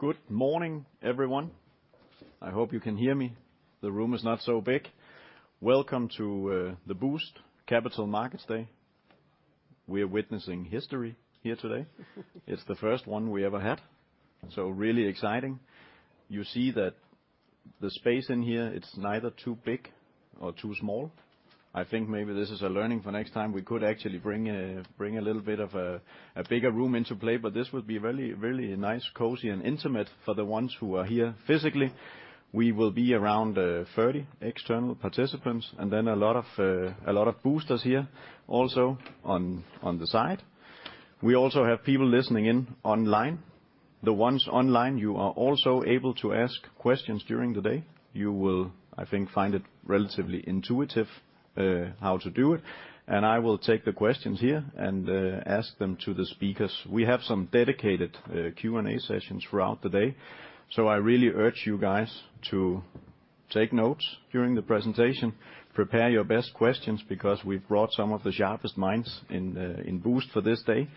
Good morning, everyone. I hope you can hear me. The room is not so big. Welcome to the Boozt Capital Markets Day. We are witnessing history here today. It's the first one we ever had, so really exciting. You see that the space in here, it's neither too big nor too small. I think maybe this is a learning for next time. We could actually bring a little bit of a bigger room into play, but this would be really, really nice, cozy, and intimate for the ones who are here physically. We will be around 30 external participants, and then a lot of Boosters here also on the side. We also have people listening in online. The ones online, you are also able to ask questions during the day. You will, I think, find it relatively intuitive how to do it. I will take the questions here and ask them to the speakers. We have some dedicated Q&A sessions throughout the day. I really urge you guys to take notes during the presentation. Prepare your best questions because we've brought some of the sharpest minds in Boozt for this day.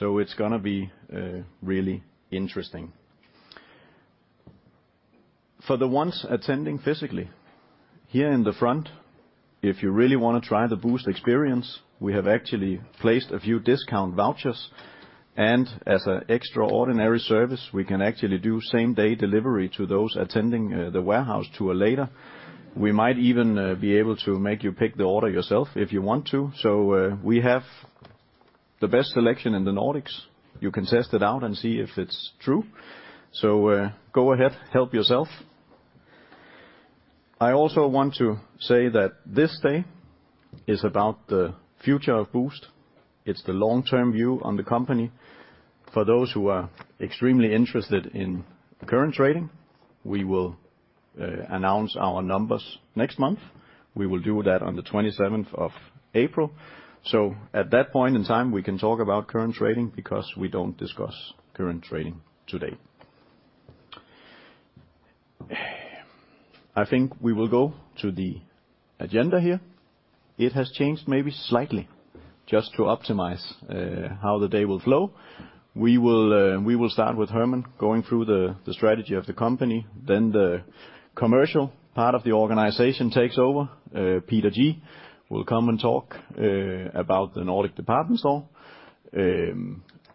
It's gonna be really interesting. For the ones attending physically, here in the front, if you really wanna try the Boozt experience, we have actually placed a few discount vouchers. As an extraordinary service, we can actually do same-day delivery to those attending the warehouse tour later. We might even be able to make you pick the order yourself if you want to. We have the best selection in the Nordics. You can test it out and see if it's true. Go ahead. Help yourself. I also want to say that this day is about the future of Boozt. It's the long-term view on the company. For those who are extremely interested in the current trading, we will announce our numbers next month. We will do that on the 27th of April. At that point in time, we can talk about current trading because we don't discuss current trading today. I think we will go to the agenda here. It has changed maybe slightly just to optimize how the day will flow. We will start with Hermann going through the strategy of the company, then the commercial part of the organization takes over. Peter G. will come and talk about the Nordic Department Store.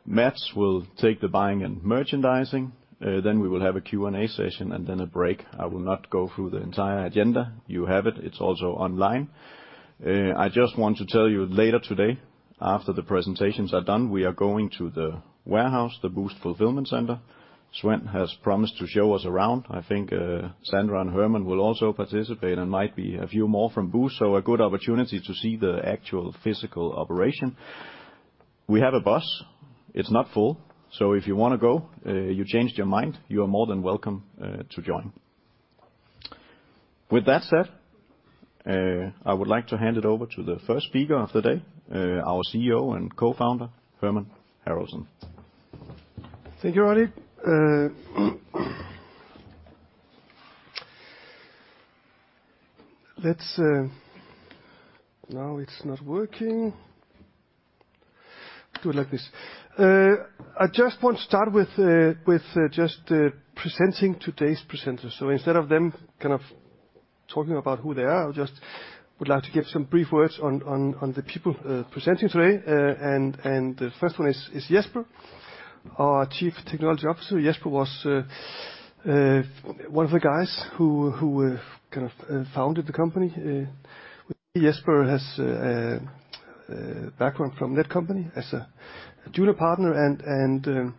Mads will take the buying and merchandising. Then we will have a Q&A session and then a break. I will not go through the entire agenda. You have it. It's also online. I just want to tell you later today, after the presentations are done, we are going to the warehouse, the Boozt Fulfilment Centre. Sven has promised to show us around. I think, Sandra and Hermann will also participate and might be a few more from Boozt, so a good opportunity to see the actual physical operation. We have a bus. It's not full. If you wanna go, you changed your mind, you are more than welcome to join. With that said, I would like to hand it over to the first speaker of the day, our CEO and Co-founder, Hermann Haraldsson. Thank you, Rudy. Now it's not working. Do it like this. I just want to start with, just presenting today's presenters. Instead of them kind of talking about who they are, I just would like to give some brief words on the people presenting today. The first one is Jesper, our Chief Technology Officer. Jesper was one of the guys who kind of founded the company. Jesper has a background from Netcompany as a junior partner and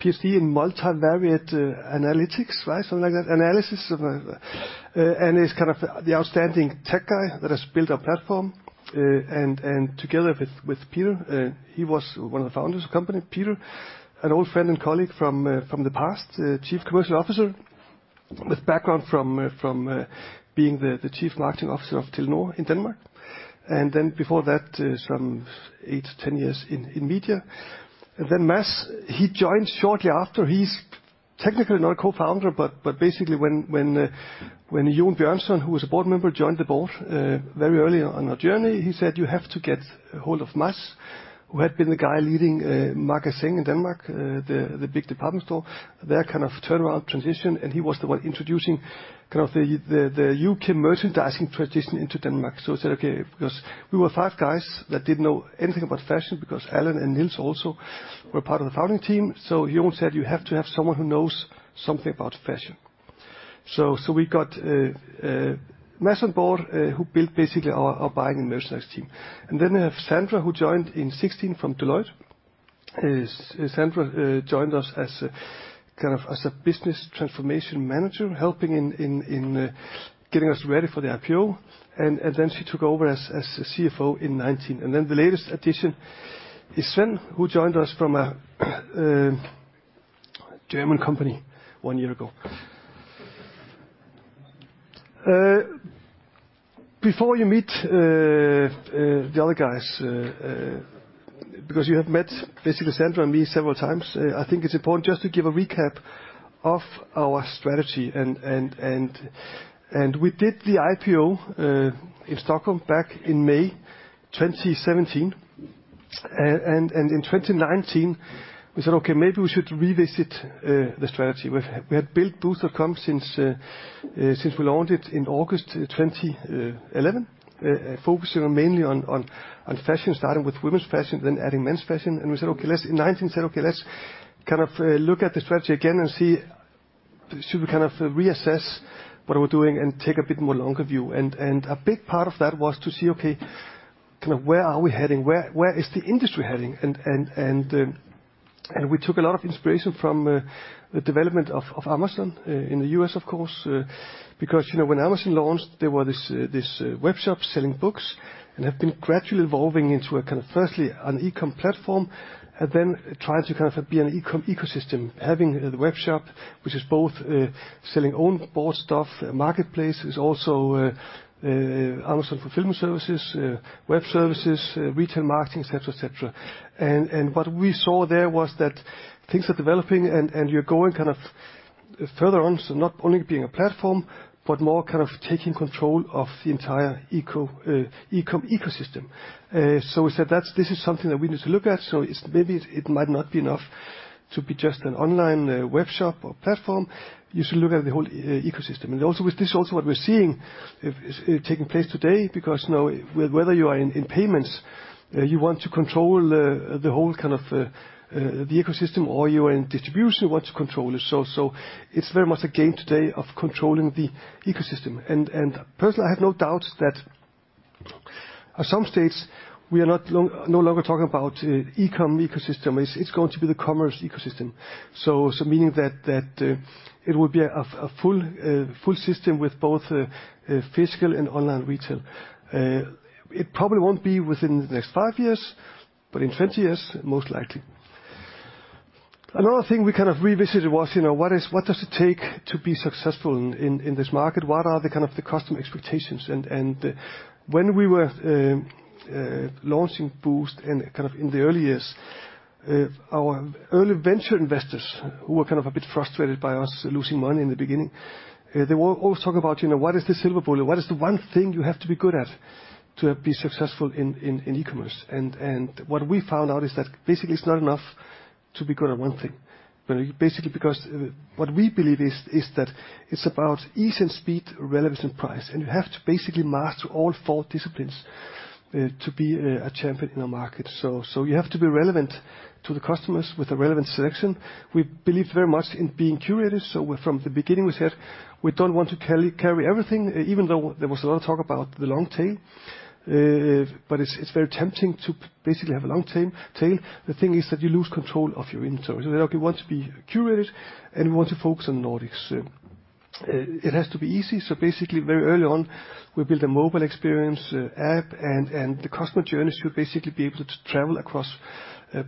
PhD in multivariate analytics, right? Something like that, analysis. He's kind of the outstanding tech guy that has built our platform. Together with Peter, he was one of the founders of the company. Peter, an old friend and colleague from the past, Chief Commercial Officer with background from being the Chief Marketing Officer of Telenor in Denmark. Before that, some eight-ten years in media. Mads, he joined shortly after. He's technically not a co-founder, but basically when Jón Björnsson, who was a board member, joined the board very early on our journey, he said, "You have to get hold of Mads," who had been the guy leading Magasin du Nord in Denmark, the big department store. Their kind of turnaround transition, and he was the one introducing kind of the U.K. merchandising transition into Denmark. We said, okay, because we were five guys that didn't know anything about fashion because Allan and Niels also were part of the founding team. Jón said, "You have to have someone who knows something about fashion." We got Mads on board, who built basically our buying and merchandise team. Then we have Sandra, who joined in 2016 from Deloitte. Sandra joined us as a kind of as a business transformation manager, helping in getting us ready for the IPO. Then she took over as CFO in 2019. Then the latest addition is Sven, who joined us from a German company one year ago. Before you meet the other guys, because you have met basically Sandra and me several times, I think it's important just to give a recap of our strategy and we did the IPO in Stockholm back in May 2017. In 2019 we said, "Okay, maybe we should revisit the strategy." We had built Boozt.com since we launched it in August 2011, focusing mainly on fashion, starting with women's fashion, then adding men's fashion. In 2019 we said, "Okay, let's kind of look at the strategy again and see should we kind of reassess what we're doing and take a bit more longer view." A big part of that was to see, okay, kind of where are we heading? Where is the industry heading? We took a lot of inspiration from the development of Amazon in the U.S., of course. because when Amazon launched, they were this web shop selling books and have been gradually evolving into a kind of firstly an e-com platform, and then trying to kind of be an e-com ecosystem. Having the webshop, which is both selling own bought stuff, marketplace is also Amazon Fulfillment Services, web services, retail marketing, et cetera, et cetera. What we saw there was that things are developing and you're going kind of further on. Not only being a platform, but more kind of taking control of the entire e-com ecosystem. we said this is something that we need to look at, so it's maybe it might not be enough to be just an online web shop or platform. You should look at the whole e-ecosystem. Also with this what we're seeing is taking place today, because now whether you are in payments, you want to control the whole kind of the ecosystem or you are in distribution, you want to control it. It's very much a game today of controlling the ecosystem. Personally, I have no doubts that at some stage we are no longer talking about e-com ecosystem. It's going to be the commerce ecosystem. Meaning that it will be a full system with both physical and online retail. It probably won't be within the next five years, but in 20 years, most likely. Another thing we kind of revisited was what does it take to be successful in this market? What are the kind of the customer expectations? When we were launching Boozt and kind of in the early years, our early venture investors who were kind of a bit frustrated by us losing money in the beginning, they were always talking about what is the silver bullet? What is the one thing you have to be good at to be successful in e-commerce? What we found out is that basically it's not enough to be good at one thing. Basically because what we believe is that it's about ease and speed, relevance and price. You have to basically master all four disciplines to be a champion in the market. You have to be relevant to the customers with a relevant selection. We believe very much in being curated. From the beginning we said we don't want to carry everything, even though there was a lot of talk about the long tail. But it's very tempting to basically have a long tail. The thing is that you lose control of your inventory. We want to be curated and we want to focus on Nordics. It has to be easy, basically very early on, we built a mobile experience, app, and the customer journeys should basically be able to travel across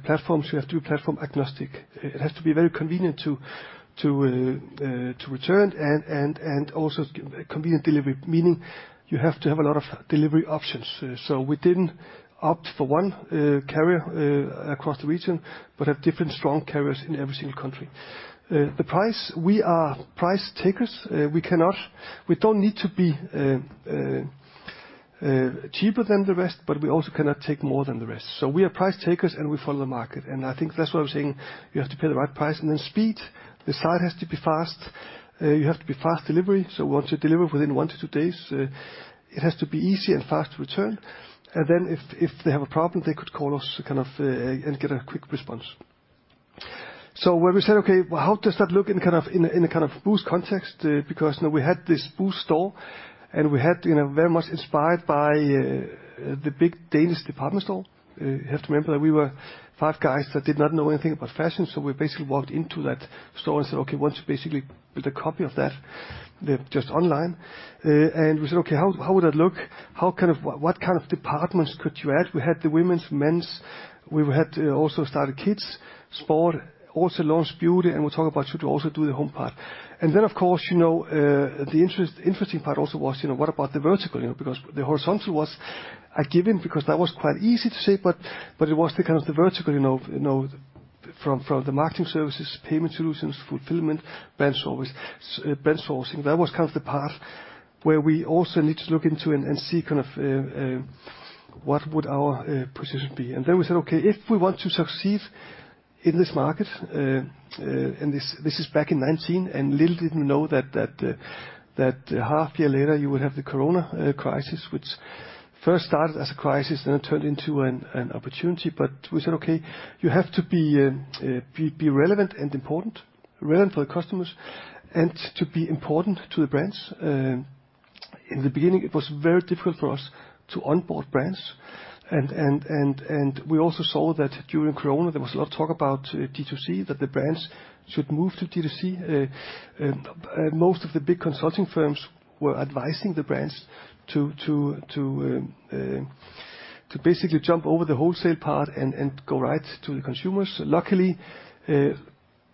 platforms. You have to be platform agnostic. It has to be very convenient to return and also convenient delivery, meaning you have to have a lot of delivery options. We didn't opt for one carrier across the region, but have different strong carriers in every single country. The price, we are price takers. We don't need to be cheaper than the rest, but we also cannot take more than the rest. We are price takers, and we follow the market. I think that's why I'm saying you have to pay the right price. Then speed. The site has to be fast. You have to be fast delivery. We want to deliver within one to two days. It has to be easy and fast to return. Then if they have a problem, they could call us kind of, and get a quick response. When we said, "Okay, well, how does that look in a kind of, in a kind of Boozt context?" because we had this Boozt store and we had very much inspired by, the big Danish department store. You have to remember that we were five guys that did not know anything about fashion. We basically walked into that store and said, "Okay, we want to basically build a copy of that, just online." And we said, "Okay, how would that look? What kind of departments could you add?" We had the women's, men's. We had also started kids, sport, also launched beauty, and we talked about should we also do the home part. Of course the interesting part also was what about the vertical?, because the horizontal was a given, because that was quite easy to say, but it was the kind of the vertical from the marketing services, payment solutions, Fulfillment, brand service, brand sourcing. That was kind of the path where we also need to look into and see kind of what would our position be. We said, "Okay, if we want to succeed in this market," and this is back in 2019, and little did we know that half year later you would have the corona crisis, which first started as a crisis, then it turned into an opportunity. we said, "Okay, you have to be relevant and important, relevant for the customers and to be important to the brands." In the beginning it was very difficult for us to onboard brands. we also saw that during corona there was a lot of talk about D2C, that the brands should move to D2C. most of the big consulting firms were advising the brands to basically jump over the wholesale part and go right to the consumers. Luckily,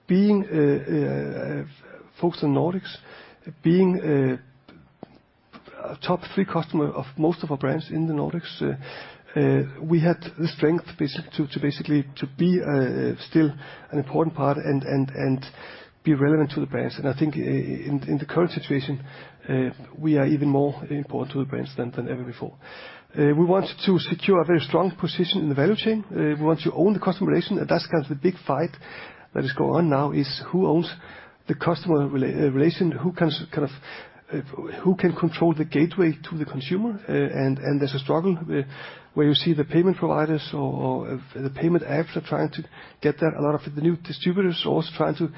being focused on Nordics, being Our top three customer of most of our brands in the Nordics, we had the strength to basically to be still an important part and be relevant to the brands. I think in the current situation, we are even more important to the brands than ever before. We want to secure a very strong position in the value chain. We want to own the customer relation, and that's kind of the big fight that is going on now, is who owns the customer relation, who can control the gateway to the consumer. And there's a struggle where you see the payment providers or the payment apps are trying to get there. A lot of the new distributors are also trying to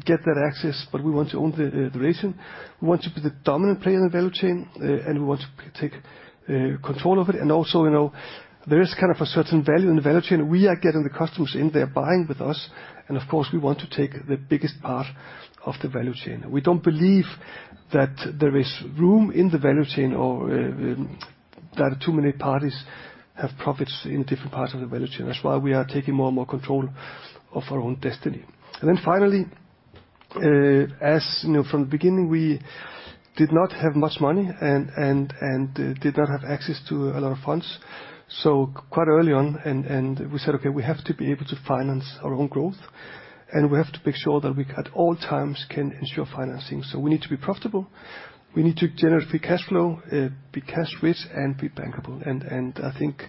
get that access, but we want to own the relation. We want to be the dominant player in the value chain, and we want to take control of it. also there is kind of a certain value in the value chain. We are getting the customers in there, buying with us, and of course, we want to take the biggest part of the value chain. We don't believe that there is room in the value chain or that too many parties have profits in different parts of the value chain. That's why we are taking more and more control of our own destiny. Then finally, as, from the beginning, we did not have much money and did not have access to a lot of funds. Quite early on and we said, "Okay, we have to be able to finance our own growth, and we have to make sure that we, at all times, can ensure financing." We need to be profitable. We need to generate free cash flow, be cash-rich, and be bankable." I think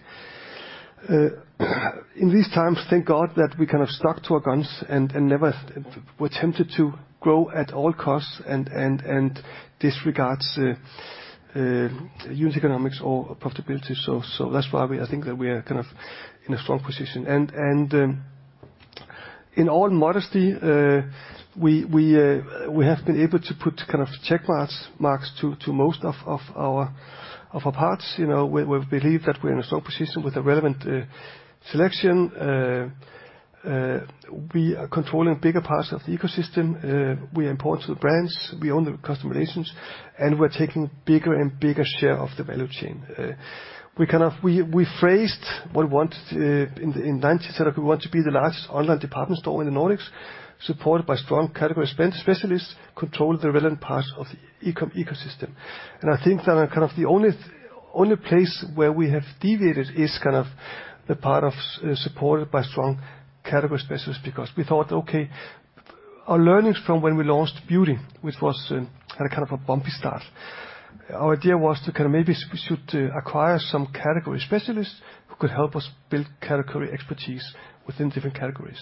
in these times, thank God that we kind of stuck to our guns and never were tempted to grow at all costs and disregards unit economics or profitability. That's why I think that we are kind of in a strong position. In all modesty, we have been able to put kind of check marks to most of our parts., we believe that we're in a strong position with a relevant selection. We are controlling bigger parts of the ecosystem. We are important to the brands. We own the customer relations, and we're taking bigger and bigger share of the value chain. We phrased what we wanted to in 19, said, like, we want to be the largest online department store in the Nordics, supported by strong category specialists, control the relevant parts of the ecosystem. I think that kind of the only place where we have deviated is kind of the part of supported by strong category specialists, because we thought, okay, our learnings from when we launched beauty, which was kind of a bumpy start. Our idea was to kind of maybe we should acquire some category specialists who could help us build category expertise within different categories.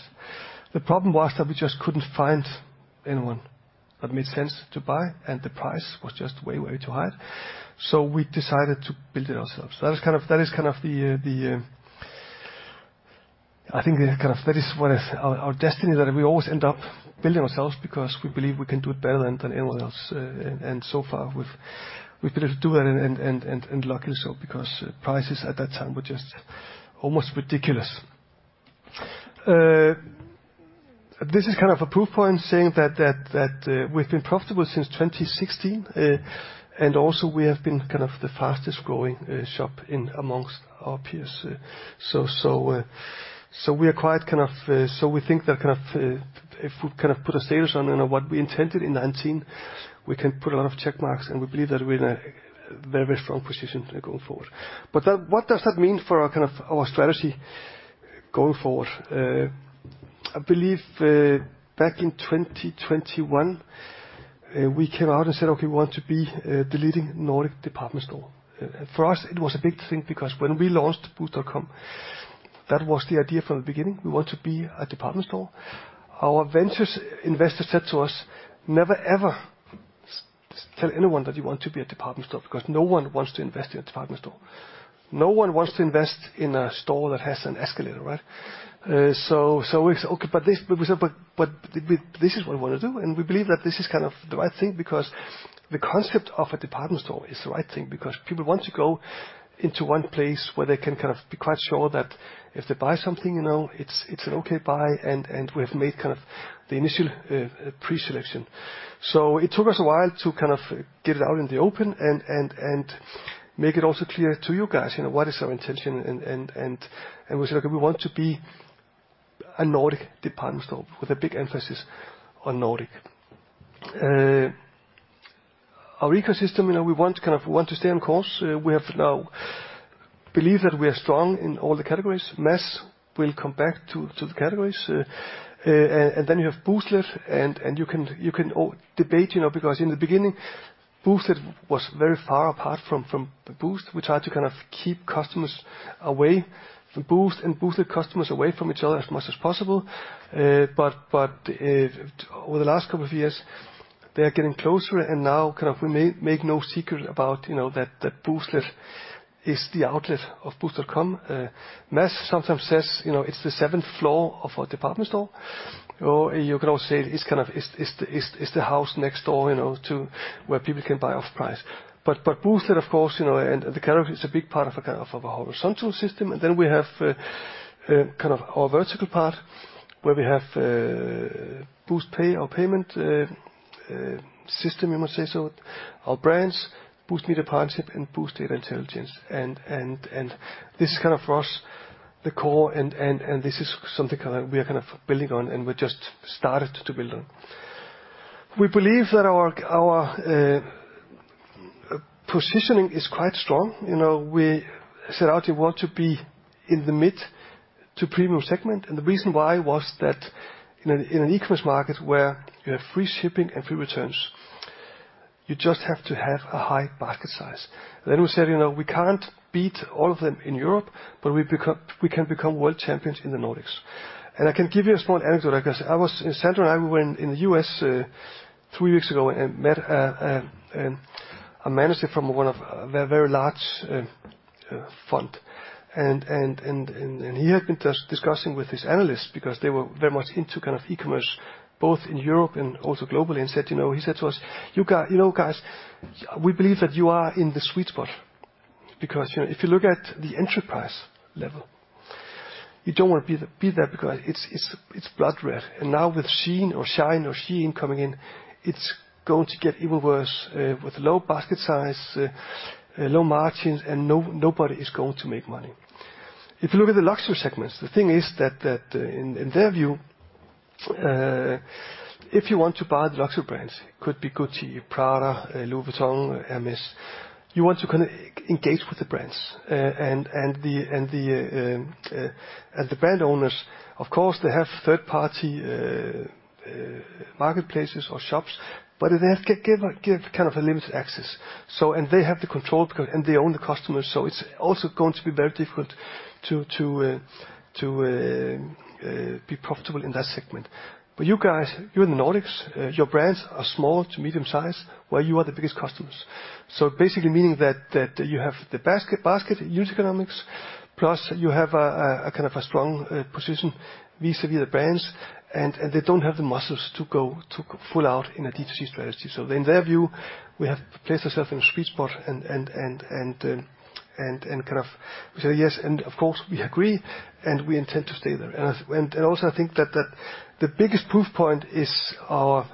The problem was that we just couldn't find anyone that made sense to buy, and the price was just way too high. We decided to build it ourselves. That is kind of the, I think that is kind of what is our destiny, that we always end up building ourselves because we believe we can do it better than anyone else. So far, we've been able to do that and lucky so, because prices at that time were just almost ridiculous. This is kind of a proof point saying that we've been profitable since 2016. Also we have been kind of the fastest growing shop in amongst our peers. We are quite kind of, so we think that kind of, if we kind of put a status on what we intended in 19, we can put a lot of check marks, and we believe that we're in a very strong position going forward. That, what does that mean for our kind of our strategy going forward? I believe, back in 2021, we came out and said, "Okay, we want to be the leading Nordic Department Store." For us, it was a big thing because when we launched boozt.com, that was the idea from the beginning. We want to be a department store. Our ventures investor said to us, "Never ever tell anyone that you want to be a department store because no one wants to invest in a department store. No one wants to invest in a store that has an escalator, right?" We said, "Okay, but this," we said, "But this is what we want to do, and we believe that this is kind of the right thing because the concept of a department store is the right thing because people want to go into one place where they can kind of be quite sure that if they buy something it's an okay buy, and we have made kind of the initial pre-selection ." It took us a while to kind of get it out in the open and make it also clear to you guys what is our intention and we said, "Okay, we want to be a Nordic Department Store with a big emphasis on Nordic." Our ecosystem we want to kind of stay on course. We have now believe that we are strong in all the categories. Mats will come back to the categories. Then you have Booztlet, and you can, you can debate because in the beginning, Booztlet was very far apart from Boozt. We tried to kind of keep customers away from Boozt and Booztlet customers away from each other as much as possible. But over the last couple of years, they are getting closer, and now kind of we make no secret about that Booztlet is the outlet of boozt.com. Mats sometimes says it's the seventh floor of our department store. You could also say it's kind of, it's the house next door to where people can buy off price. Booztlet of course and the category is a big part of a kind of a horizontal system. Then we have kind of our vertical part where we have Booztpay, our payment system, you must say so, our brands, Boozt Media Partnership, and Boozt Data Intelligence. This is kind of, for us, the core and this is something kind of we are kind of building on, and we just started to build on. We believe that our positioning is quite strong., we set out, we want to be in the mid to premium segment, and the reason why was that in an e-commerce market where you have free shipping and free returns, you just have to have a high basket size. We said we can't beat all of them in Europe, but we can become world champions in the Nordics. I can give you a small anecdote, I guess. I was, Sandra and I were in the U.S. three weeks ago and met a manager from one of a very, very large fund. He had been just discussing with his analysts because they were very much into kind of e-commerce, both in Europe and also globally, and said he said to us, ", guys, we believe that you are in the sweet spot, because if you look at the enterprise level, you don't wanna be there because it's blood red. Now with Shein or Shine or Sheen coming in, it's going to get even worse with low basket size, low margins, and nobody is going to make money. If you look at the luxury segments, the thing is that in their view, if you want to buy the luxury brands, could be Gucci, Prada, Louis Vuitton, Hermès, you want to engage with the brands. And the brand owners, of course, they have third-party marketplaces or shops, but they have give a kind of a limited access. They have the control because, and they own the customers, so it's also going to be very difficult to be profitable in that segment. You guys, you're in the Nordics, your brands are small to medium-sized, where you are the biggest customers. Basically meaning that you have the basket use economics, plus you have a kind of a strong position vis-à-vis the brands, and they don't have the muscles to go to full out in a D2C strategy. In their view, we have placed ourselves in a sweet spot and kind of we say, "Yes," and of course we agree, and we intend to stay there. Also I think that the biggest proof point is our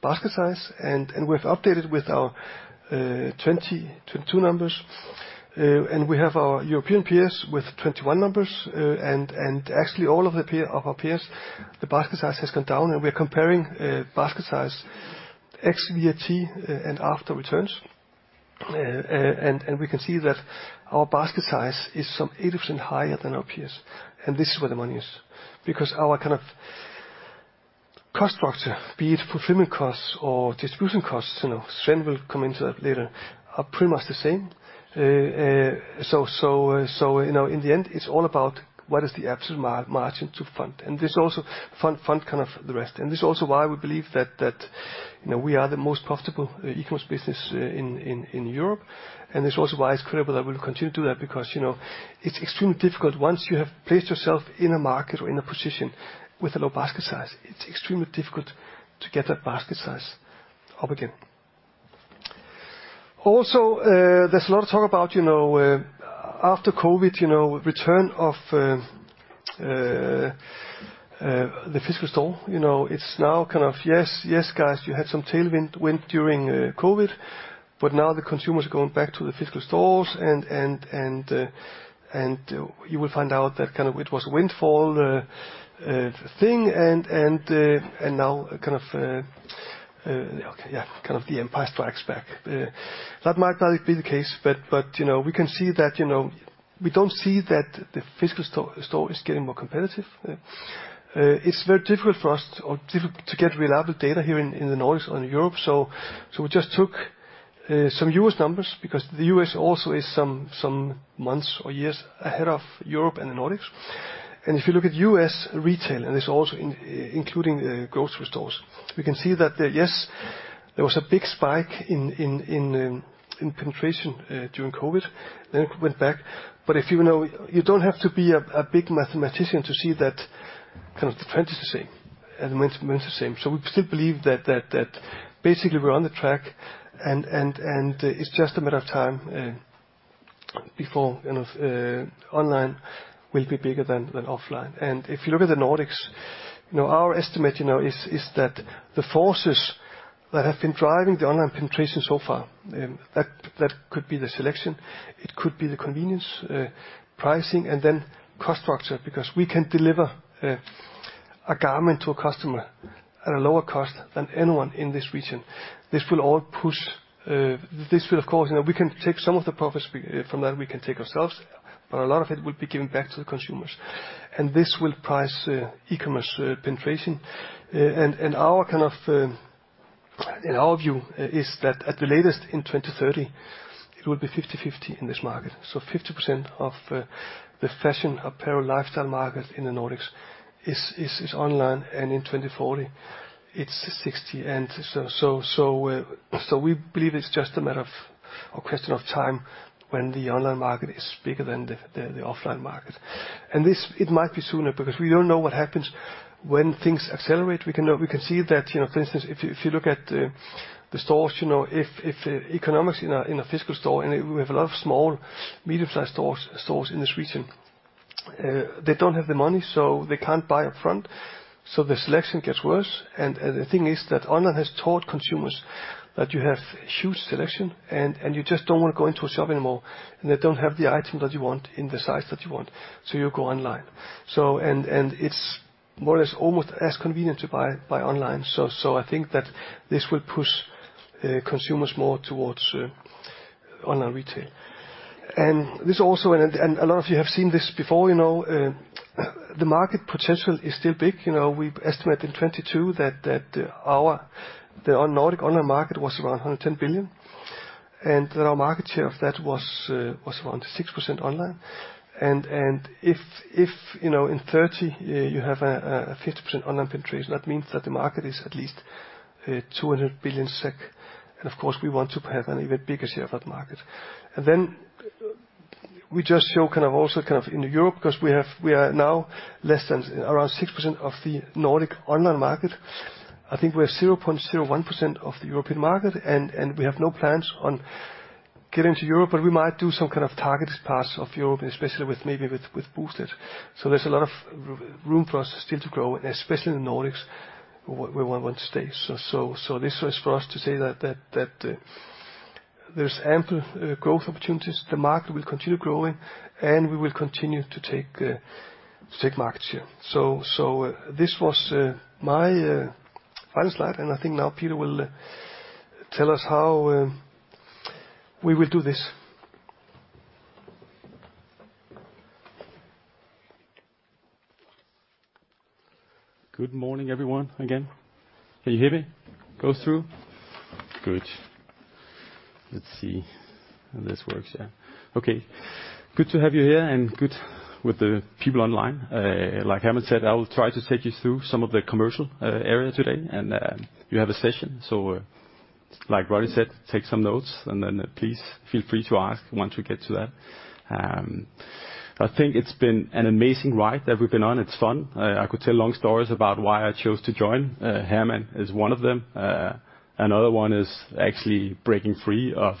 basket size and we've updated with our 22 numbers and we have our European peers with 21 numbers and actually all of our peers, the basket size has gone down, and we're comparing basket size ex VAT and after returns. We can see that our basket size is some 8% higher than our peers. This is where the money is, because our kind of cost structure, be it fulfillment costs or distribution costs Sven will come into that later, are pretty much the same. , in the end, it's all about what is the absolute margin to fund. This also fund kind of the rest. This is also why we believe that we are the most profitable e-commerce business in Europe. This is also why it's critical that we'll continue to do that because it's extremely difficult once you have placed yourself in a market or in a position with a low basket size, it's extremely difficult to get that basket size up again. Also, there's a lot of talk about after covid return of the physical store., it's now kind of, yes, guys, you had some tailwind, wind during COVID, but now the consumer is going back to the physical stores and you will find out that kind of it was a windfall thing and now kind of, okay, yeah, kind of the empire strikes back. That might not be the case, but we can see that we don't see that the physical store is getting more competitive. It's very difficult for us or difficult to get reliable data here in the Nordics or in Europe. We just took some U.S. Numbers because the U.S. also is some months or years ahead of Europe and the Nordics. If you look at U.S. retail, and it's also including grocery stores, we can see that yes, there was a big spike in penetration during COVID, then it went back. If, you don't have to be a big mathematician to see that kind of the trend is the same and the moment's the same. We still believe that basically we're on the track and it's just a matter of time, before online will be bigger than offline. If you look at the nordics our estimate is that the forces that have been driving the online penetration so far, that could be the selection, it could be the convenience, pricing, and then cost structure, because we can deliver a garment to a customer at a lower cost than anyone in this region. This will all push, this will of course we can take some of the profits from that we can take ourselves, but a lot of it will be given back to the consumers. This will price e-commerce penetration. Our kind of, in our view is that at the latest in 2030, it will be 50/50 in this market. Fifty percent of the fashion, apparel, lifestyle market in the Nordics is online, and in 2040, it's 60%. We believe it's just a matter of or question of time when the online market is bigger than the offline market. This, it might be sooner because we don't know what happens when things accelerate. We can know, we can see that for instance, if you, if you look at the stores if economics in a physical store, and we have a lot of small media fly stores in this region, they don't have the money, so they can't buy up front, so the selection gets worse. The thing is that online has taught consumers that you have huge selection and you just don't wanna go into a shop anymore, and they don't have the item that you want in the size that you want, so you go online. More or less almost as convenient to buy online. I think that this will push consumers more towards online retail. This also... a lot of you have seen this before the market potential is still big., we estimate in 2022 that the Nordic online market was around 110 billion, and our market share of that was around 6% online. if in 30 you have a 50% online penetration, that means that the market is at least 200 billion SEK. Of course, we want to have an even bigger share of that market. We just show kind of also kind of in Europe, 'cause we are now less than around 6% of the Nordic online market. I think we're 0.01% of the European market, we have no plans on getting to Europe, but we might do some kind of targeted parts of Europe, especially with maybe with Booztlet. There's a lot of room for us still to grow, and especially in the Nordics where we want to stay. This was for us to say that, there's ample growth opportunities. The market will continue growing, and we will continue to take market share. This was my final slide, and I think now Peter will tell us how we will do this. Good morning, everyone, again. Can you hear me? Goes through? Good. Let's see if this works. Yeah. Okay. Good to have you here, and good with the people online. Like Herman said, I will try to take you through some of the commercial area today, and you have a session. Like Ronnie said, take some notes and then please feel free to ask once we get to that. I think it's been an amazing ride that we've been on. It's fun. I could tell long stories about why I chose to join. Herman is one of them. Another one is actually breaking free of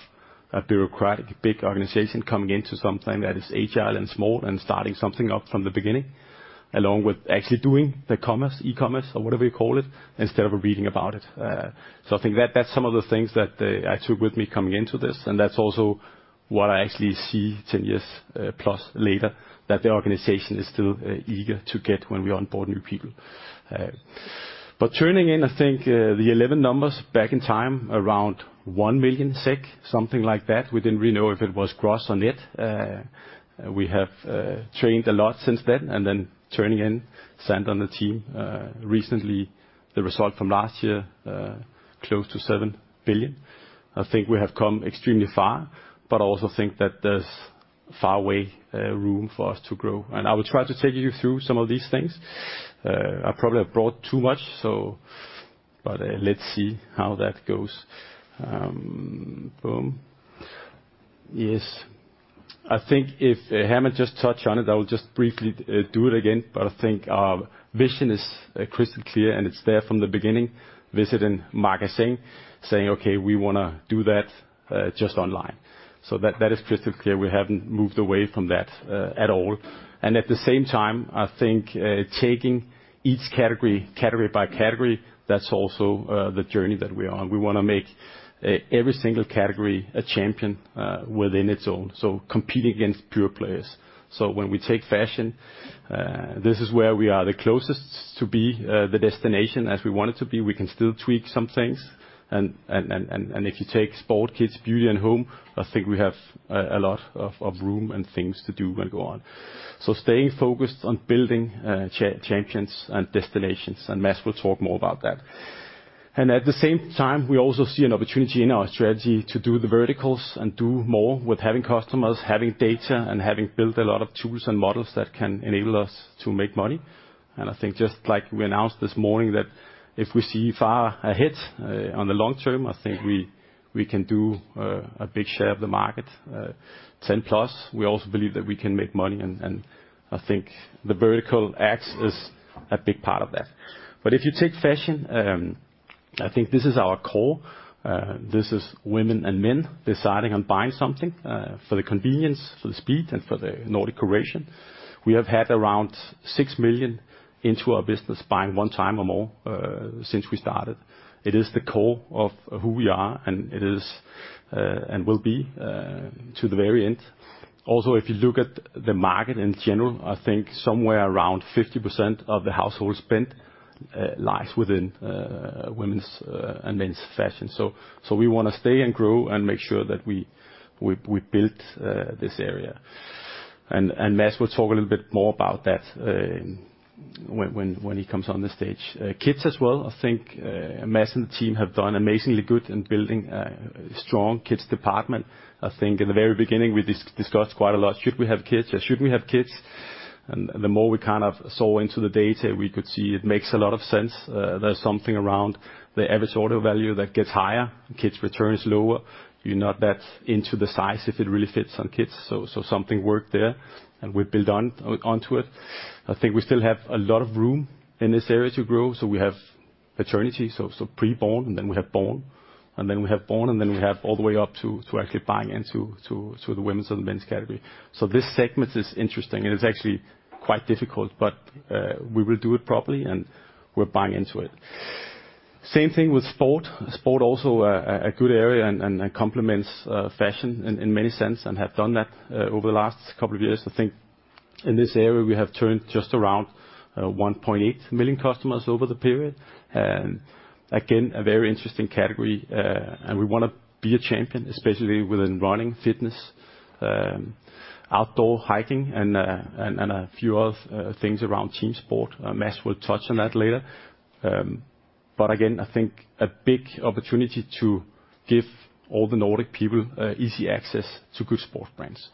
a bureaucratic, big organization coming into something that is agile and small and starting something up from the beginning, along with actually doing the commerce, e-commerce or whatever you call it, instead of reading about it. I think that's some of the things that I took with me coming into this, and that's also what I actually see ten years plus later, that the organization is still eager to get when we onboard new people. Turning in, I think, the 11 numbers back in time, around 1 million SEK, something like that. We didn't really know if it was gross or net. We have trained a lot since then, and then turning in Sand on the team, recently the result from last year, close to 7 billion. I think we have come extremely far, but I also think that there's far way room for us to grow. I will try to take you through some of these things. I probably have brought too much, so... Let's see how that goes. Boom. Yes. I think if Herman just touch on it, I will just briefly do it again. I think our vision is crystal clear, and it's there from the beginning, visiting Magasin du Nord, saying, "Okay, we wanna do that, just online." That is crystal clear. We haven't moved away from that at all. At the same time, I think, taking each category by category, that's also the journey that we are on. We wanna make every single category a champion within its own, so compete against pure players. When we take fashion, this is where we are the closest to be the destination as we want it to be. We can still tweak some things. If you take sport, kids, beauty and home, I think we have a lot of room and things to do and go on. Staying focused on building champions and destinations, and Mads will talk more about that. At the same time, we also see an opportunity in our strategy to do the verticals and do more with having customers, having data, and having built a lot of tools and models that can enable us to make money. I think just like we announced this morning, that if we see far ahead on the long term, I think we can do a big share of the market, 10 plus. We also believe that we can make money, I think the vertical axis a big part of that. If you take fashion, I think this is our core. This is women and men deciding on buying something for the convenience, for the speed, and for the Nordic curation. We have had around 6 million into our business buying one time or more since we started. It is the core of who we are, and it is and will be to the very end. If you look at the market in general, I think somewhere around 50% of the household spend lies within women's and men's fashion. So we wanna stay and grow and make sure that we build this area. And Mads will talk a little bit more about that when he comes on the stage. Kids as well, I think Mads and the team have done amazingly good in building a strong kids department. I think in the very beginning, we discussed quite a lot, should we have kids or shouldn't we have kids? The more we kind of saw into the data, we could see it makes a lot of sense. There's something around the average order value that gets higher, kids returns lower. You're not that into the size if it really fits on kids. Something worked there and we build onto it. I think we still have a lot of room in this area to grow. We have maternity, so pre-born, and then we have born, and then we have all the way up to actually buying into the women's and men's category. This segment is interesting, and it's actually quite difficult, but we will do it properly and we're buying into it. Same thing with sport. Sport also a good area and compliments fashion in many sense and have done that over the last couple of years. I think in this area, we have turned just around 1.8 million customers over the period. Again, a very interesting category, and we wanna be a champion, especially within running, fitness, outdoor hiking and a few other things around team sport. Mads will touch on that later. Again, I think a big opportunity to give all the Nordic people easy access to good sport brands.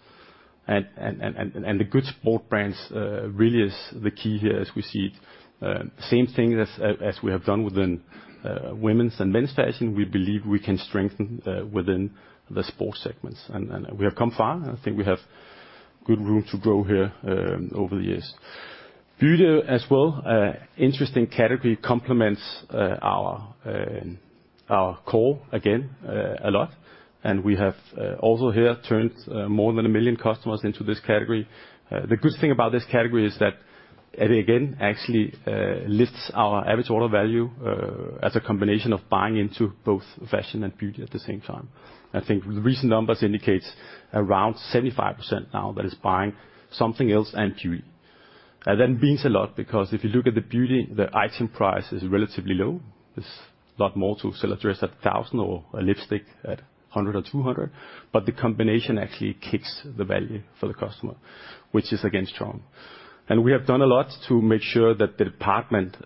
The good sport brands really is the key here as we see it. Same thing as we have done within women's and men's fashion, we believe we can strengthen within the sports segments. We have come far, and I think we have good room to grow here over the years. Beauty as well, interesting category, complements our core again a lot. We have also here turned more than 1 million customers into this category. The good thing about this category is that, and again, actually, lifts our average order value as a combination of buying into both fashion and beauty at the same time. I think the recent numbers indicates around 75% now that is buying something else and beauty. That means a lot because if you look at the beauty, the item price is relatively low. There's a lot more to sell a dress at 1,000 or a lipstick at 100 or 200, but the combination actually kicks the value for the customer, which is again strong. We have done a lot to make sure that the department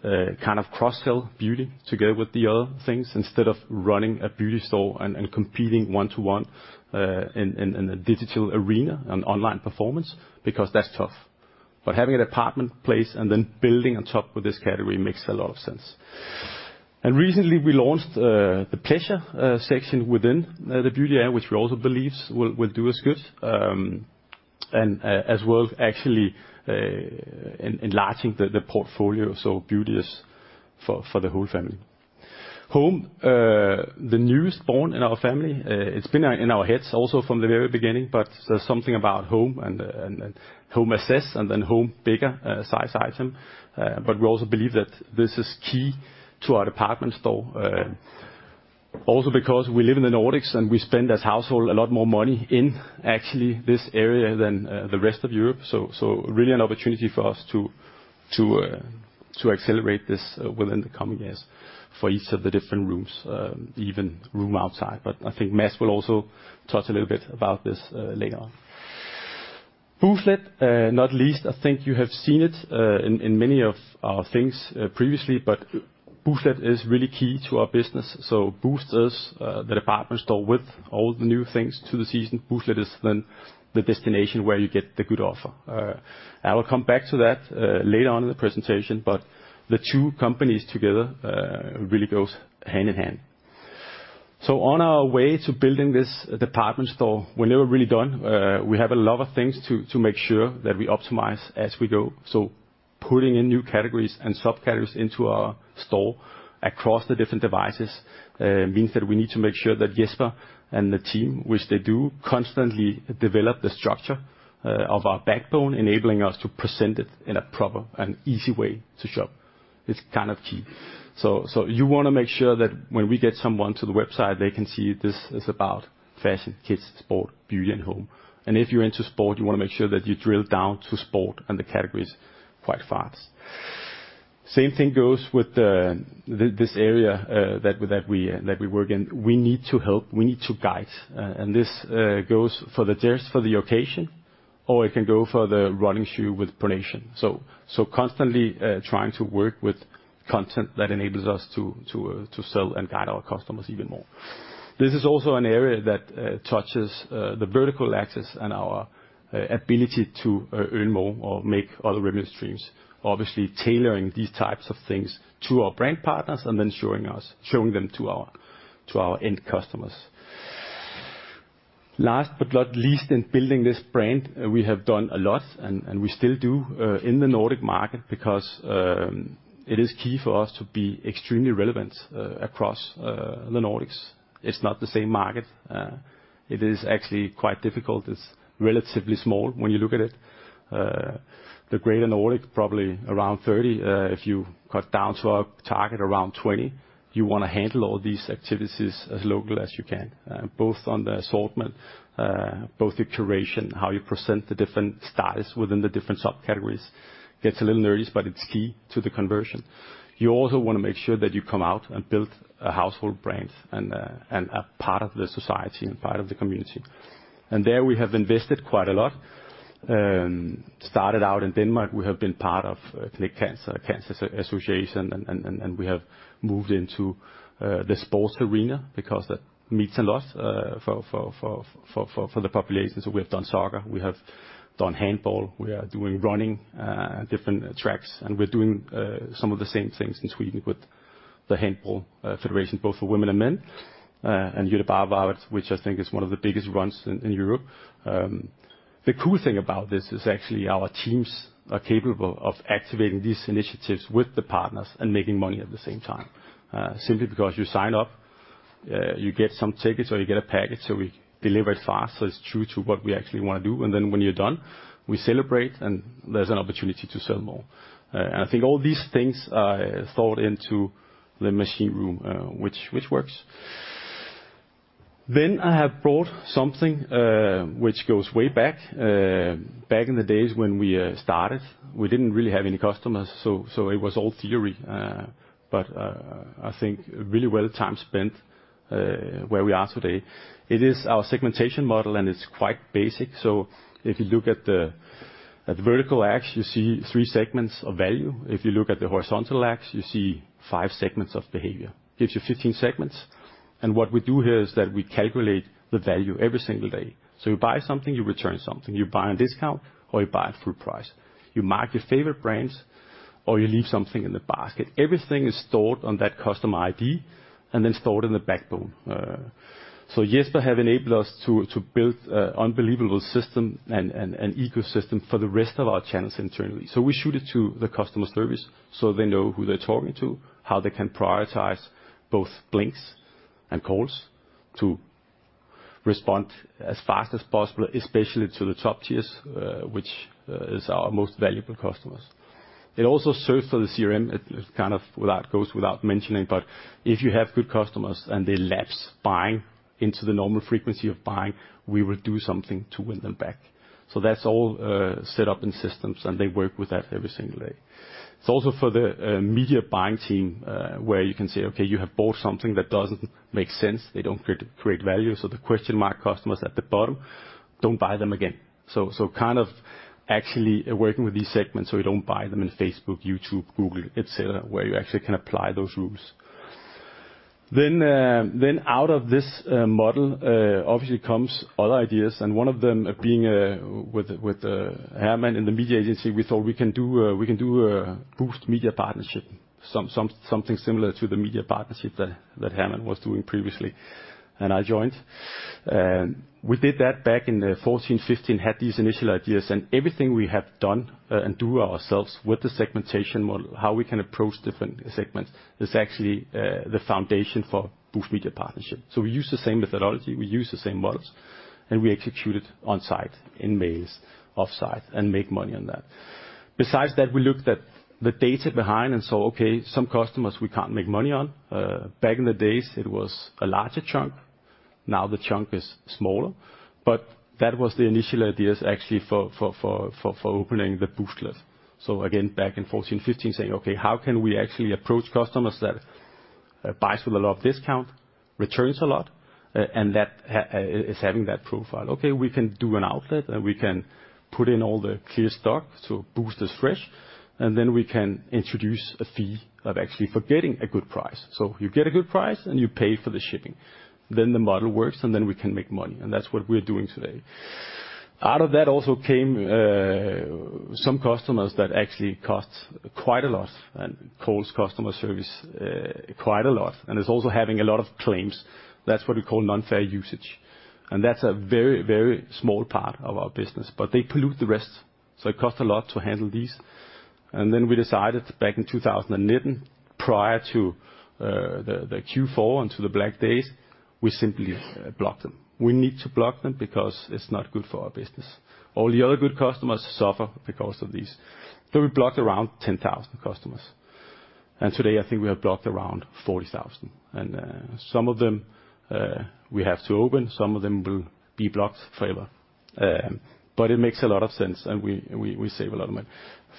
kind of cross-sell beauty together with the other things instead of running a beauty store and competing one-to-one in a digital arena and online performance because that's tough. Having a department place and then building on top of this category makes a lot of sense. Recently, we launched the pleasure section within the beauty area, which we also believes will do us good as well as actually enlarging the portfolio. Beauty is for the whole family. Home, the newest born in our family, it's been in our heads also from the very beginning, but there's something about home and home assess and then home bigger size item. We also believe that this is key to our department store, also because we live in the Nordics and we spend as household a lot more money in actually this area than the rest of Europe. Really an opportunity for us to accelerate this within the coming years for each of the different rooms, even room outside. I think Mads will also touch a little bit about this later on. Booztlet, not least, I think you have seen it in many of our things previously, but Booztlet is really key to our business. Boozt is the department store with all the new things to the season. Booztlet is the destination where you get the good offer. I will come back to that later on in the presentation, the two companies together really goes hand in hand. On our way to building this department store, we're never really done. We have a lot of things to make sure that we optimize as we go. Putting in new categories and subcategories into our store across the different devices means that we need to make sure that Jesper and the team, which they do constantly develop the structure of our backbone, enabling us to present it in a proper and easy way to shop. It's kind of key. You wanna make sure that when we get someone to the website, they can see this is about fashion, kids, sport, beauty, and home. If you're into sport, you wanna make sure that you drill down to sport and the categories quite fast. Same thing goes with this area that we work in. We need to help, we need to guide, and this goes for the dress for the occasion, or it can go for the running shoe with pronation. Constantly, trying to work with content that enables us to sell and guide our customers even more. This is also an area that touches the vertical axis and our ability to earn more or make other revenue streams, obviously tailoring these types of things to our brand partners and then showing us, showing them to our end customers. Last but not least, in building this brand, we have done a lot. We still do in the Nordic market because it is key for us to be extremely relevant across the Nordics. It's not the same market. It is actually quite difficult. It's relatively small when you look at it. The greater Nordic, probably around 30. If you cut down to our target around 20, you wanna handle all these activities as local as you can, both on the assortment, both the curation, how you present the different styles within the different subcategories. Gets a little nerdy, but it's key to the conversion. You also wanna make sure that you come out and build a household brand and a part of the society and part of the community. There we have invested quite a lot. Started out in Denmark, we have been part of the cancer association, and we have moved into the sports arena because that means a lot for the population. We have done saga, we have done handball, we are doing running, different tracks, and we're doing some of the same things in Sweden with the handball federation, both for women and men, and Göteborgsvarvet, which I think is one of the biggest runs in Europe. The cool thing about this is actually our teams are capable of activating these initiatives with the partners and making money at the same time. Simply because you sign up, you get some tickets or you get a package, so we deliver it fast. It's true to what we actually wanna do, and then when you're done, we celebrate and there's an opportunity to sell more. I think all these things are thought into the machine room, which works. I have brought something which goes way back in the days when we started. We didn't really have any customers, so it was all theory. I think really well time spent where we are today. It is our segmentation model, and it's quite basic. If you look at the vertical axis, you see 3 segments of value. If you look at the horizontal axis, you see 5 segments of behavior. Gives you 15 segments. What we do here is that we calculate the value every single day. You buy something, you return something, you buy on discount, or you buy at full price. You mark your favorite brands, or you leave something in the basket. Everything is stored on that customer ID and then stored in the backbone. Jesper have enabled us to build a unbelievable system and ecosystem for the rest of our channels internally. We shoot it to the customer service so they know who they're talking to, how they can prioritize both blinks and calls to respond as fast as possible, especially to the top tiers, which is our most valuable customers. It also serves for the CRM. It goes without mentioning, but if you have good customers and they lapse buying into the normal frequency of buying, we will do something to win them back. That's all set up in systems, and they work with that every single day. It's also for the media buying team, where you can say, "Okay, you have bought something that doesn't make sense." They don't create value. The question mark customers at the bottom, don't buy them again. kind of actually working with these segments so you don't buy them in Facebook, YouTube, Google, et cetera, where you actually can apply those rules. out of this model obviously comes other ideas and one of them being with Hermann in the media agency, we thought we can do we can do a Boozt Media Partnership. something similar to the media partnership that Hermann was doing previously, I joined. We did that back in 2014, 2015, had these initial ideas and everything we have done and do ourselves with the segmentation model, how we can approach different segments, is actually the foundation for Boozt Media Partnership. We use the same methodology, we use the same models, and we execute it on-site in maze, off-site, and make money on that. Besides that, we looked at the data behind and saw, okay, some customers we can't make money on. Back in the days, it was a larger chunk. Now the chunk is smaller, but that was the initial ideas actually for opening the Booztlet. Again, back in 2014, 2015, saying, "Okay, how can we actually approach customers that buys with a lot of discount, returns a lot and that is having that profile?" Okay, we can do an outlet and we can put in all the clear stock to Boozt as fresh, and then we can introduce a fee of actually for getting a good price. You get a good price and you pay for the shipping, then the model works and then we can make money and that's what we're doing today. Out of that also came, some customers that actually cost quite a lot and calls customer service, quite a lot and is also having a lot of claims. That's what we call non-fair usage. That's a very, very small part of our business, but they pollute the rest. It cost a lot to handle these. We decided back in 2019, prior to the Q4 and to the Black Days, we simply blocked them. We need to block them because it's not good for our business. All the other good customers suffer because of these. We blocked around 10,000 customers and today I think we have blocked around 40,000. Some of them we have to open, some of them will be blocked forever. It makes a lot of sense and we save a lot of money.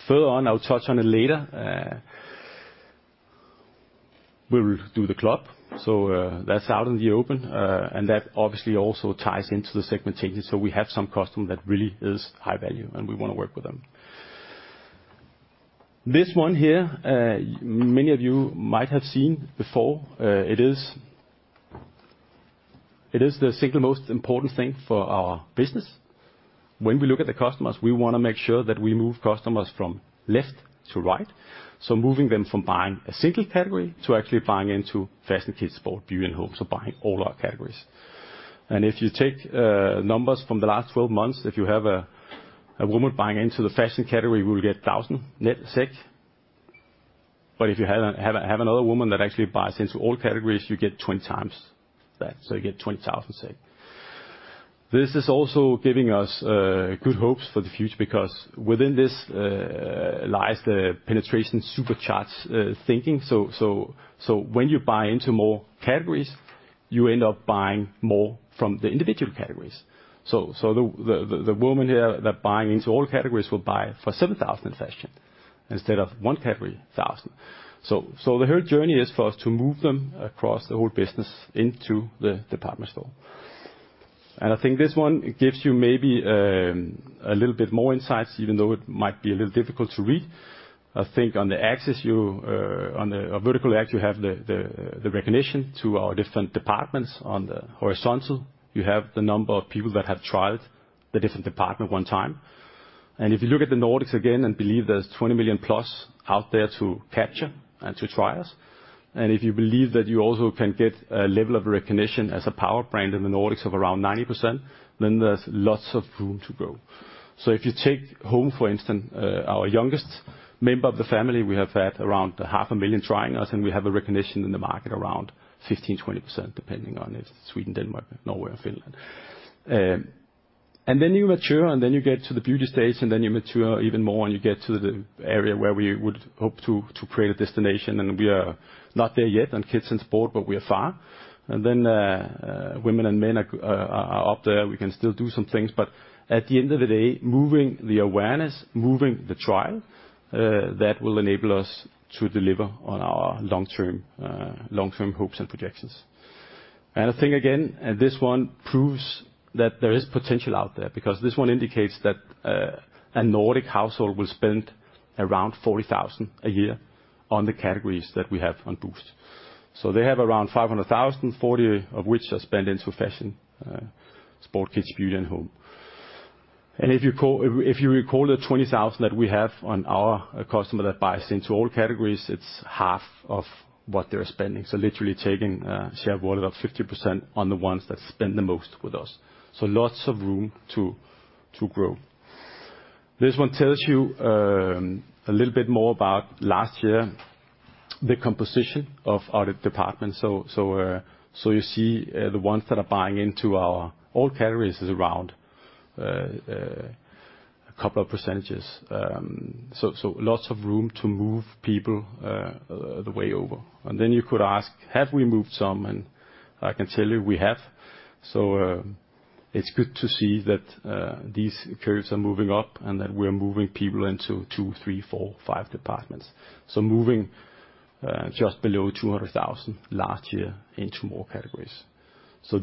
Further on, I'll touch on it later, we'll do the club. That's out in the open, and that obviously also ties into the segment changes. We have some customer that really is high value and we wanna work with them. This one here, many of you might have seen before. It is the single most important thing for our business. When we look at the customers, we wanna make sure that we move customers from left to right. Moving them from buying a single category to actually buying into fashion, kids, sport, beauty, and home. Buying all our categories. If you take numbers from the last 12 months, if you have a woman buying into the fashion category, we'll get 1,000 net SEK. If you have another woman that actually buys into all categories, you get 20 times that. You get 20,000 SEK. This is also giving us good hopes for the future because within this lies the penetration supercharged thinking. So when you buy into more categories, you end up buying more from the individual categories. So the woman here that buying into all categories will buy for 7,000 fashion instead of 1 category, 1,000. The whole journey is for us to move them across the whole business into the department store. I think this one gives you maybe a little bit more insights, even though it might be a little difficult to read. I think on the axis you on the vertical axis you have the recognition to our different departments. On the horizontal, you have the number of people that have tried the different department 1 time. If you look at the Nordics again and believe there's 20 million+ out there to capture and to try us, and if you believe that you also can get a level of recognition as a power brand in the Nordics of around 90%, then there's lots of room to grow. If you take home, for instance, our youngest member of the family, we have had around half a million trying us, and we have a recognition in the market around 15%-20%, depending on if Sweden, Denmark, Norway, or Finland. Then you mature, and then you get to the beauty stage, and then you mature even more, and you get to the area where we would hope to create a destination. We are not there yet on kids and sport, but we are far. Then, women and men are up there. We can still do some things, but at the end of the day, moving the awareness, moving the trial, that will enable us to deliver on our long-term hopes and projections. I think again, this one proves that there is potential out there because this one indicates that, a Nordic household will spend around 40,000 a year on the categories that we have on Boozt. They have around 500,000, 40,000 of which are spent into fashion, sport, kids, beauty, and home. If you recall the 20,000 that we have on our customer that buys into all categories, it's half of what they're spending. Literally taking a share of wallet of 50% on the ones that spend the most with us. Lots of room to grow. This one tells you a little bit more about last year, the composition of our departments. You see the ones that are buying into our all categories is around a couple of %. Lots of room to move people the way over. You could ask, have we moved some? I can tell you we have. It's good to see that these curves are moving up and that we're moving people into two, three, four, five departments. Moving just below 200,000 last year into more categories.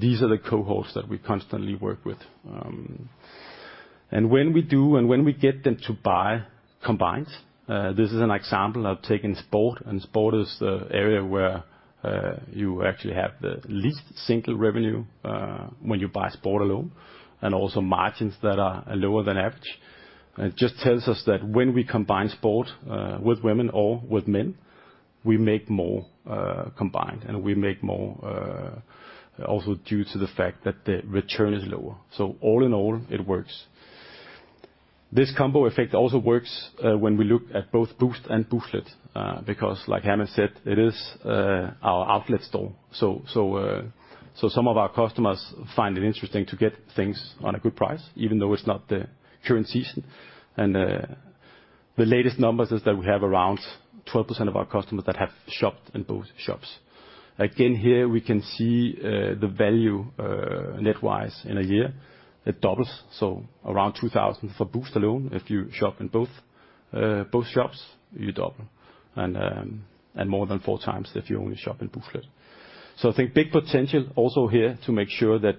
These are the cohorts that we constantly work with. When we do and when we get them to buy combined, this is an example. I've taken sport, and sport is the area where you actually have the least single revenue when you buy sport alone, and also margins that are lower than average. It just tells us that when we combine sport with women or with men, we make more combined, and we make more also due to the fact that the return is lower. All in all, it works. This combo effect also works when we look at both Boozt and Booztlet, because like Hermann said, it is our outlet store. Some of our customers find it interesting to get things on a good price, even though it's not the current season. The latest numbers is that we have around 12% of our customers that have shopped in both shops. Again, here we can see the value net wise in a year, it doubles. Around 2,000 for Boozt alone. If you shop in both shops, you double. More than 4 times if you only shop in Booztlet. I think big potential also here to make sure that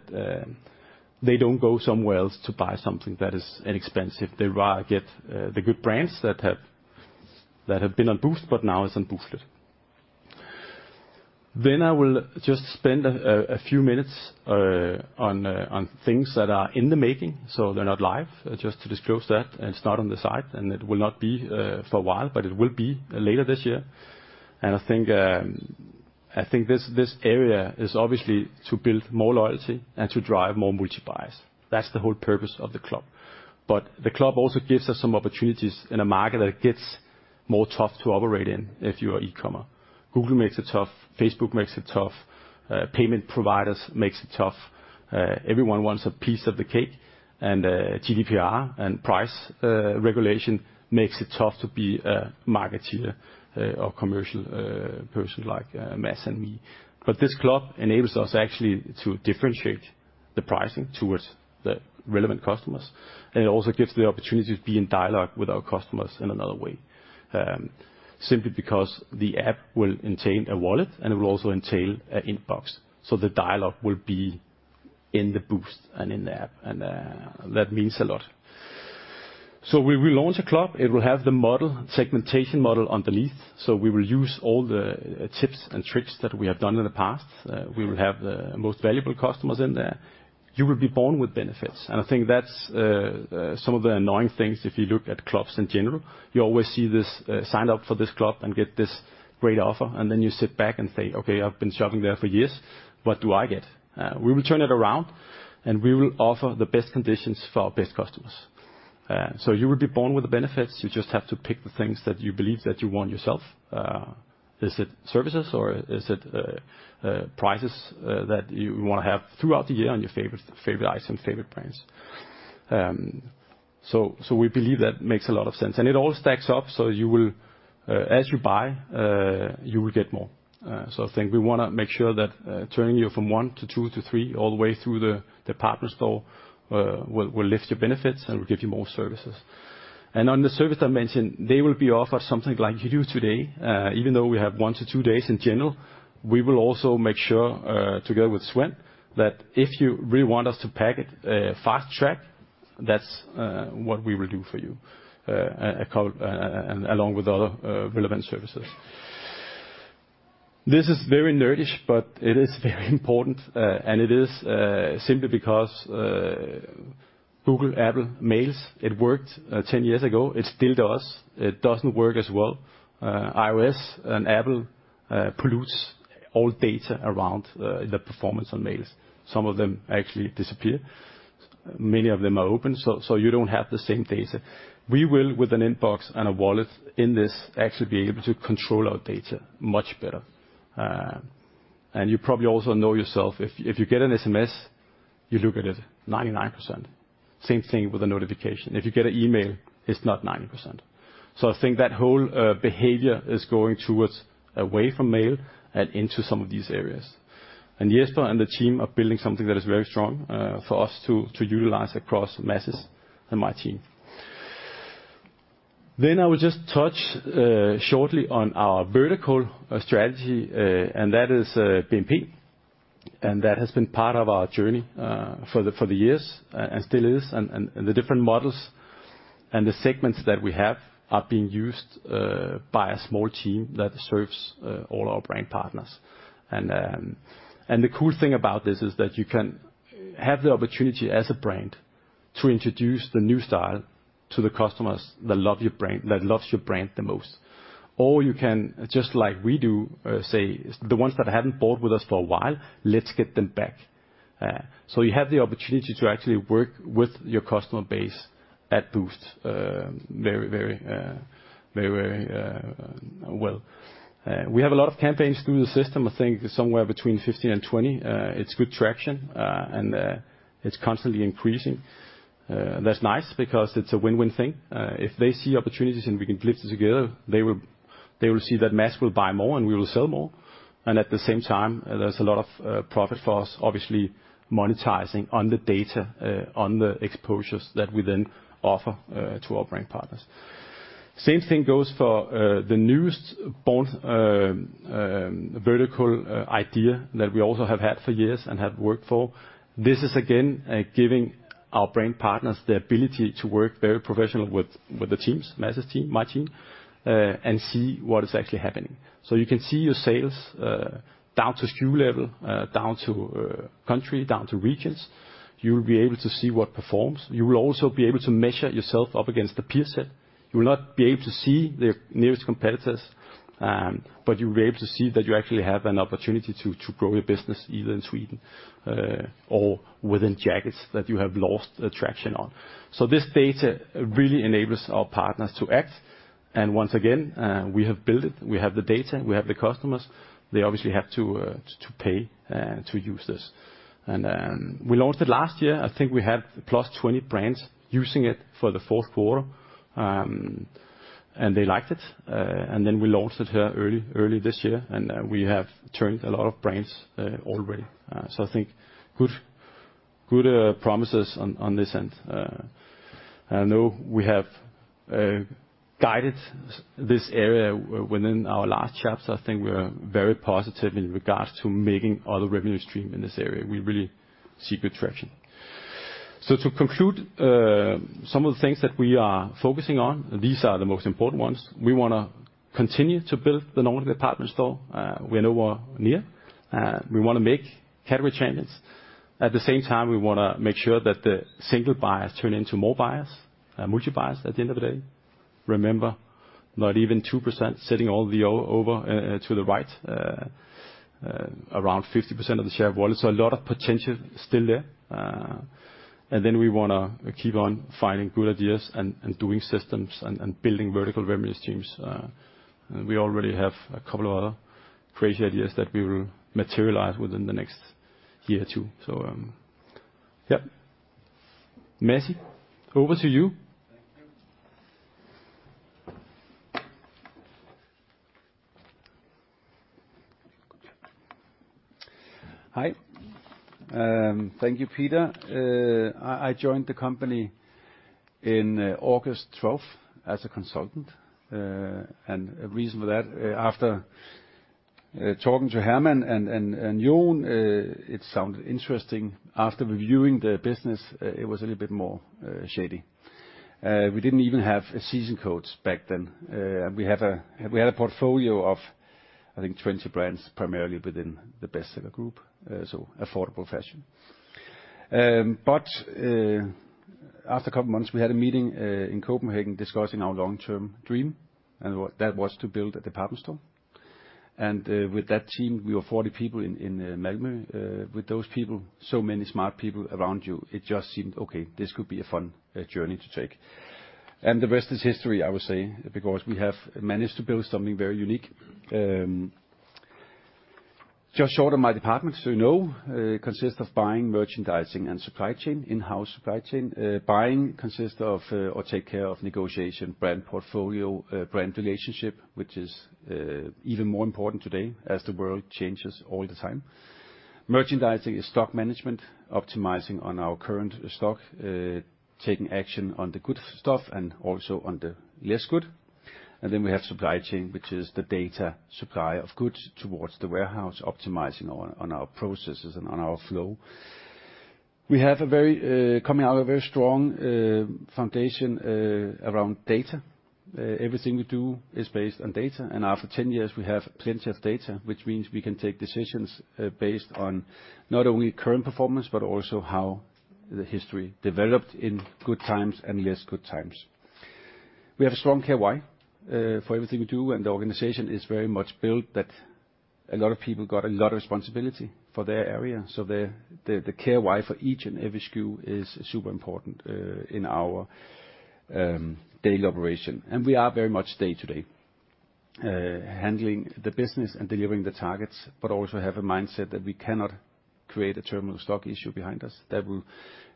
they don't go somewhere else to buy something that is inexpensive. They rather get the good brands that have been on Boozt but now is on Booztlet. I will just spend a few minutes on things that are in the making, so they're not live, just to disclose that, it's not on the site, it will not be for a while, but it will be later this year. I think this area is obviously to build more loyalty and to drive more multi-buys. That's the whole purpose of the club. The club also gives us some opportunities in a market that gets more tough to operate in if you are e-commerce. Google makes it tough. Facebook makes it tough. Payment providers makes it tough. Everyone wants a piece of the cake, and GDPR and price regulation makes it tough to be a market leader or commercial person like Mads and me. This club enables us actually to differentiate the pricing towards the relevant customers. It also gives the opportunity to be in dialogue with our customers in another way, simply because the app will entail a wallet, and it will also entail an inbox. The dialogue will be in the Boozt and in the app, and that means a lot. When we launch a club, it will have the model, segmentation model underneath. We will use all the tips and tricks that we have done in the past. We will have the most valuable customers in there. You will be born with benefits. I think that's some of the annoying things if you look at clubs in general. You always see this, sign up for this club and get this great offer, and then you sit back and say, "Okay, I've been shopping there for years. What do I get?" We will turn it around, and we will offer the best conditions for our best customers. You will be born with the benefits. You just have to pick the things that you believe that you want yourself. Is it services, or is it prices that you wanna have throughout the year on your favorite item, favorite brands? We believe that makes a lot of sense. It all stacks up, you will, as you buy, you will get more. I think we wanna make sure that turning you from 1 to 2 to 3 all the way through the department store will lift your benefits and will give you more services. On the service I mentioned, they will be offered something like you do today. Even though we have 1 to 2 days in general, we will also make sure, together with Sven, that if you really want us to pack it fast track, that's what we will do for you along with other relevant services. This is very nerdish, but it is very important, and it is simply because Google, Apple, mails, it worked ten years ago. It still does. It doesn't work as well. iOS and Apple pollutes all data around the performance on mails. Some of them actually disappear. Many of them are open, so you don't have the same data. We will, with an inbox and a wallet in this, actually be able to control our data much better. You probably also know yourself, if you get an SMS, you look at it 99%. Same thing with a notification. If you get an email, it's not 90%. I think that whole behavior is going towards away from mail and into some of these areas. Jesper and the team are building something that is very strong for us to utilize across Masai and my team. I will just touch shortly on our vertical strategy, and that is BMP. That has been part of our journey for the years and still is. The different models and the segments that we have are being used by a small team that serves all our brand partners. The cool thing about this is that you can have the opportunity as a brand to introduce the new style to the customers that love your brand, that loves your brand the most. You can, just like we do, say the ones that haven't bought with us for a while, let's get them back. You have the opportunity to actually work with your customer base at Boozt, very, very well. We have a lot of campaigns through the system. I think somewhere between 15 and 20. It's good traction, and it's constantly increasing. That's nice because it's a win-win thing. If they see opportunities and we can blitz it together, they will see that mass will buy more, and we will sell more. At the same time, there's a lot of profit for us, obviously, monetizing on the data, on the exposures that we then offer to our brand partners. Same thing goes for the newest bond vertical idea that we also have had for years and have worked for. This is again giving our brand partners the ability to work very professional with the teams, Mats' team, my team, and see what is actually happening. You can see your sales down to SKU level, down to country, down to regions. You'll be able to see what performs. You will also be able to measure yourself up against the peer set. You will not be able to see the nearest competitors, but you'll be able to see that you actually have an opportunity to grow your business either in Sweden or within jackets that you have lost attraction on. This data really enables our partners to act. Once again, we have built it, we have the data, we have the customers. They obviously have to pay to use this. We launched it last year. I think we had plus 20 brands using it for the fourth quarter, and they liked it. We launched it here early this year, and we have turned a lot of brands already. I think good promises on this end. I know we have guided this area within our last chapters. I think we're very positive in regards to making all the revenue stream in this area. We really see good traction. To conclude, some of the things that we are focusing on, these are the most important ones. We wanna continue to build the Nordic Department Store. We're nowhere near. We wanna make category champions. At the same time, we wanna make sure that the single buyers turn into more buyers, multi-buyers at the end of the day. Remember, not even 2% sitting all the over to the right, around 50% of the share of wallet. A lot of potential still there. We wanna keep on finding good ideas and doing systems and building vertical revenue streams. We already have a couple of other crazy ideas that we will materialize within the next year or two. Yeah. Masai, over to you. Thank you. Hi. Thank you, Peter. I joined the company in August 12th as a consultant. A reason for that, after talking to Herman and Jon, it sounded interesting. After reviewing the business, it was a little bit more shady. We didn't even have season codes back then. We had a portfolio of, I think, 20 brands, primarily within the Bestseller Group, so affordable fashion. After a couple months, we had a meeting in Copenhagen discussing our long-term dream, and what that was to build a department store. With that team, we were 40 people in Malmö. With those people, so many smart people around you, it just seemed, okay, this could be a fun journey to take. The rest is history, I would say, because we have managed to build something very unique. Just short on my department consists of buying, merchandising, and supply chain, in-house supply chain. Buying consists of, or take care of negotiation, brand portfolio, brand relationship, which is even more important today as the world changes all the time. Merchandising is stock management, optimizing on our current stock, taking action on the good stuff and also on the less good. We have supply chain, which is the data supply of goods towards the warehouse, optimizing on our processes and on our flow. Coming out a very strong foundation around data. Everything we do is based on data. After ten years, we have plenty of data, which means we can take decisions based on not only current performance, but also how the history developed in good times and less good times. We have a strong KPI for everything we do, and the organization is very much built that a lot of people got a lot of responsibility for their area. The, the KPI for each and every SKU is super important in our daily operation. We are very much day to day handling the business and delivering the targets, but also have a mindset that we cannot create a terminal stock issue behind us that will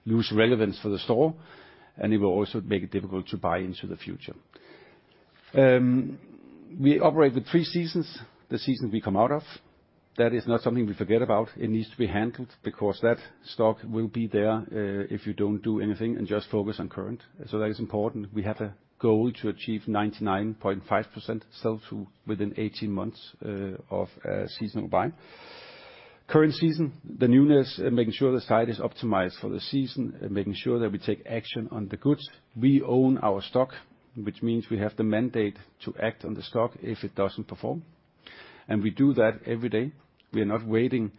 lose relevance for the store, and it will also make it difficult to buy into the future. We operate with 3 seasons. The season we come out of, that is not something we forget about. It needs to be handled because that stock will be there if you don't do anything and just focus on current. That is important. We have a goal to achieve 99.5% sell-through within 18 months of seasonal buying. Current season, the newness, making sure the site is optimized for the season, making sure that we take action on the goods. We own our stock, which means we have the mandate to act on the stock if it doesn't perform, and we do that every day. We are not waiting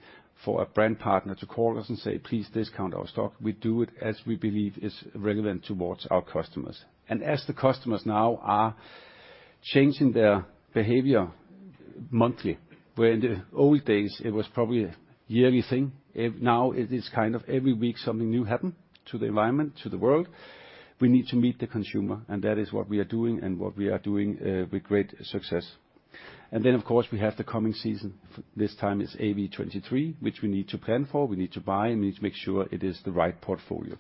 for a brand partner to call us and say, "Please discount our stock." We do it as we believe is relevant towards our customers. As the customers now are changing their behavior monthly, where in the old days it was probably a yearly thing, it now it is kind of every week something new happen to the environment, to the world. We need to meet the consumer and that is what we are doing and what we are doing with great success. Then of course, we have the coming season. This time it's AV 23, which we need to plan for, we need to buy, and we need to make sure it is the right portfolio.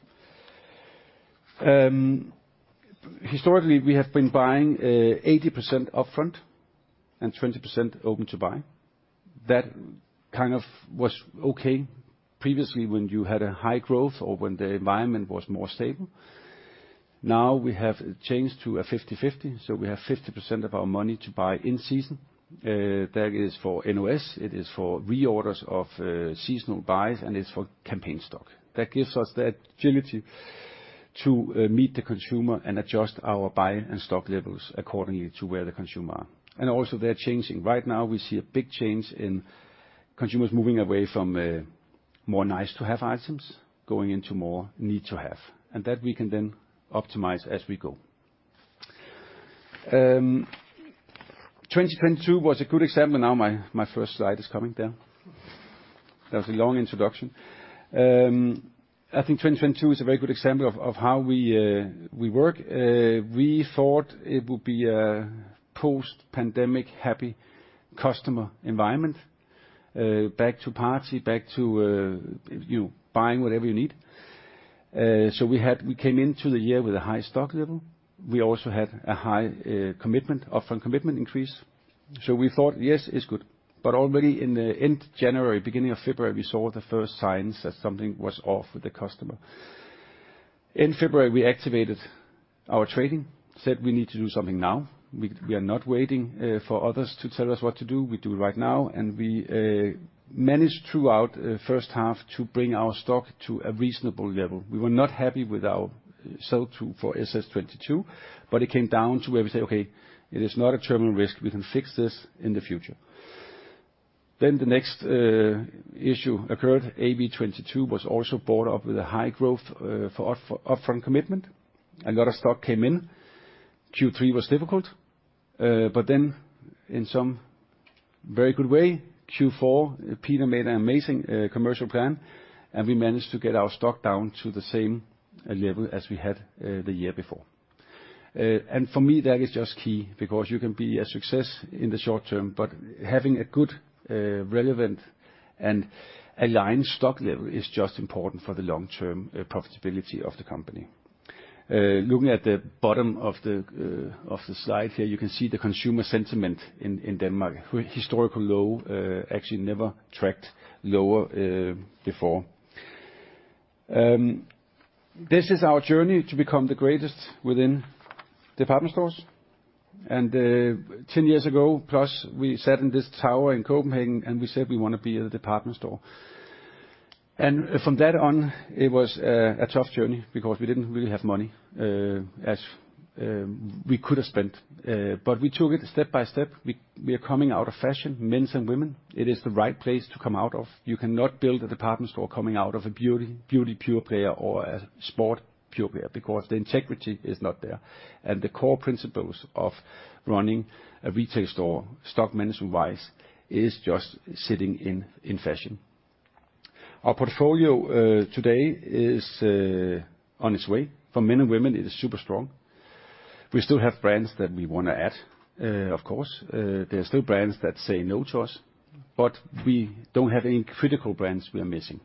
Historically we have been buying 80% upfront and 20% open to buy. That kind of was okay previously when you had a high growth or when the environment was more stable. Now we have changed to a 50/50, so we have 50% of our money to buy in-season. That is for NOS, it is for reorders of seasonal buys, and it's for campaign stock. That gives us the agility to meet the consumer and adjust our buy and stock levels accordingly to where the consumer are. Also they're changing. Right now we see a big change in consumers moving away from more nice-to-have items, going into more need-to-have, and that we can then optimize as we go. 2022 was a good example. Now my first slide is coming there. That was a long introduction. I think 2022 is a very good example of how we work. We thought it would be a post-pandemic happy customer environment, back to party, back to you buying whatever you need. We came into the year with a high stock level. We also had a high, commitment, upfront commitment increase. We thought, yes, it's good. Already in the end January, beginning of February, we saw the first signs that something was off with the customer. In February, we activated our trading, said we need to do something now. We are not waiting for others to tell us what to do. We do it right now and we managed throughout first half to bring our stock to a reasonable level. We were not happy with our sell-through for SS 22, but it came down to where we say, "Okay, it is not a terminal risk. We can fix this in the future." The next issue occurred. AV 22 was also brought up with a high growth for upfront commitment. A lot of stock came in. Q3 was difficult. In some very good way, Q4, Peter made an amazing commercial plan, and we managed to get our stock down to the same level as we had the year before. For me, that is just key because you can be a success in the short term, but having a good, relevant and aligned stock level is just important for the long term profitability of the company. Looking at the bottom of the of the slide here, you can see the consumer sentiment in Denmark. Historical low, actually never tracked lower before. This is our journey to become the greatest within department stores. Ten years ago plus, we sat in this tower in Copenhagen and we said we want to be a department store. From that on, it was a tough journey because we didn't really have money as we could have spent. We took it step by step. We are coming out of fashion, men's and women. It is the right place to come out of. You cannot build a department store coming out of a beauty pure player or a sport pure player because the integrity is not there. The core principles of running a retail store, stock management-wise, is just sitting in fashion. Our portfolio today is on its way. For men and women, it is super strong. We still have brands that we wanna add, of course. There are still brands that say no to us, but we don't have any critical brands we are missing.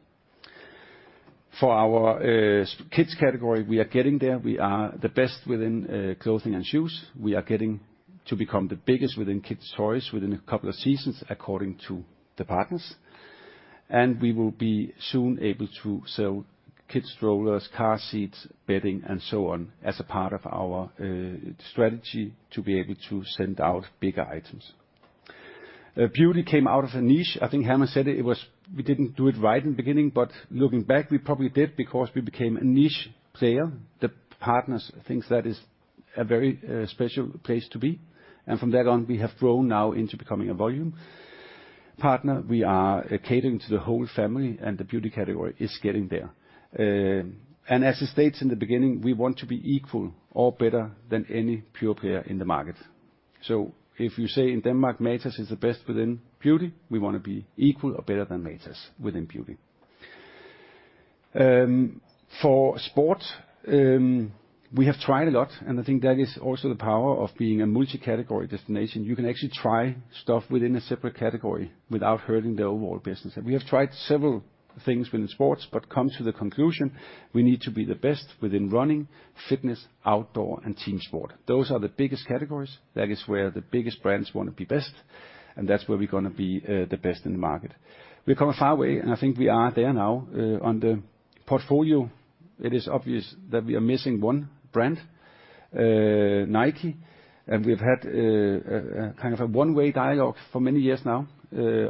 For our kids category, we are getting there. We are the best within clothing and shoes. We are getting to become the biggest within kids' toys within a couple of seasons, according to the partners. We will be soon able to sell kids' strollers, car seats, bedding, and so on as a part of our strategy to be able to send out bigger items. Beauty came out of a niche. I think Herman said it. We didn't do it right in the beginning, but looking back, we probably did because we became a niche player. The partners thinks that is a very special place to be. From then on, we have grown now into becoming a volume partner. We are catering to the whole family, and the beauty category is getting there. As it states in the beginning, we want to be equal or better than any pure player in the market. If you say in Denmark Matas is the best within beauty, we wanna be equal or better than Matas within beauty. For sport, we have tried a lot, and I think that is also the power of being a multi-category destination. You can actually try stuff within a separate category without hurting the overall business. We have tried several things within sports, but come to the conclusion, we need to be the best within running, fitness, outdoor, and team sport. Those are the biggest categories. That is where the biggest brands wanna be best, and that's where we're gonna be the best in the market. We've come a far way, and I think we are there now. On the portfolio, it is obvious that we are missing one brand, Nike, and we've had a kind of a one-way dialogue for many years now,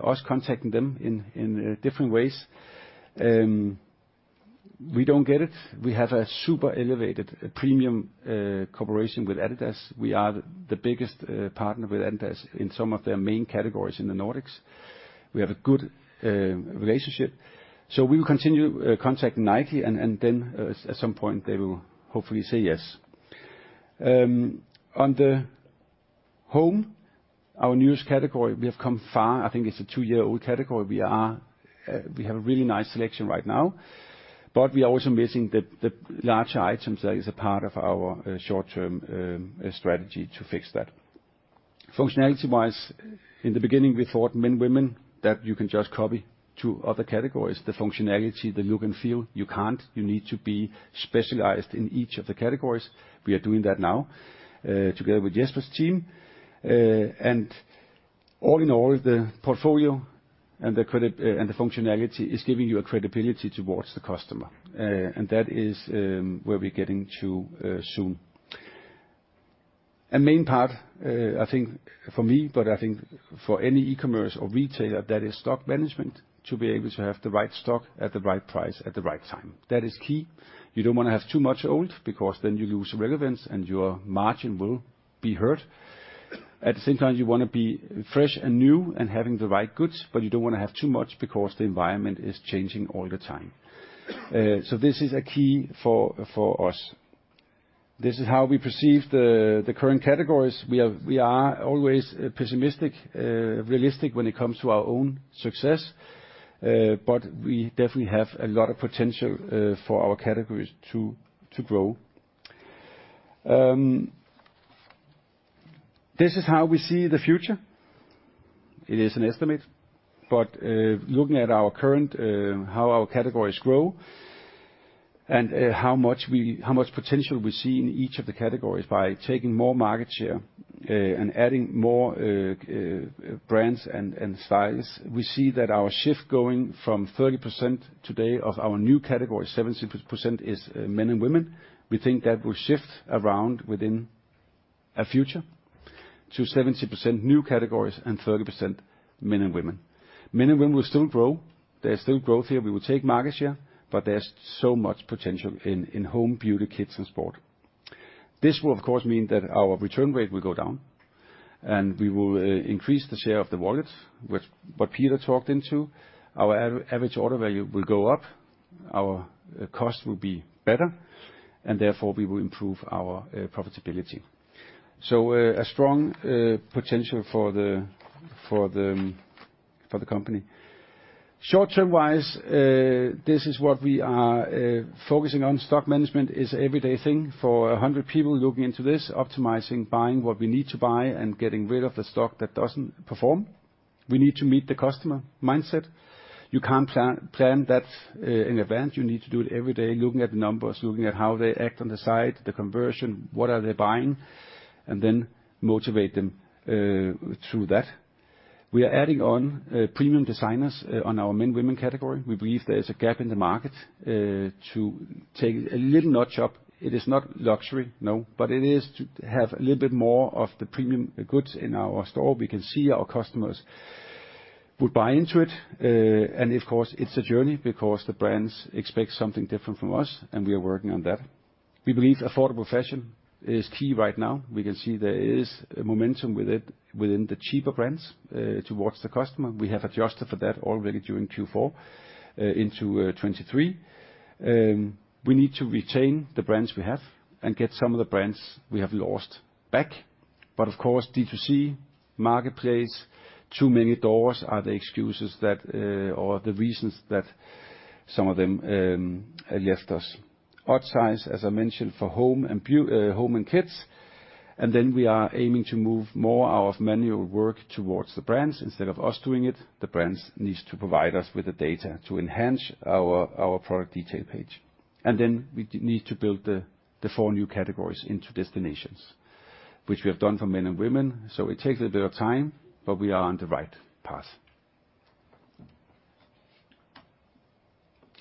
us contacting them in different ways. We don't get it. We have a super elevated premium cooperation with Adidas. We are the biggest partner with Adidas in some of their main categories in the Nordics. We have a good relationship. We will continue contacting Nike and then at some point they will hopefully say yes. On the home, our newest category, we have come far. I think it's a two-year-old category. We have a really nice selection right now, but we are also missing the large items that is a part of our short-term strategy to fix that. Functionality-wise, in the beginning, we thought men, women, that you can just copy to other categories, the functionality, the look and feel. You can't. You need to be specialized in each of the categories. We are doing that now, together with Jesper's team. All in all, the portfolio and the credit, and the functionality is giving you a credibility towards the customer. That is, where we're getting to, soon. A main part, I think for me, but I think for any e-commerce or retailer, that is stock management, to be able to have the right stock at the right price at the right time. That is key. You don't wanna have too much old because then you lose relevance and your margin will be hurt. At the same time, you wanna be fresh and new and having the right goods, but you don't wanna have too much because the environment is changing all the time. This is a key for us. This is how we perceive the current categories. We are always pessimistic, realistic when it comes to our own success, but we definitely have a lot of potential for our categories to grow. This is how we see the future. It is an estimate, looking at our current, how our categories grow and how much we, how much potential we see in each of the categories by taking more market share, and adding more brands and styles, we see that our shift going from 30% today of our new category, 70% is men and women. We think that will shift around within a future to 70% new categories and 30% men and women. Men and women will still grow. There's still growth here. We will take market share, but there's so much potential in home, beauty, kids, and sport. This will of course mean that our return rate will go down, and we will increase the share of the wallet, which what Peter talked into. Our Average Order Value will go up, our cost will be better, and therefore we will improve our profitability. A strong potential for the company. Short-term wise, this is what we are focusing on. Stock management is everyday thing for 100 people looking into this, optimizing, buying what we need to buy, and getting rid of the stock that doesn't perform. We need to meet the customer mindset. You can't plan that in event. You need to do it every day, looking at the numbers, looking at how they act on the site, the conversion, what are they buying, and then motivate them through that. We are adding on premium designers on our men, women category. We believe there's a gap in the market to take a little notch up. It is not luxury, no, but it is to have a little bit more of the premium goods in our store. We can see our customers would buy into it. Of course, it's a journey because the brands expect something different from us, and we are working on that. We believe affordable fashion is key right now. We can see there is a momentum with it, within the cheaper brands, towards the customer. We have adjusted for that already during Q4, into 2023. We need to retain the brands we have and get some of the brands we have lost back. Of course, D2C, marketplace, too many doors are the excuses that or the reasons that some of them left us. Odd size, as I mentioned, for home and kids. We are aiming to move more of manual work towards the brands. Instead of us doing it, the brands needs to provide us with the data to enhance our product detail page. We need to build the four new categories into destinations, which we have done for men and women. It takes a bit of time, but we are on the right path.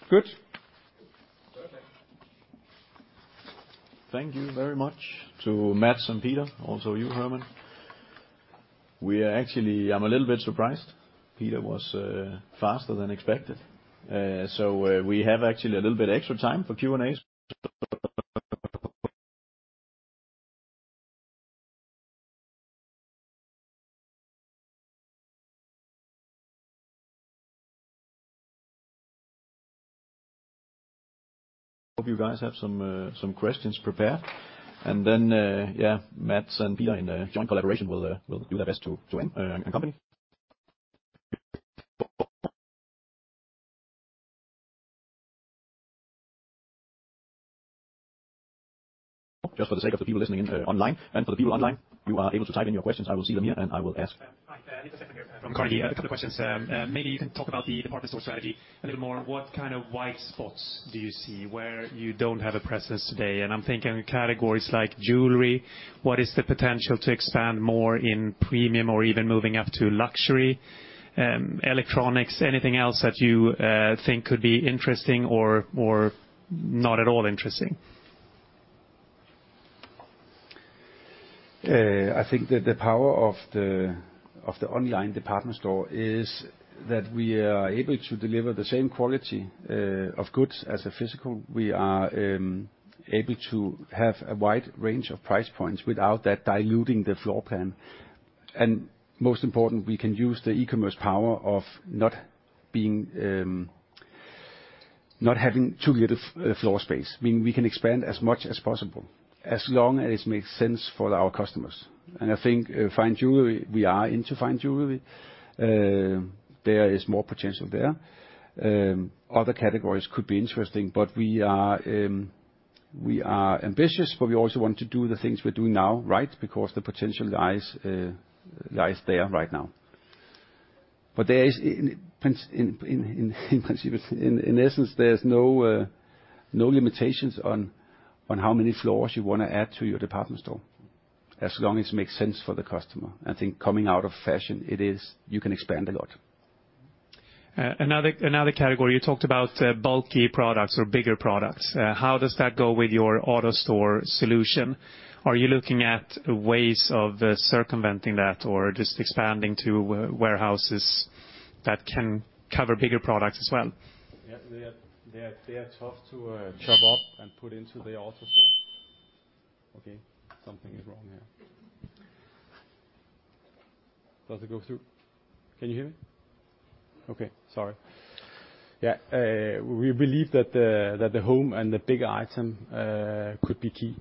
Good? Perfect. Thank you very much to Mats and Peter, also you, Hermann. I'm a little bit surprised. Peter was faster than expected. We have actually a little bit extra time for Q&As. Hope you guys have some questions prepared. Then, yeah, Mads and Peter in a joint collaboration will do their best to answer, and company. Just for the sake of the people listening in, online, and for the people online, you are able to type in your questions. I will see them here, and I will ask. Hi. Niklas Zethson here from Carnegie. A couple questions. Maybe you can talk about the Department Store strategy a little more. What kind of white spots do you see where you don't have a presence today? I'm thinking categories like jewelry. What is the potential to expand more in premium or even moving up to luxury? Electronics, anything else that you think could be interesting or not at all interesting? I think that the power of the online department store is that we are able to deliver the same quality of goods as a physical. We are able to have a wide range of price points without that diluting the floor plan. Most important, we can use the e-commerce power of not being not having too little floor space, meaning we can expand as much as possible as long as it makes sense for our customers. I think fine jewelry, we are into fine jewelry. There is more potential there. Other categories could be interesting, but we are we are ambitious, but we also want to do the things we're doing now right because the potential lies lies there right now. There is in principle, in essence, there's no limitations on how many floors you wanna add to your department store, as long as it makes sense for the customer. I think coming out of fashion, you can expand a lot. Another category, you talked about bulky products or bigger products. How does that go with your AutoStore solution? Are you looking at ways of circumventing that or just expanding to warehouses that can cover bigger products as well? Yeah. They are tough to chop up and put into the AutoStore. Okay, something is wrong here. Does it go through? Can you hear me? Okay. Sorry. Yeah. We believe that the home and the bigger item could be key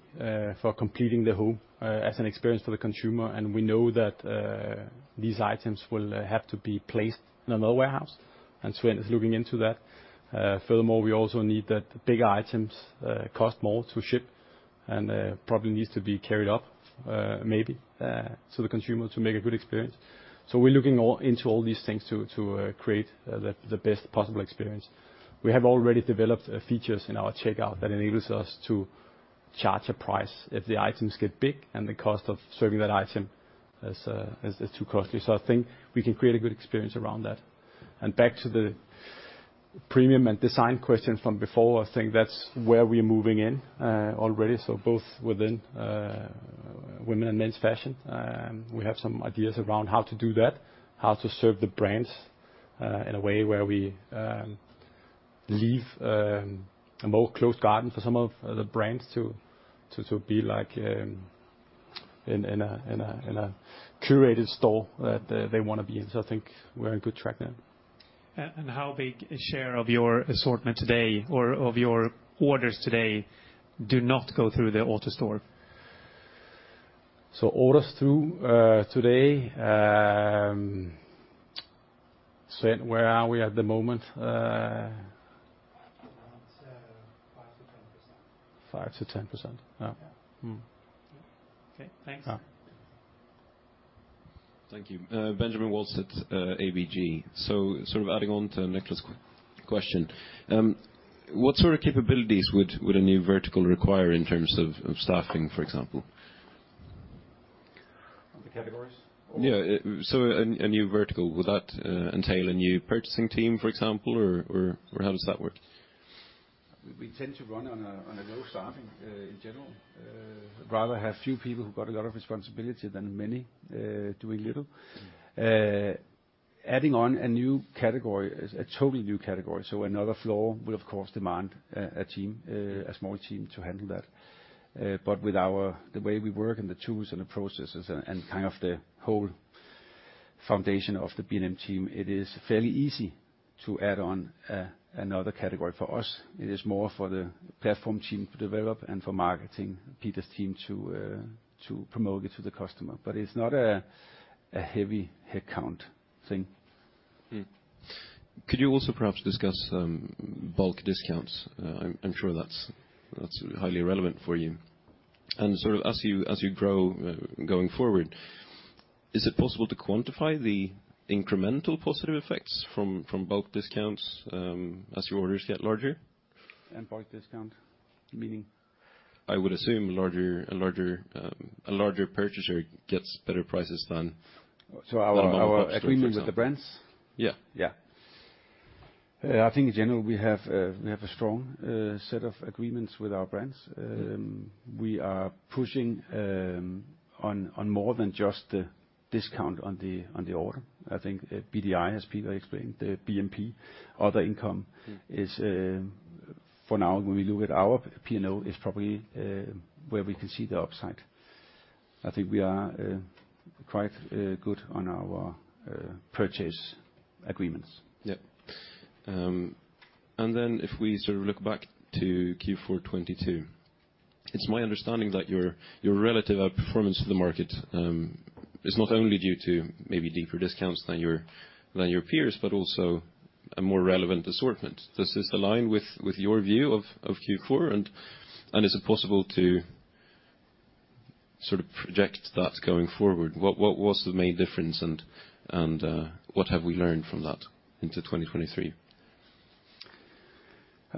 for completing the home as an experience for the consumer, and we know that these items will have to be placed in another warehouse. Sven is looking into that. Furthermore, we also need the bigger items cost more to ship, and probably needs to be carried up maybe to the consumer to make a good experience. We're looking into all these things to create the best possible experience. We have already developed features in our checkout that enables us to charge a price if the items get big and the cost of serving that item is too costly. I think we can create a good experience around that. Back to the premium and design question from before, I think that's where we're moving in already. Both within women and men's fashion, we have some ideas around how to do that, how to serve the brands in a way where we leave a more closed garden for some of the brands to be like in a curated store that they wanna be in. I think we're on good track there. How big a share of your assortment today or of your orders today do not go through the AutoStore? Orders through, today, Sven, where are we at the moment? It's 5%-10%. 5%-10%. Yeah. Hmm. Okay, thanks. Yeah. Thank you. Benjamin Wahlstedt at ABG. sort of adding on to Nicholas' question, what sort of capabilities would a new vertical require in terms of staffing, for example? The categories? Or A new vertical, would that entail a new purchasing team, for example, or how does that work? We tend to run on a, on a low staffing in general. Rather have few people who got a lot of responsibility than many doing little. Adding on a new category is a totally new category, so another floor will of course demand a team, a small team to handle that. The way we work and the tools and the processes and kind of the whole foundation of the B&M team, it is fairly easy to add on another category for us. It is more for the platform team to develop and for marketing, Peter's team to promote it to the customer. It's not a heavy headcount thing. Could you also perhaps discuss, bulk discounts? I'm sure that's highly relevant for you. Sort of as you grow going forward, is it possible to quantify the incremental positive effects from bulk discounts, as your orders get larger? bulk discount meaning? I would assume a larger purchaser gets better prices than. Our. A mom-and-pop store, for example. agreement with the brands? Yeah. I think in general we have a strong set of agreements with our brands. We are pushing on more than just the discount on the order. I think BDI, as Peter explained, the BMP, other income is for now when we look at our P&L is probably where we can see the upside. I think we are quite good on our purchase agreements. Yep. Then if we sort of look back to Q4 2022, it's my understanding that your relative outperformance to the market is not only due to maybe deeper discounts than your peers, but also a more relevant assortment. Does this align with your view of Q4? Is it possible to sort of project that going forward? What was the main difference and what have we learned from that into 2023? I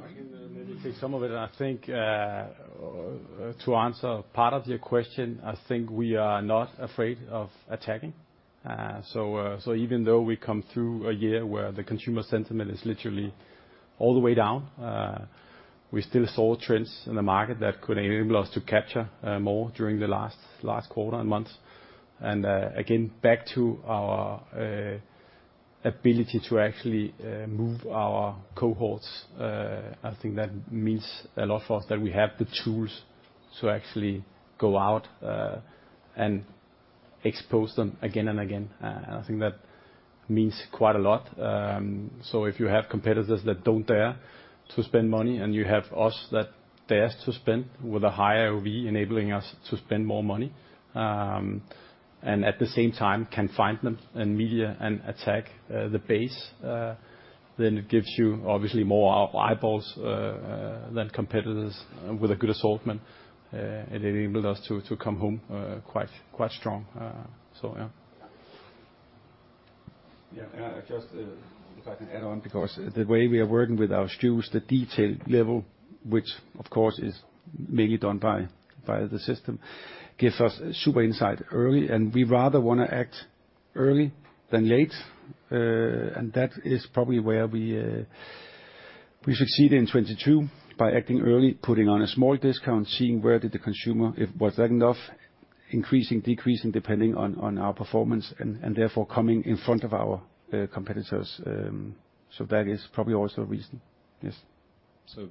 can maybe take some of it. I think to answer part of your question, I think we are not afraid of attacking. So even though we come through a year where the consumer sentiment is literally all the way down, we still saw trends in the market that could enable us to capture more during the last quarter and months. Again, back to our ability to actually move our cohorts, I think that means a lot for us that we have the tools to actually go out and expose them again and again. I think that means quite a lot. If you have competitors that don't dare to spend money, and you have us that dares to spend with a higher AOV enabling us to spend more money, and at the same time can find them in media and attack the base, then it gives you obviously more eyeballs than competitors with a good assortment. It enabled us to come home, quite strong. Yeah. Yeah. I just, if I can add on, because the way we are working with our shoes, the detail level, which of course is mainly done by the system, gives us super insight early, and we rather wanna act early than late. That is probably where we succeed in 2022, by acting early, putting on a small discount, seeing where did the consumer... If was that enough, increasing, decreasing, depending on our performance and therefore coming in front of our competitors. That is probably also a reason. Yes.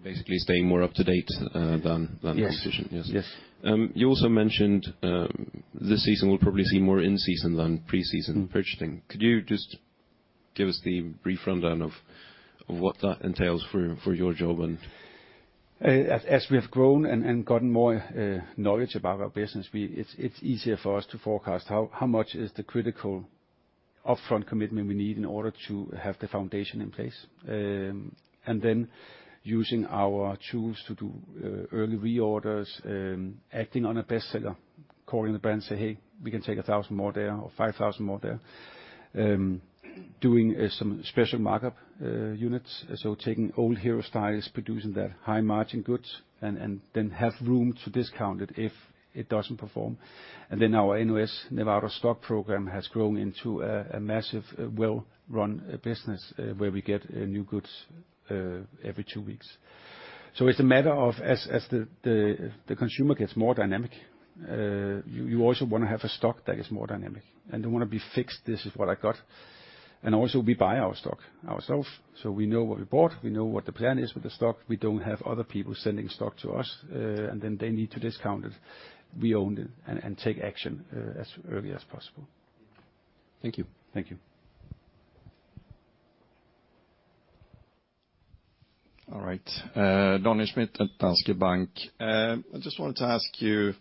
Basically staying more up to date than the competition. Yes. Yes. You also mentioned this season we'll probably see more in-season than pre-season purchasing. Could you just give us the brief rundown of what that entails for your job and? As we have grown and gotten more knowledge about our business, it's easier for us to forecast how much is the critical upfront commitment we need in order to have the foundation in place. Using our tools to do early reorders, acting on a bestseller, calling the brand, say, "Hey, we can take 1,000 more there or 5,000 more there." Doing some special markup units. Taking old hero styles, producing that high margin goods and then have room to discount it if it doesn't perform. Our NOS, Never Out of Stock program, has grown into a massive, well-run business, where we get new goods every two weeks. It's a matter of as the consumer gets more dynamic, you also wanna have a stock that is more dynamic and don't wanna be fixed, "This is what I got." Also we buy our stock ourselves, so we know what we bought, we know what the plan is with the stock. We don't have other people sending stock to us, and then they need to discount it. We own it and take action as early as possible. Thank you. Thank you. All right. Daniel Schmidt at Danske Bank. I just wanted to ask you,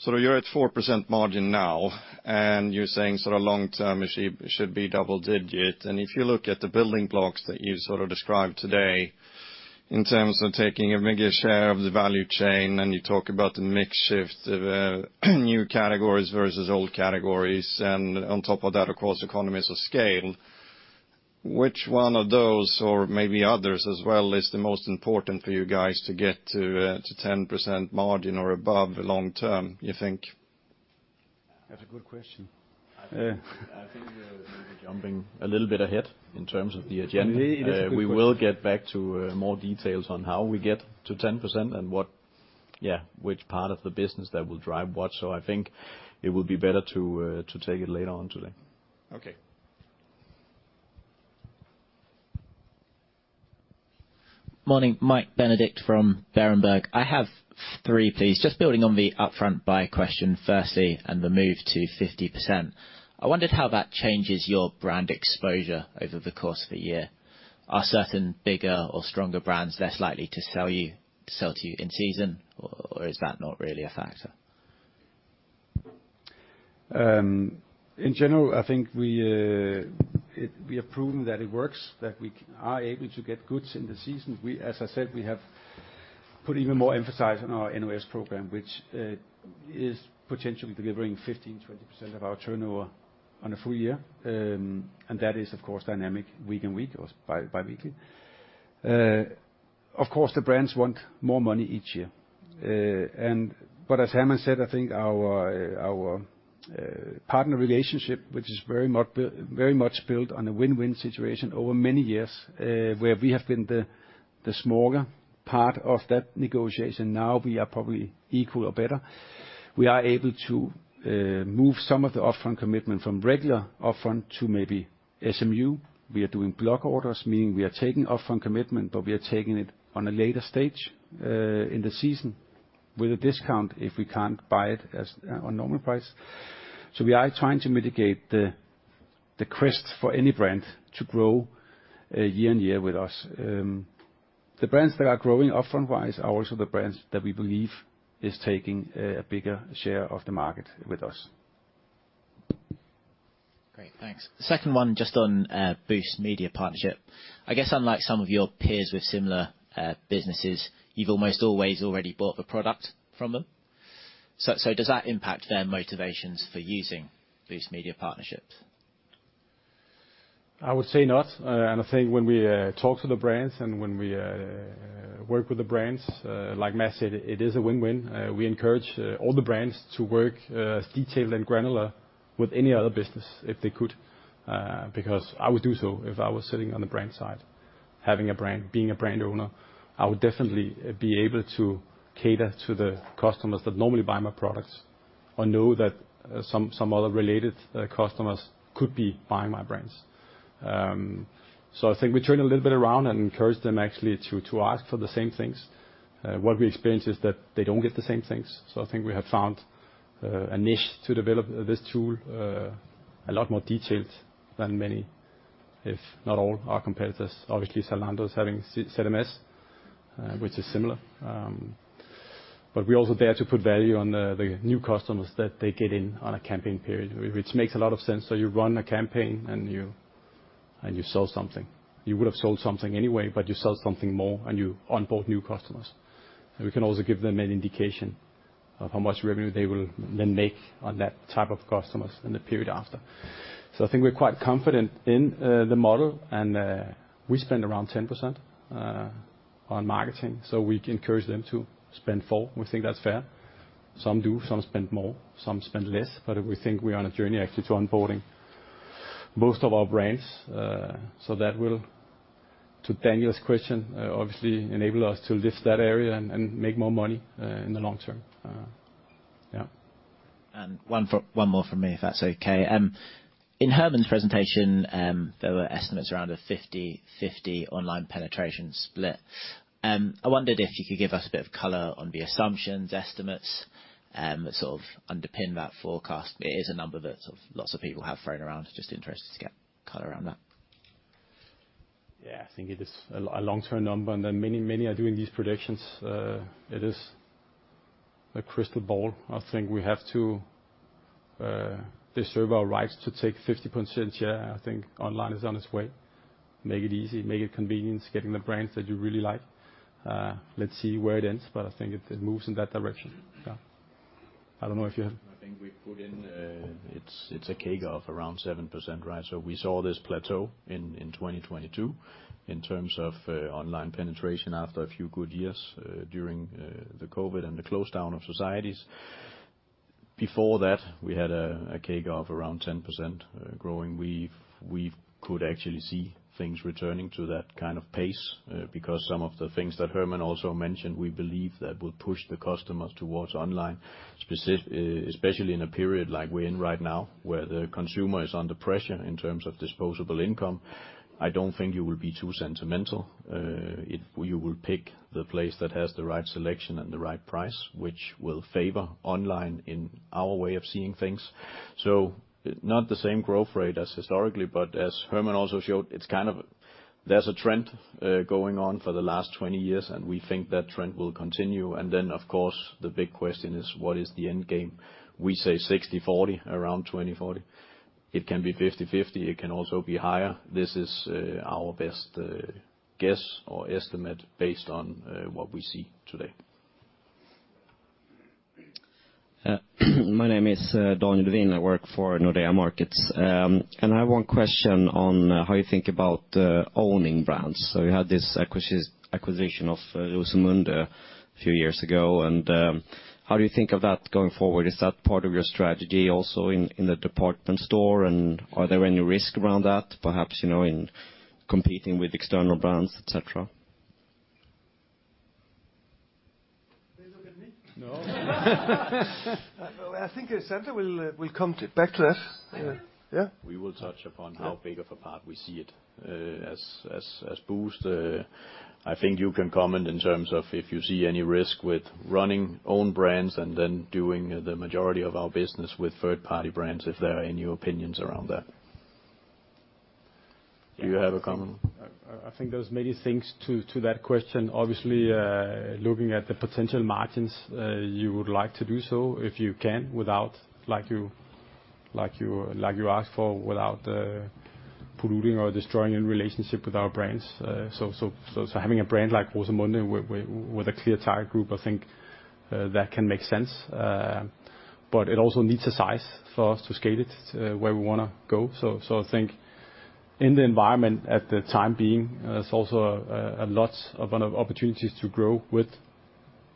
so you're at 4% margin now, and you're saying sort of long-term it should be double-digit. And if you look at the building blocks that you sort of described today in terms of taking a bigger share of the value chain, and you talk about the mix shift of new categories versus old categories, and on top of that, of course, economies of scale, which one of those, or maybe others as well, is the most important for you guys to get to 10% margin or above long term, you think? That's a good question. I think we're jumping a little bit ahead in terms of the agenda. It is a good question. We will get back to more details on how we get to 10% and, yeah, which part of the business that will drive what. I think it would be better to take it later on today. Okay. Morning. Michael Benedict from Berenberg. I have three, please. Just building on the upfront buy question firstly, and the move to 50%, I wondered how that changes your brand exposure over the course of a year. Are certain bigger or stronger brands less likely to sell you, sell to you in season or is that not really a factor? In general, I think we have proven that it works, that we are able to get goods in the season. As I said, we have put even more emphasis on our NOS program, which is potentially delivering 15%-20% of our turnover on a full year. That is of course dynamic week and week or bi-weekly. Of course, the brands want more money each year. As Hermann said, I think our partner relationship, which is very much built on a win-win situation over many years, where we have been the smaller part of that negotiation, now we are probably equal or better. We are able to move some of the upfront commitment from regular upfront to maybe SMU. We are doing block orders, meaning we are taking upfront commitment, but we are taking it on a later stage, in the season with a discount if we can't buy it as on normal price. We are trying to mitigate the. The quest for any brand to grow, year-on-year with us. The brands that are growing upfront wise are also the brands that we believe is taking a bigger share of the market with us. Great, thanks. The second one just on, Boozt Media Partnership. I guess unlike some of your peers with similar, businesses, you've almost always already bought the product from them. Does that impact their motivations for using Boozt Media Partnerships? I would say not, and I think when we talk to the brands and when we work with the brands, like Mads said, it is a win-win. We encourage all the brands to work as detailed and granular with any other business if they could, because I would do so if I was sitting on the brand side. Having a brand, being a brand owner, I would definitely be able to cater to the customers that normally buy my products or know that some other related customers could be buying my brands. I think we turn a little bit around and encourage them actually to ask for the same things. What we experience is that they don't get the same things. I think we have found a niche to develop this tool, a lot more detailed than many, if not all our competitors. Obviously, Zalando's having CMS, which is similar. But we also dare to put value on the new customers that they get in on a campaign period, which makes a lot of sense. You run a campaign and you sell something. You would've sold something anyway, but you sell something more and you onboard new customers. We can also give them an indication of how much revenue they will then make on that type of customers in the period after. I think we're quite confident in the model, and we spend around 10% on marketing, so we encourage them to spend 4%. We think that's fair. Some do, some spend more, some spend less. We think we're on a journey actually to onboarding most of our brands. That will, to Daniel's question, obviously enable us to lift that area and make more money in the long term. One more from me if that's okay. In Hermann's presentation, there were estimates around a 50/50 online penetration split. I wondered if you could give us a bit of color on the assumptions, estimates, that sort of underpin that forecast. It is a number that sort of lots of people have thrown around. Just interested to get color around that. Yeah, I think it is a long-term number, and many are doing these predictions. It is a crystal ball. I think we have to deserve our rights to take 50% share. I think online is on its way. Make it easy, make it convenient, getting the brands that you really like. Let's see where it ends, but I think it moves in that direction. Yeah. I don't know if you have... I think we put in, it's a CAGR of around 7%, right? We saw this plateau in 2022 in terms of online penetration after a few good years during the COVID and the close down of societies. Before that, we had a CAGR of around 10% growing. We could actually see things returning to that kind of pace because some of the things that Hermann also mentioned, we believe that will push the customers towards online, especially in a period like we're in right now, where the consumer is under pressure in terms of disposable income. I don't think you will be too sentimental. If you will pick the place that has the right selection and the right price, which will favor online in our way of seeing things. Not the same growth rate as historically, but as Hermann also showed, it's kind of. There's a trend going on for the last 20 years. We think that trend will continue. Then of course, the big question is what is the end game? We say 60/40 around 2040. It can be 50/50, it can also be higher. This is our best guess or estimate based on what we see today. My name is Daniel Devin, I work for Nordea Markets. I have one question on how you think about owning brands. You had this acquisition of Rosendahl a few years ago. How do you think of that going forward? Is that part of your strategy also in the department store and are there any risk around that, perhaps in competing with external brands, et cetera? They look at me? No. I think Center will come to back to that. Yeah. We will touch upon how big of a part we see it, as Boozt. I think you can comment in terms of if you see any risk with running own brands and then doing the majority of our business with third-party brands, if there are any opinions around that. Do you have a comment? I think there's many things to that question. Obviously, looking at the potential margins, you would like to do so if you can, without, like you asked for, without polluting or destroying a relationship with our brands. Having a brand like Rosendahl with a clear target group, I think that can make sense. It also needs a size for us to scale it where we wanna go. I think in the environment at the time being, there's also a lot of opportunities to grow with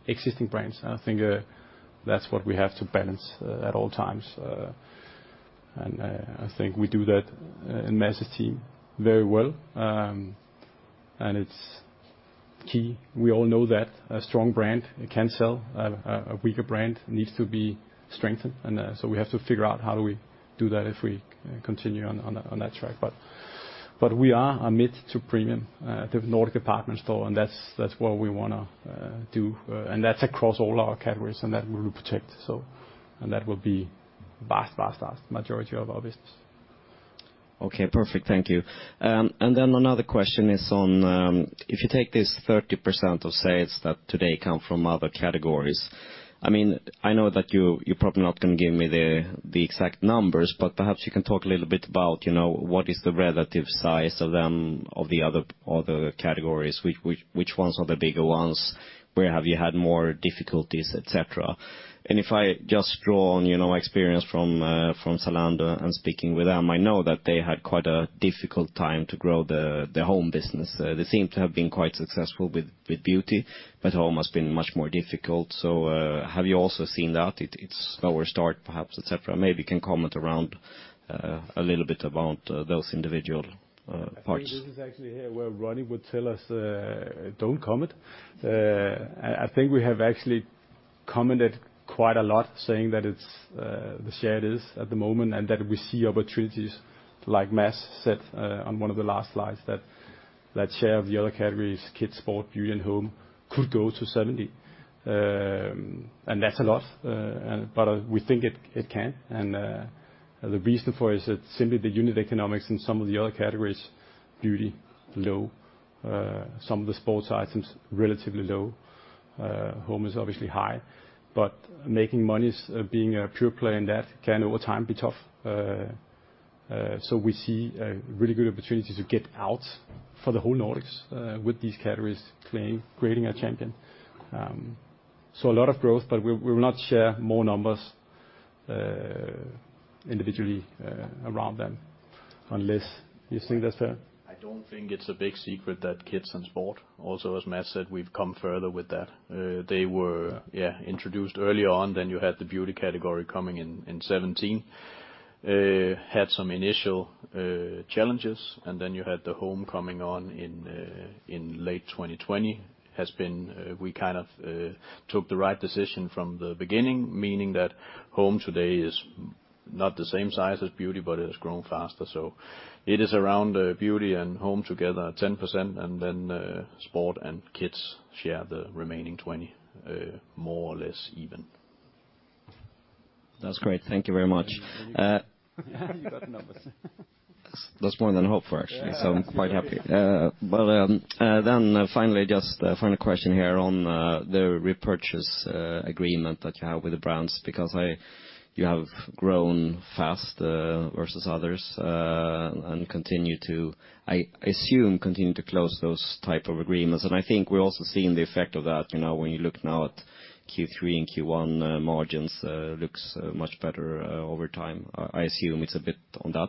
existing brands, and I think that's what we have to balance at all times. I think we do that in Mads' team very well. It's key. We all know that a strong brand can sell. A weaker brand needs to be strengthened, and so we have to figure out how do we do that if we continue on that track. We are a mid to premium, the Nordic Department Store, and that's what we wanna do, and that's across all our categories, and that we will protect so. That will be vast majority of our business. Okay, perfect. Thank you. Another question is on, if you take this 30% of sales that today come from other categories, I mean, I know that you're probably not gonna give me the exact numbers, but perhaps you can talk a little bit about what is the relative size of the other categories, which ones are the bigger ones? Where have you had more difficulties, et cetera? If I just draw on my experience from Zalando and speaking with them, I know that they had quite a difficult time to grow the home business. They seem to have been quite successful with beauty, but home has been much more difficult. Have you also seen that? It's slower start, perhaps, et cetera. Maybe you can comment around, a little bit about, those individual, parts. I think this is actually here where Ronnie would tell us, don't comment. I think we have actually commented quite a lot saying that it's the share it is at the moment, and that we see opportunities like Mads said on one of the last slides, that share of the other categories, kids, sport, beauty, and home could go to 70. That's a lot, we think it can. The reason for it is that simply the unit economics in some of the other categories, beauty, low, some of the sports items, relatively low, home is obviously high. Making monies, being a pure play in that can over time be tough. We see a really good opportunity to get out for the whole Nordics, with these categories playing, creating a champion. A lot of growth, we will not share more numbers, individually, around them unless you think that's fair. I don't think it's a big secret that kids and sport also, as Mads said, we've come further with that. They were introduced earlier on, then you had the beauty category coming in 2017. Had some initial challenges, and then you had the home coming on in late 2020. We kind of took the right decision from the beginning, meaning that home today is not the same size as beauty, but it has grown faster. It is around beauty and home together, 10%, and then sport and kids share the remaining 20, more or less even. That's great. Thank you very much. You got numbers. That's more than I hoped for, actually. Yeah. I'm quite happy. Then finally, just a final question here on the repurchase agreement that you have with the brands because you have grown fast versus others and continue to, I assume, continue to close those type of agreements. I think we're also seeing the effect of that when you look now at Q3 and Q1, margins looks much better over time. I assume it's a bit on that.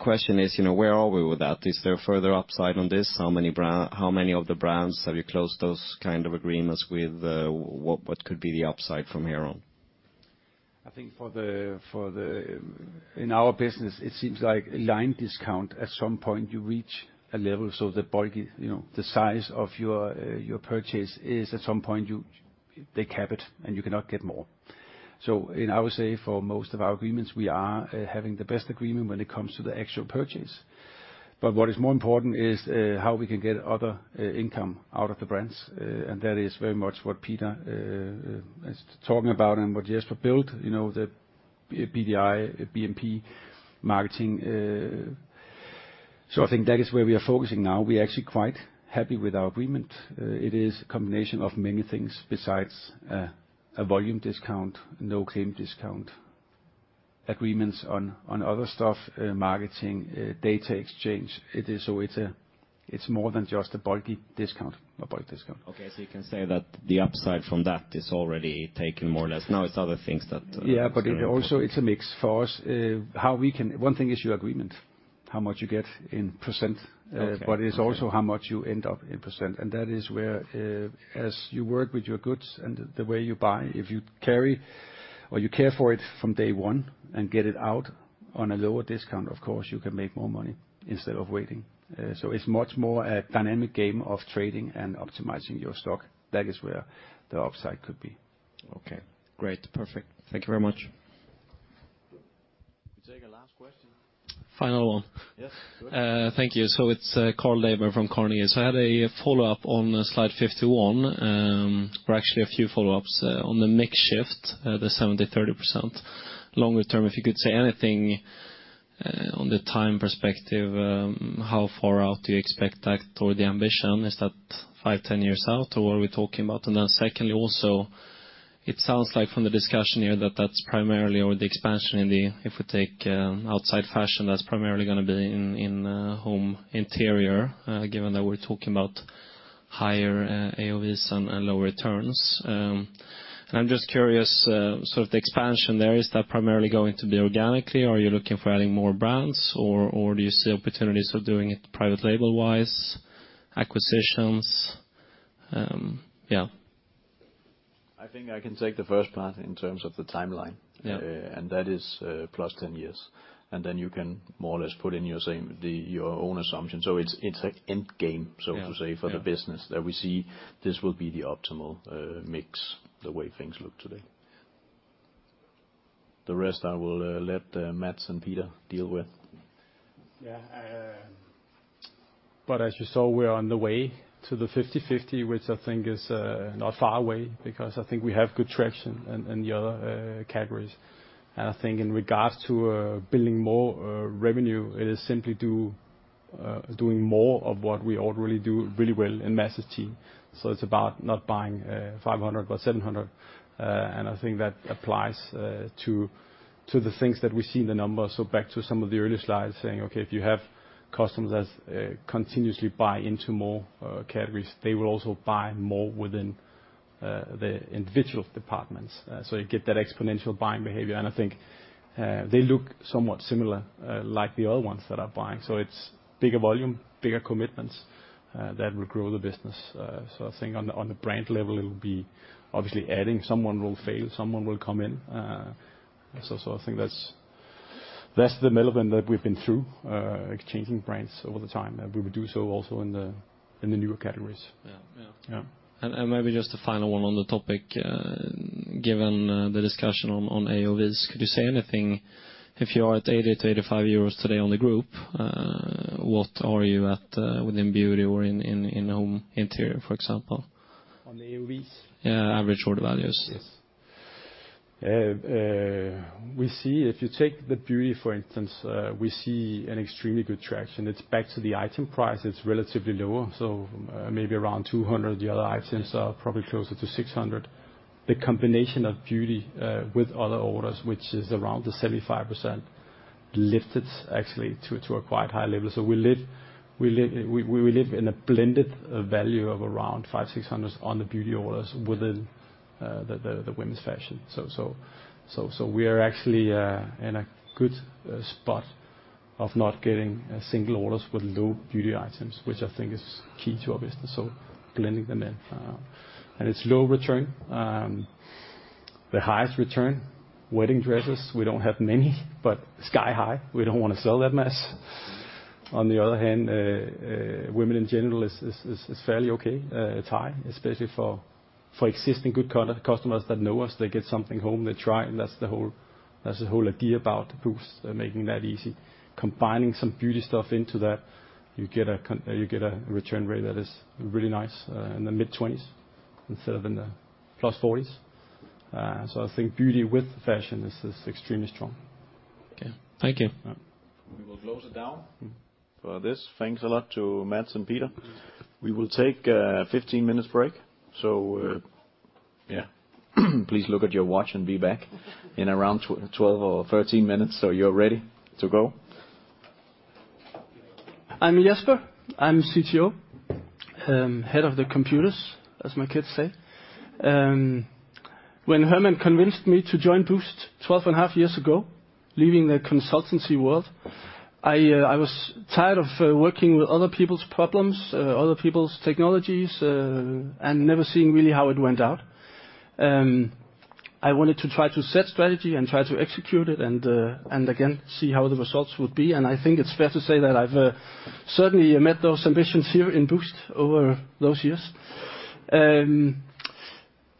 Question is where are we with that? Is there further upside on this? How many of the brands have you closed those kind of agreements with? What could be the upside from here on? I think for the, in our business, it seems like line discount at some point you reach a level, so the bulky the size of your purchase is at some point they cap it, and you cannot get more. I would say for most of our agreements, we are having the best agreement when it comes to the actual purchase. What is more important is how we can get other income out of the brands. That is very much what Peter is talking about and what Jesper built the BDI, BMP marketing. I think that is where we are focusing now. We're actually quite happy with our agreement. It is a combination of many things besides a volume discount, no claim discount, agreements on other stuff, marketing, data exchange. It is so it's more than just a bulk discount. Okay. You can say that the upside from that is already taken more or less. Yes. Now it's other things that. Yeah, it... You're focusing. It's a mix for us. One thing is your agreement, how much you get in %. Okay. Okay. It's also how much you end up in %, and that is where, as you work with your goods and the way you buy, if you carry or you care for it from day one and get it out on a lower discount, of course, you can make more money instead of waiting. It's much more a dynamic game of trading and optimizing your stock. That is where the upside could be. Okay, great. Perfect. Thank you very much. We take a last question. Final one. Yes, good. Thank you. It's Niklas Ekman from Carnegie. I had a follow-up on slide 51, or actually a few follow-ups on the mix shift, the 70/30%. Longer term, if you could say anything on the time perspective, how far out do you expect that or the ambition? Is that five, ten years out, or what are we talking about? Secondly, also, it sounds like from the discussion here that that's primarily or the expansion in the, if we take outside fashion, that's primarily gonna be in home interior, given that we're talking about higher AOV and lower returns. I'm just curious, the expansion there, is that primarily going to be organically, or are you looking for adding more brands, or do you see opportunities of doing it private label-wise, acquisitions? Yeah. I think I can take the first part in terms of the timeline. Yeah. That is plus ten years. You can more or less put in your same your own assumption. It's like end game, so to say. Yeah. Yeah. ...for the business that we see this will be the optimal mix, the way things look today. The rest I will let Mads and Peter deal with. Yeah. As you saw, we're on the way to the 50/50, which I think is not far away because I think we have good traction in the other categories. I think in regards to building more revenue, it is simply due doing more of what we already do really well in Mads' team. It's about not buying 500 but 700. I think that applies to the things that we see in the numbers. Back to some of the earlier slides saying, okay, if you have customers that continuously buy into more categories, they will also buy more within the individual departments. You get that exponential buying behavior, and I think they look somewhat similar like the other ones that are buying. It's bigger volume, bigger commitments, that will grow the business. I think on the brand level, it will be obviously adding someone will fail, someone will come in. I think that's the relevant that we've been through, exchanging brands over the time, and we will do so also in the newer categories. Yeah. Yeah. Maybe just a final one on the topic. Given the discussion on AOV, could you say anything if you are at 80-85 euros today on the group, what are you at within beauty or in home interior, for example? On the AOVs? Yeah, average order values. Yes. We see if you take the beauty, for instance, we see an extremely good traction. It's back to the item price. It's relatively lower, so maybe around 200. The other items are probably closer to 600. The combination of beauty, with other orders, which is around the 75%, lifted actually to a quite high level. We live in a blended value of around 500-600 on the beauty orders within the women's fashion. So we are actually in a good spot of not getting single orders with low beauty items, which I think is key to our business, so blending them in. It's low return. The highest return, wedding dresses, we don't have many, but sky high, we don't want to sell that much. On the other hand, women in general is fairly okay, tie, especially for existing good customers that know us. They get something home, they try, and that's the whole idea about the Boozt, making that easy. Combining some beauty stuff into that, you get a return rate that is really nice, in the mid-20s instead of in the plus 40s. So I think beauty with fashion is extremely strong. Okay. Thank you. Yeah. We will close it down for this. Thanks a lot to Mads and Peter. We will take a 15 minutes break. Yeah. Please look at your watch and be back in around 12 or 13 minutes, so you're ready to go. I'm Jesper. I'm CTO, head of the computers, as my kids say. When Hermann convinced me to join Boozt 12 and a half years ago, leaving the consultancy world, I was tired of working with other people's problems, other people's technologies, and never seeing really how it went out. I wanted to try to set strategy and try to execute it and again, see how the results would be. I think it's fair to say that I've certainly met those ambitions here in Boozt over those years.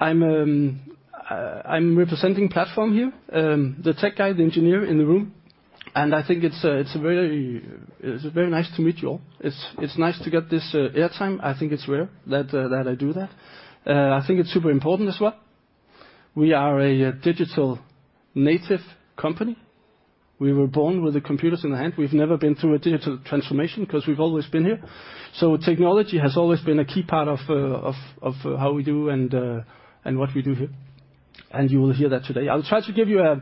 I'm representing platform here, the tech guy, the engineer in the room, and I think it's very nice to meet you all. It's nice to get this airtime. I think it's rare that I do that. I think it's super important as well. We are a digital native company. We were born with the computers in the hand. We've never been through a digital transformation 'cause we've always been here. Technology has always been a key part of how we do and what we do here. You will hear that today. I'll try to give you a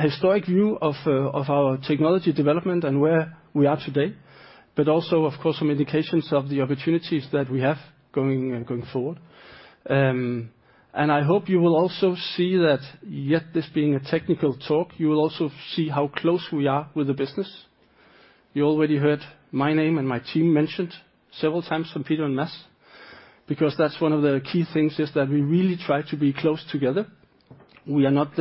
historic view of our technology development and where we are today, but also, of course, some indications of the opportunities that we have going forward. I hope you will also see that yet this being a technical talk, you will also see how close we are with the business. You already heard my name and my team mentioned several times from Peter and Mads, that's one of the key things is that we really try to be close together. We are not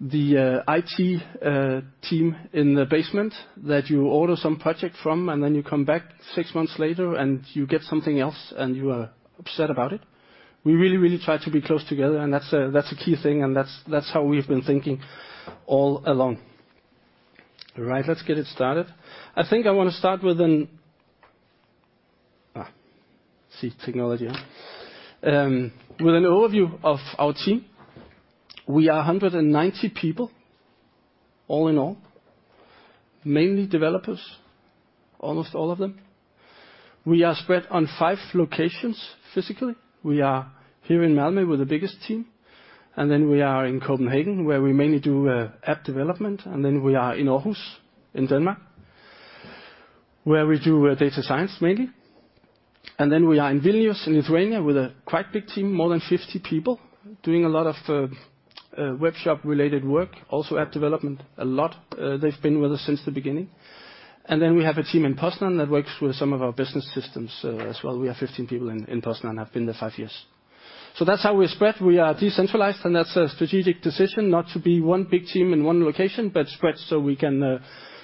the IT team in the basement that you order some project from, then you come back six months later, you get something else, and you are upset about it. We really try to be close together, that's a key thing, that's how we've been thinking all along. All right, let's get it started. I think I want to start with an overview of our team. We are 190 people all in all, mainly developers, almost all of them. We are spread on five locations physically. We are here in Malmo with the biggest team. We are in Copenhagen, where we mainly do app development. We are in Aarhus in Denmark, where we do data science mainly. We are in Vilnius in Lithuania with a quite big team, more than 50 people, doing a lot of webshop-related work, also app development a lot. They've been with us since the beginning. We have a team in Poznan that works with some of our business systems as well. We have 15 people in Poznan, have been there five years. That's how we're spread. We are decentralized, that's a strategic decision not to be 1 big team in 1 location, but spread so we can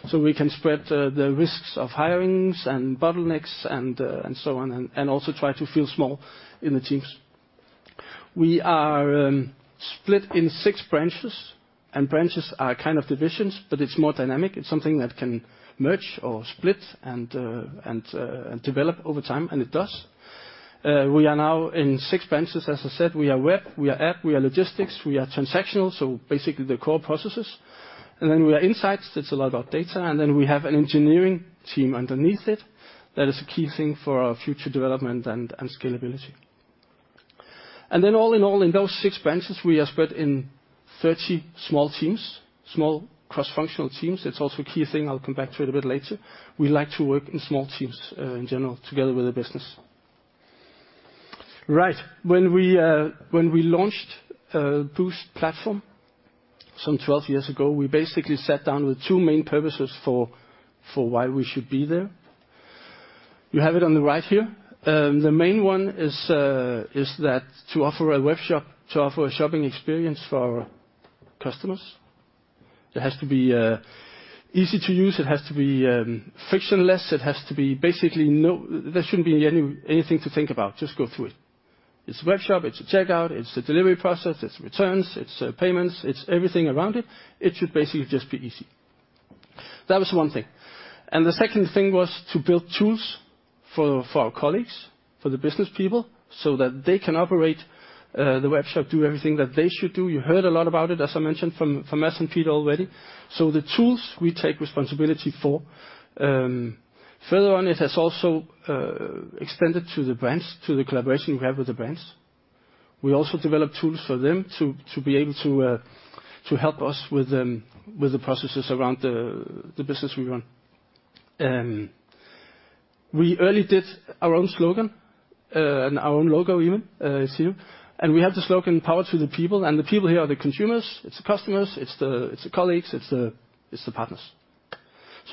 so we can spread the risks of hirings and bottlenecks and so on, and also try to feel small in the teams. We are split in 6 branches are kind of divisions, but it's more dynamic. It's something that can merge or split and and develop over time, and it does. We are now in 6 branches. As I said, we are web, we are app, we are logistics, we are transactional, so basically the core processes. Then we are insights. That's a lot about data. Then we have an engineering team underneath it that is a key thing for our future development and scalability. All in all, in those six branches, we are spread in 30 small teams, small cross-functional teams. It's also a key thing. I'll come back to it a bit later. We like to work in small teams, in general, together with the business. Right. When we launched Boozt platform some 12 years ago, we basically sat down with two main purposes for why we should be there. You have it on the right here. The main one is that to offer a webshop to offer a shopping experience for our customers. It has to be easy to use, it has to be frictionless. It has to be basically nothing. There shouldn't be anything to think about, just go through it. It's a webshop, it's a checkout, it's a delivery process, it's returns, it's payments, it's everything around it. It should basically just be easy. That was 1 thing. The second thing was to build tools for our colleagues, for the business people, so that they can operate the webshop, do everything that they should do. You heard a lot about it, as I mentioned, from Mads and Peter already. The tools we take responsibility for. Further on, it has also extended to the brands, to the collaboration we have with the brands. We also develop tools for them to be able to help us with the processes around the business we run. We early did our own slogan and our own logo even, you see here. We had the slogan, power to the people, and the people here are the consumers, it's the customers, it's the colleagues, it's the partners.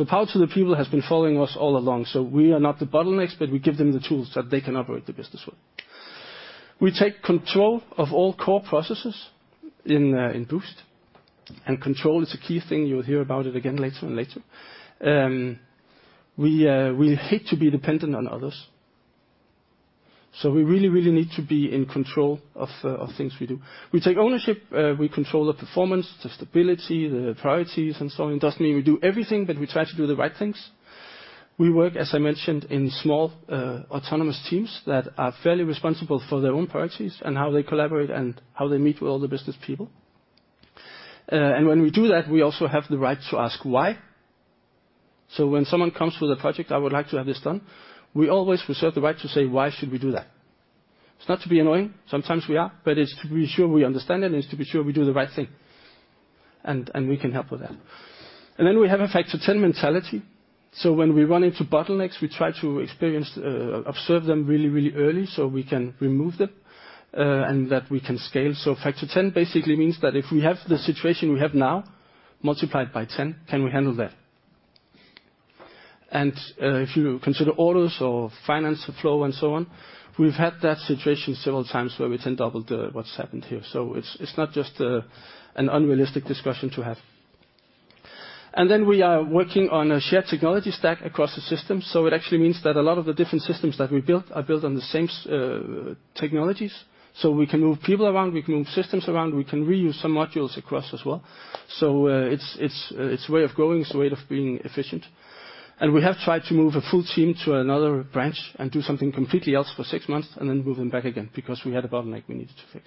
Power to the people has been following us all along. We are not the bottlenecks, but we give them the tools that they can operate the business with. We take control of all core processes in Boozt. Control is a key thing. You'll hear about it again later. We hate to be dependent on others. We really, really need to be in control of things we do. We take ownership, we control the performance, the stability, the priorities, and so on. It doesn't mean we do everything, but we try to do the right things. We work, as I mentioned, in small, autonomous teams that are fairly responsible for their own priorities and how they collaborate and how they meet with all the business people. When we do that, we also have the right to ask why. So when someone comes with a project, I would like to have this done, we always reserve the right to say, "Why should we do that?" It's not to be annoying. Sometimes we are, but it's to be sure we understand it, and it's to be sure we do the right thing. And we can help with that. Then we have a factor 10 mentality. So when we run into bottlenecks, we try to experience, observe them really, really early so we can remove them, that we can scale. Factor 10 basically means that if we have the situation we have now multiplied by 10, can we handle that? If you consider orders or finance flow and so on, we've had that situation several times where we 10 doubled what's happened here. It's, it's not just an unrealistic discussion to have. We are working on a shared technology stack across the system. It actually means that a lot of the different systems that we built are built on the same technologies. We can move people around, we can move systems around, we can reuse some modules across as well. It's, it's a way of growing, it's a way of being efficient. We have tried to move a full team to another branch and do something completely else for six months and then move them back again because we had a bottleneck we needed to fix.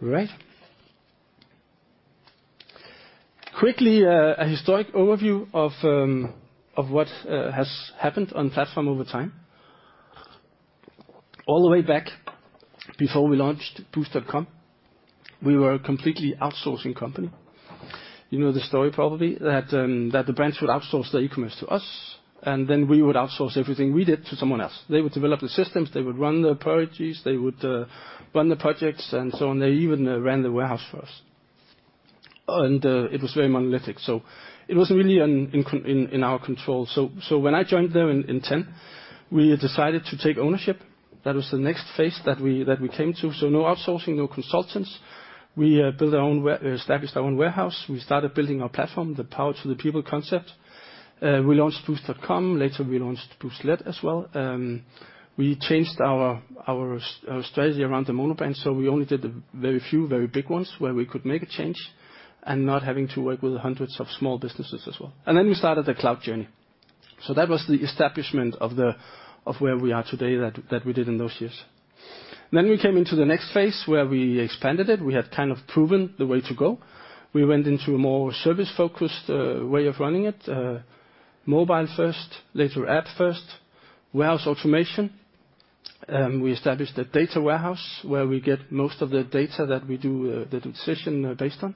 Right. Quickly, a historic overview of what has happened on platform over time. All the way back before we launched Boozt.com, we were a completely outsourcing company. the story probably that the brands would outsource their e-commerce to us, and then we would outsource everything we did to someone else. They would develop the systems, they would run the priorities, they would run the projects, and so on. They even ran the warehouse for us. It was very monolithic, so it wasn't really in our control. When I joined them in 2010, we decided to take ownership. That was the next phase that we came to. No outsourcing, no consultants. We built our own established our own warehouse. We started building our platform, the power to the people concept. We launched Boozt.com. Later, we launched Booztlet as well. We changed our strategy around the monobrand, so we only did the very few, very big ones where we could make a change and not having to work with hundreds of small businesses as well. We started the cloud journey. That was the establishment of where we are today that we did in those years. We came into the next phase where we expanded it. We had kind of proven the way to go. We went into a more service-focused way of running it. Mobile first, later app first, warehouse automation. We established a data warehouse where we get most of the data that we do the decision based on.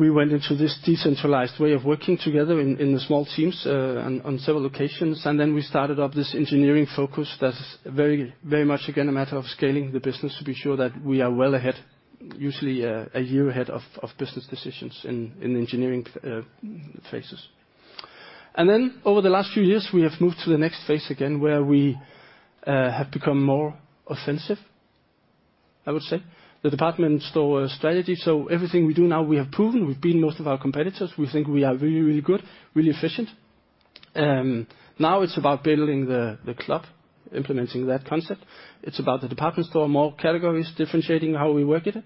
We went into this decentralized way of working together in the small teams, on several occasions. We started up this engineering focus that's very, very much again, a matter of scaling the business to be sure that we are well ahead, usually, a year ahead of business decisions in engineering, phases. Over the last few years, we have moved to the next phase again, where we have become more offensive. I would say the department store strategy. Everything we do now, we have proven. We've beaten most of our competitors. We think we are really, really good, really efficient. Now it's about building the club, implementing that concept. It's about the department store, more categories, differentiating how we work it.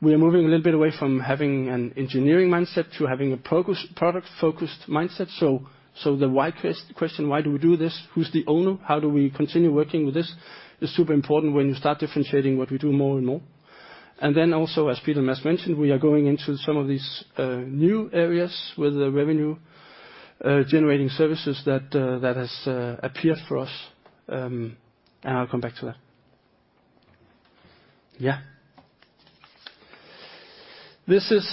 We are moving a little bit away from having an engineering mindset to having a product-focused mindset. The why question, why do we do this? Who's the owner? How do we continue working with this, is super important when you start differentiating what we do more and more. Then also, as Peter and Mads mentioned, we are going into some of these new areas with the revenue generating services that has appeared for us, and I'll come back to that. This is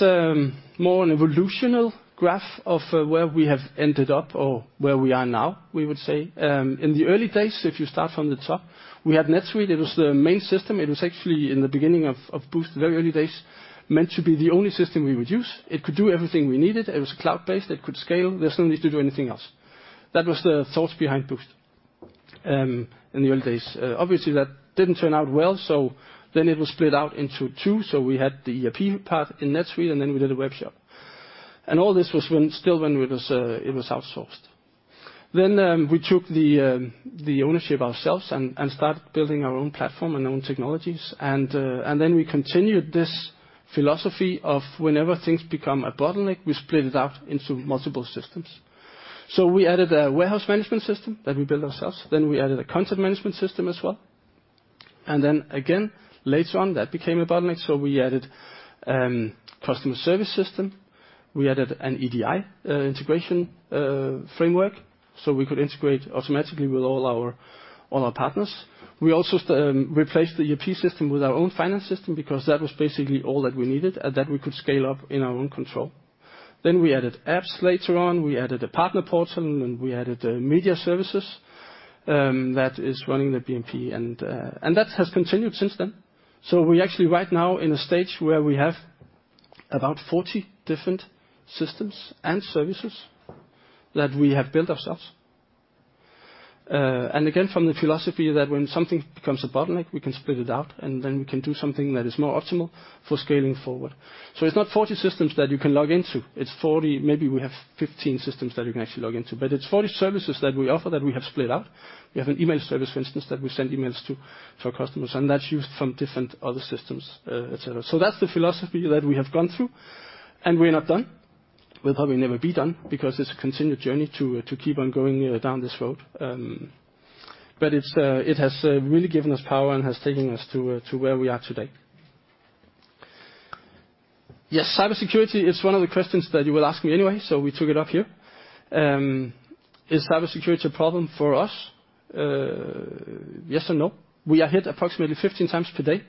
more an evolutional graph of where we have ended up or where we are now, we would say. In the early days, if you start from the top, we had NetSuite. It was the main system. It was actually in the beginning of Boozt, very early days, meant to be the only system we would use. It could do everything we needed. It was cloud-based, it could scale. There's no need to do anything else. That was the thought behind Boozt in the early days. Obviously, that didn't turn out well. It was split out into two. We had the ERP part in NetSuite, and then we did a webshop. All this was still when it was outsourced. We took the ownership ourselves and started building our own platform and own technologies. We continued this philosophy of whenever things become a bottleneck, we split it out into multiple systems. We added a warehouse management system that we built ourselves. We added a content management system as well. Again, later on, that became a bottleneck, so we added a customer service system. We added an EDI integration framework, so we could integrate automatically with all our partners. We also replaced the ERP system with our own finance system because that was basically all that we needed, and that we could scale up in our own control. We added apps later on, we added a partner portal, and we added media services that is running the BMP. That has continued since then. We actually right now in a stage where we have about 40 different systems and services that we have built ourselves. Again, from the philosophy that when something becomes a bottleneck, we can split it out, and then we can do something that is more optimal for scaling forward. It's not 40 systems that you can log into. It's maybe we have 15 systems that you can actually log into. It's 40 services that we offer that we have split out. We have an email service, for instance, that we send emails to our customers, and that's used from different other systems, et cetera. That's the philosophy that we have gone through, and we're not done. We'll probably never be done because it's a continued journey to keep on going, down this road. It's, it has, really given us power and has taken us to where we are today. Yes, cybersecurity is one of the questions that you will ask me anyway, so we took it up here. Is cybersecurity a problem for us? Yes and no. We are hit approximately 15 times per day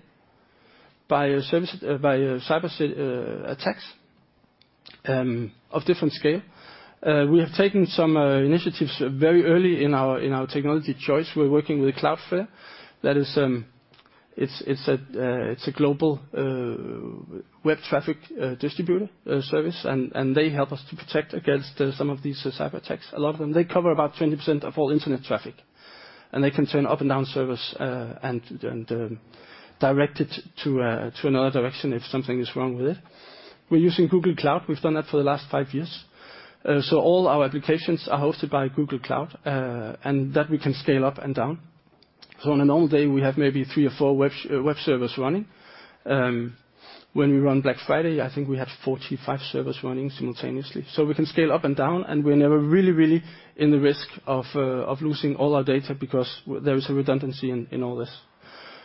by a cyberattacks of different scale. We have taken some initiatives very early in our technology choice. We're working with Cloudflare. That is, it's a global web traffic distributor service, and they help us to protect against some of these cyberattacks, a lot of them. They cover about 20% of all internet traffic, and they can turn up and down service and direct it to another direction if something is wrong with it. We're using Google Cloud. We've done that for the last five years. All our applications are hosted by Google Cloud, and that we can scale up and down. On a normal day, we have maybe three or four web servers running. When we run Black Friday, I think we have 45 servers running simultaneously. We can scale up and down, and we're never really in the risk of losing all our data because there is a redundancy in all this.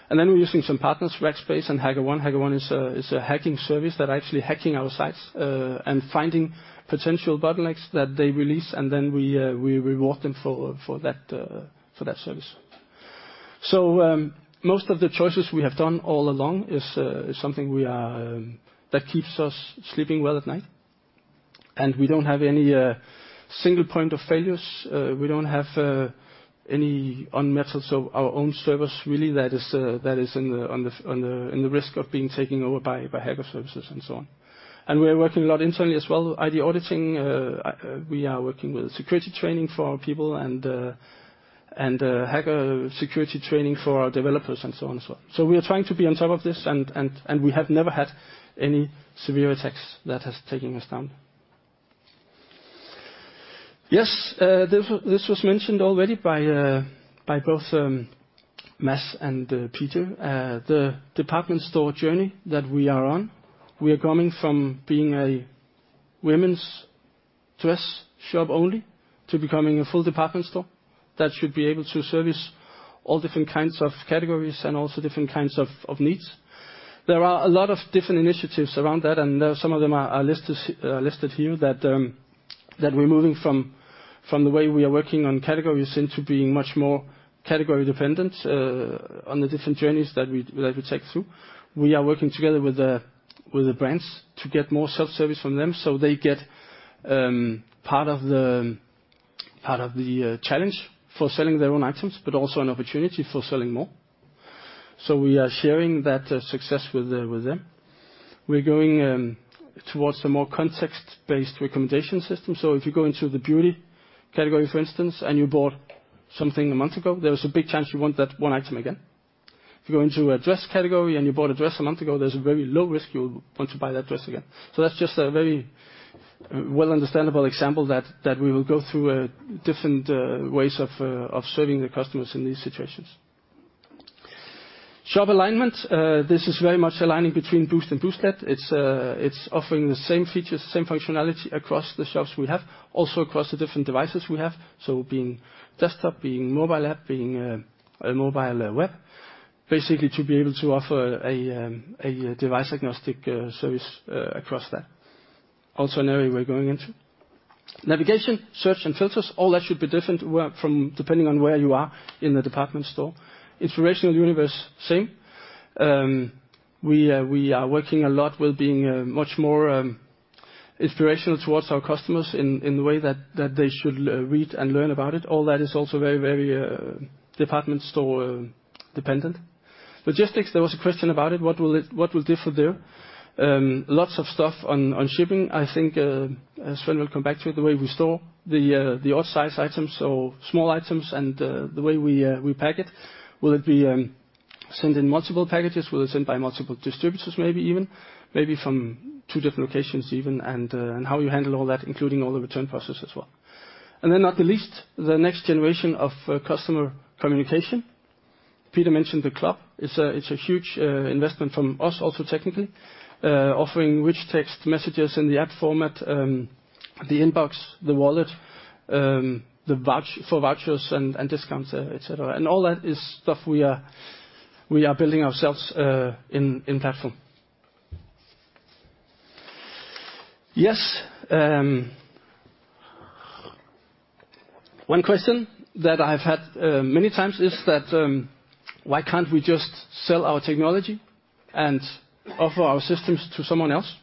Then we're using some partners, Rackspace and HackerOne. HackerOne is a, is a hacking service that are actually hacking our sites, and finding potential bottlenecks that they release, and then we reward them for that service. Most of the choices we have done all along is something we are that keeps us sleeping well at night. We don't have any single point of failures. We don't have any on-metals of our own servers really that is that is in the risk of being taken over by hacker services and so on. We are working a lot internally as well, ID auditing. We are working with security training for our people and hacker security training for our developers and so on and so on. We are trying to be on top of this and we have never had any severe attacks that has taken us down. Yes, this was mentioned already by both Mads and Peter. The department store journey that we are on, we are coming from being a women's dress shop only to becoming a full department store that should be able to service all different kinds of categories and also different kinds of needs. There are a lot of different initiatives around that, and some of them are listed here that we're moving from the way we are working on categories into being much more category-dependent on the different journeys that we take through. We are working together with the brands to get more self-service from them, so they get part of the challenge for selling their own items, but also an opportunity for selling more. We are sharing that success with them. We're going towards a more context-based recommendation system. If you go into the beauty category, for instance, and you bought something a month ago, there is a big chance you want that one item again. If you go into a dress category and you bought a dress a month ago, there's a very low risk you'll want to buy that dress again. That's just a very well understandable example that we will go through different ways of serving the customers in these situations. Shop alignment, this is very much aligning between Boozt and Booztlet. It's offering the same features, same functionality across the shops we have, also across the different devices we have. Being desktop, being mobile app, being a mobile web, basically to be able to offer a device-agnostic service across that. Also an area we're going into. Navigation, search, and filters, all that should be different work from depending on where you are in the department store. Inspirational universe, same. We are working a lot with being much more inspirational towards our customers in the way that they should read and learn about it. All that is also very, very department store-dependent. Logistics, there was a question about it. What will it differ there? Lots of stuff on shipping. I think, as Sven will come back to, the way we store the odd size items, so small items, and the way we pack it, will it be sent in multiple packages? Will it sent by multiple distributors, maybe even, maybe from 2 different locations even and how you handle all that, including all the return process as well. Then not the least, the next generation of customer communication. Peter mentioned the club. It's a huge investment from us also technically, offering rich text messages in the app format, the inbox, the wallet, for vouchers and discounts, etc. All that is stuff we are building ourselves in platform. Yes, one question that I've had many times is that why can't we just sell our technology and offer our systems to someone else?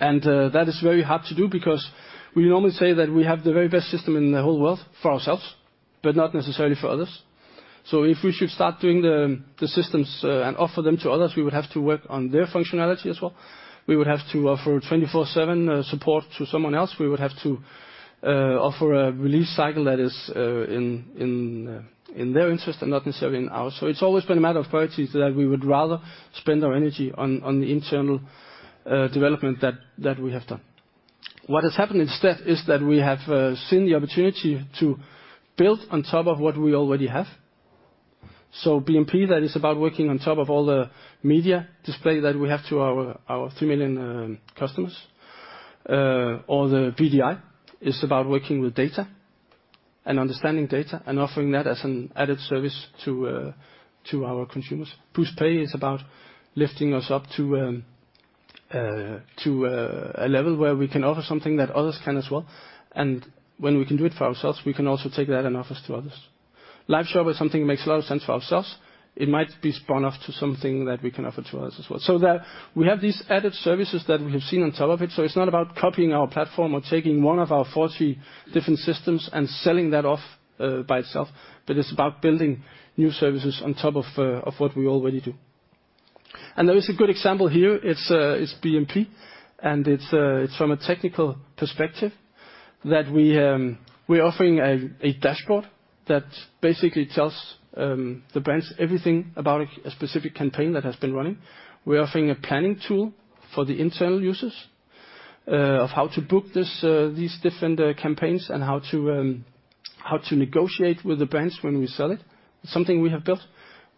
That is very hard to do because we normally say that we have the very best system in the whole world for ourselves, but not necessarily for others. If we should start doing the systems and offer them to others, we would have to work on their functionality as well. We would have to offer 24/7 support to someone else. We would have to offer a release cycle that is in their interest and not necessarily in ours. It's always been a matter of priorities that we would rather spend our energy on the internal development that we have done. What has happened instead is that we have seen the opportunity to build on top of what we already have. BMP, that is about working on top of all the media display that we have to our 3 million customers. Or the BDI is about working with data and understanding data and offering that as an added service to our consumers. Booztpay is about lifting us up to a level where we can offer something that others can as well. When we can do it for ourselves, we can also take that and offer to others. Live Shop is something makes a lot of sense for ourselves. It might be spun off to something that we can offer to others as well. We have these added services that we have seen on top of it. It's not about copying our platform or taking one of our 40 different systems and selling that off by itself, but it's about building new services on top of what we already do. There is a good example here. It's BMP, and it's from a technical perspective that we're offering a dashboard that basically tells the brands everything about a specific campaign that has been running. We're offering a planning tool for the internal users of how to book these different campaigns and how to negotiate with the brands when we sell it. Something we have built.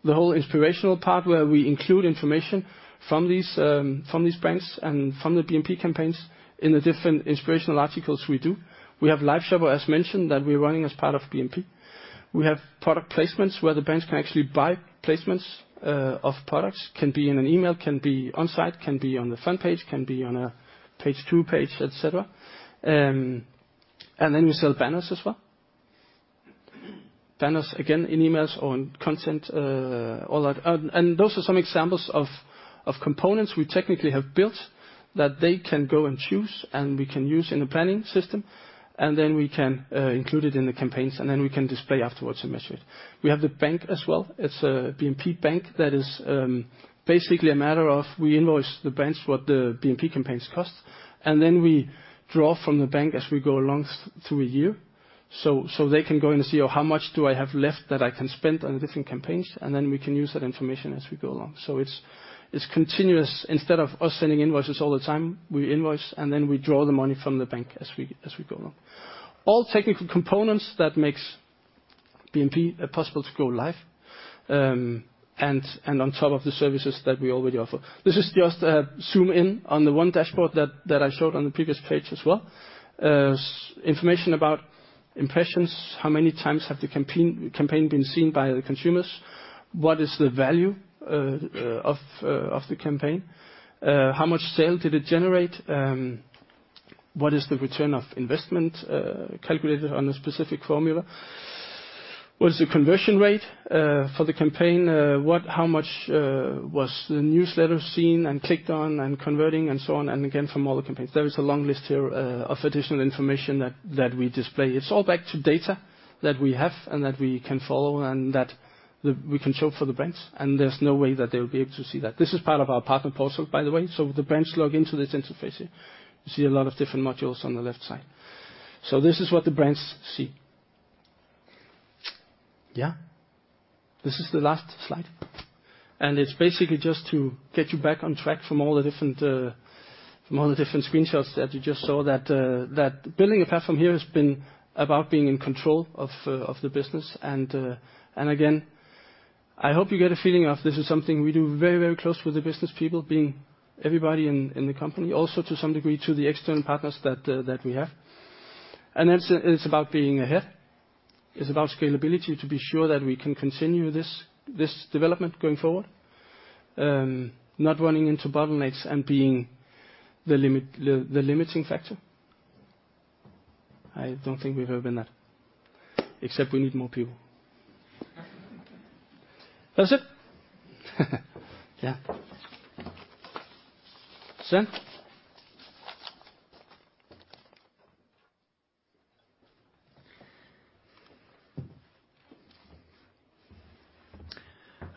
The whole inspirational part where we include information from these banks and from the BMP campaigns in the different inspirational articles we do. We have Live Shop, as mentioned, that we're running as part of BMP. We have product placements where the banks can actually buy placements, of products, can be in an email, can be on-site, can be on the front page, can be on a page two page, etc. We sell banners as well. Banners, again, in emails or on content, all that. Those are some examples of components we technically have built that they can go and choose, and we can use in a planning system, and then we can include it in the campaigns, and then we can display afterwards and measure it. We have the bank as well. It's a BMP bank that is basically a matter of we invoice the banks what the BMP campaigns cost, and then we draw from the bank as we go along through a year. They can go in and see how much do I have left that I can spend on different campaigns, and then we can use that information as we go along. It's continuous. Instead of us sending invoices all the time, we invoice, and then we draw the money from the bank as we go along. All technical components that makes BMP possible to go live and on top of the services that we already offer. This is just a zoom in on the one dashboard that I showed on the previous page as well. Information about impressions, how many times have the campaign been seen by the consumers? What is the value of the campaign? How much sale did it generate? What is the return on investment calculated on a specific formula? What is the conversion rate for the campaign? How much was the newsletter seen and clicked on and converting and so on, and again, from all the campaigns? There is a long list here of additional information that we display. It's all back to data that we have and that we can follow and that we can show for the banks, and there's no way that they will be able to see that. This is part of our partner portal, by the way. The banks log into this interface here. You see a lot of different modules on the left side. This is what the brands see. Yeah. This is the last slide, and it's basically just to get you back on track from all the different from all the different screenshots that you just saw that that building a platform here has been about being in control of of the business. Again, I hope you get a feeling of this is something we do very, very close with the business people, being everybody in the company, also to some degree, to the external partners that we have. It's about being ahead. It's about scalability to be sure that we can continue this development going forward. not running into bottlenecks and being the limiting factor. I don't think we've ever been that, except we need more people. That's it.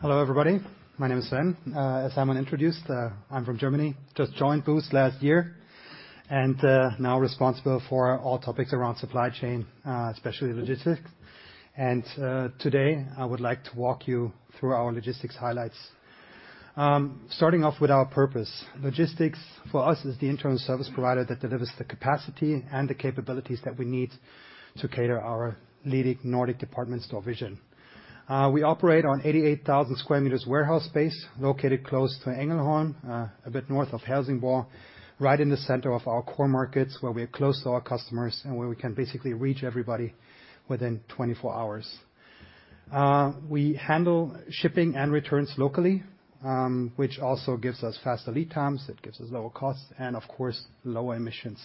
Yeah. Sven? Hello, everybody. My name is Sven. As Simon introduced, I'm from Germany. Just joined Boozt last year, now responsible for all topics around supply chain, especially logistics. Today, I would like to walk you through our logistics highlights. Starting off with our purpose. Logistics for us is the internal service provider that delivers the capacity and the capabilities that we need to cater our leading Nordic Department Store vision. We operate on 88,000 square meters warehouse space located close to Ängelholm, a bit north of Helsingborg, right in the center of our core markets where we are close to our customers and where we can basically reach everybody within 24 hours. We handle shipping and returns locally, which also gives us faster lead times, it gives us lower costs and of course, lower emissions.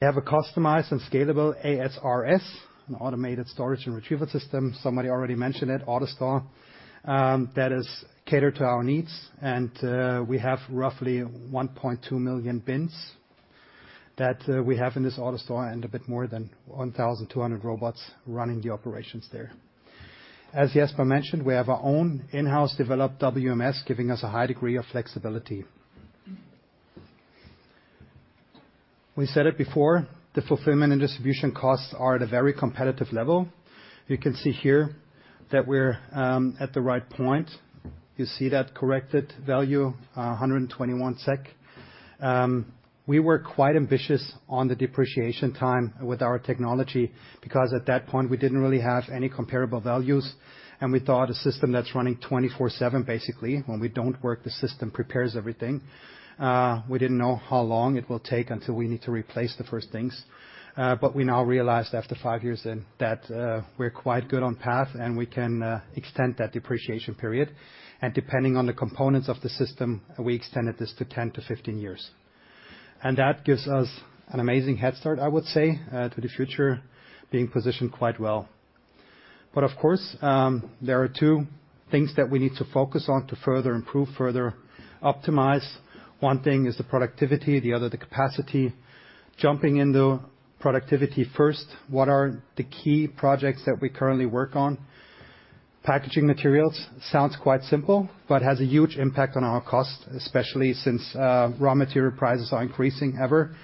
We have a customized and scalable ASRS, an automated storage and retrieval system. Somebody already mentioned it, AutoStore, that is catered to our needs. We have roughly 1.2 million bins that we have in this AutoStore and a bit more than 1,200 robots running the operations there. As Jesper mentioned, we have our own in-house developed WMS, giving us a high degree of flexibility. We said it before, the fulfillment and distribution costs are at a very competitive level. You can see here that we're at the right point. You see that corrected value, 121 SEK. We were quite ambitious on the depreciation time with our technology because at that point, we didn't really have any comparable values, and we thought a system that's running 24/7, basically, when we don't work, the system prepares everything. We didn't know how long it will take until we need to replace the first things. We now realized after five years in that, we're quite good on path and we can extend that depreciation period. Depending on the components of the system, we extended this to 10-15 years. That gives us an amazing head start, I would say, to the future being positioned quite well. Of course, there are two things that we need to focus on to further improve, further optimize. One thing is the productivity, the other, the capacity. Jumping into productivity first, what are the key projects that we currently work on? Packaging materials sounds quite simple, but has a huge impact on our cost, especially since raw material prices are increasing ever,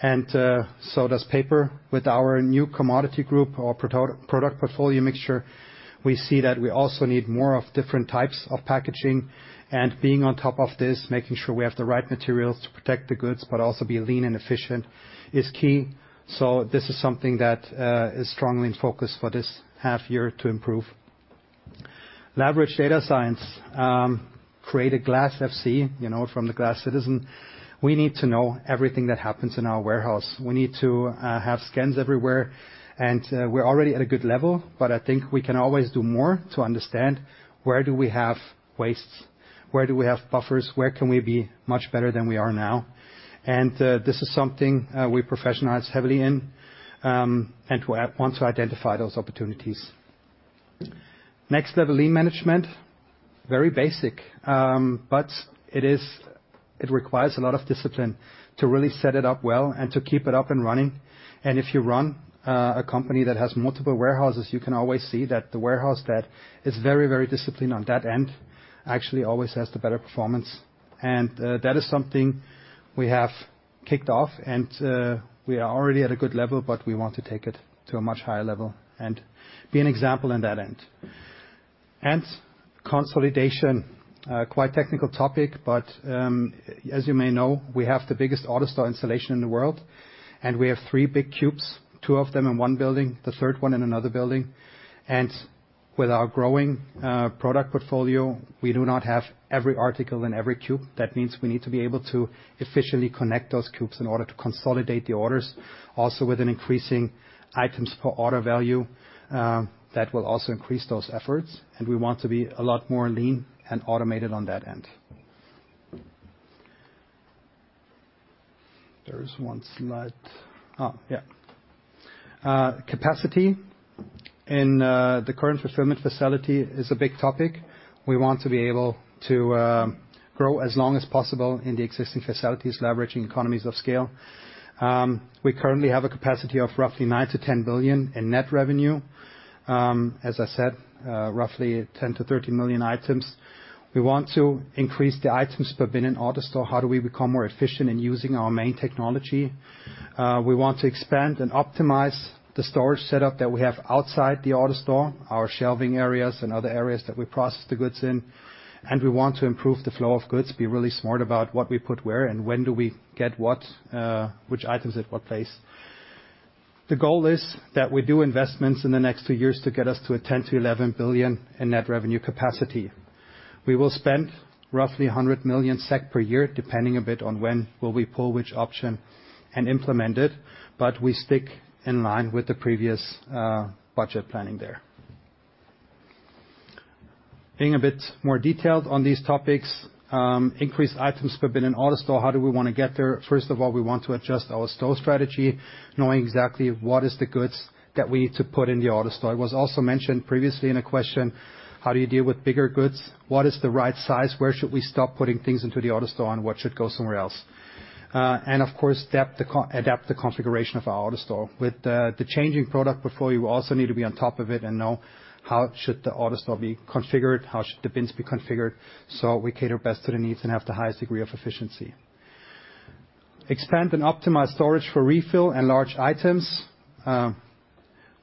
and so does paper. With our new commodity group, our proto-product portfolio mixture, we see that we also need more of different types of packaging, and being on top of this, making sure we have the right materials to protect the goods, but also be lean and efficient is key. This is something that is strongly in focus for this half year to improve. Leverage data science, create a Glass fc from the Glass Citizen. We need to know everything that happens in our warehouse. We need to have scans everywhere, and we're already at a good level, but I think we can always do more to understand where do we have wastes, where do we have buffers, where can we be much better than we are now. This is something we professionalize heavily in and want to identify those opportunities. Next level, lean management, very basic. But it requires a lot of discipline to really set it up well and to keep it up and running. If you run a company that has multiple warehouses, you can always see that the warehouse that is very, very disciplined on that end actually always has the better performance. That is something we have kicked off and we are already at a good level, but we want to take it to a much higher level and be an example in that end. Consolidation, quite technical topic, but as you may know, we have the biggest AutoStore installation in the world, and we have 3 big cubes, 2 of them in one building, the 3rd one in another building. With our growing product portfolio, we do not have every article in every cube. That means we need to be able to efficiently connect those cubes in order to consolidate the orders. Also with an increasing items per order value, that will also increase those efforts. We want to be a lot more lean and automated on that end. There is one slide. Oh, yeah. Capacity in the current fulfillment facility is a big topic. We want to be able to grow as long as possible in the existing facilities, leveraging economies of scale. We currently have a capacity of roughly 9 billion-10 billion in net revenue. As I said, roughly 10 million-13 million items. We want to increase the items per bin in AutoStore. How do we become more efficient in using our main technology? We want to expand and optimize the storage setup that we have outside the AutoStore, our shelving areas and other areas that we process the goods in. We want to improve the flow of goods, be really smart about what we put where and when do we get what, which items at what place. The goal is that we do investments in the next two years to get us to a 10 billion-11 billion in net revenue capacity. We will spend roughly 100 million SEK per year, depending a bit on when will we pull which option and implement it, but we stick in line with the previous budget planning there. Being a bit more detailed on these topics, increase items per bin in AutoStore. How do we wanna get there? First of all, we want to adjust our store strategy, knowing exactly what is the goods that we need to put in the AutoStore. It was also mentioned previously in a question, how do you deal with bigger goods? What is the right size? Where should we stop putting things into the AutoStore and what should go somewhere else? Of course, adapt the configuration of our AutoStore. With the changing product portfolio, you also need to be on top of it and know how should the AutoStore be configured, how should the bins be configured, so we cater best to the needs and have the highest degree of efficiency. Expand and optimize storage for refill and large items. Uh,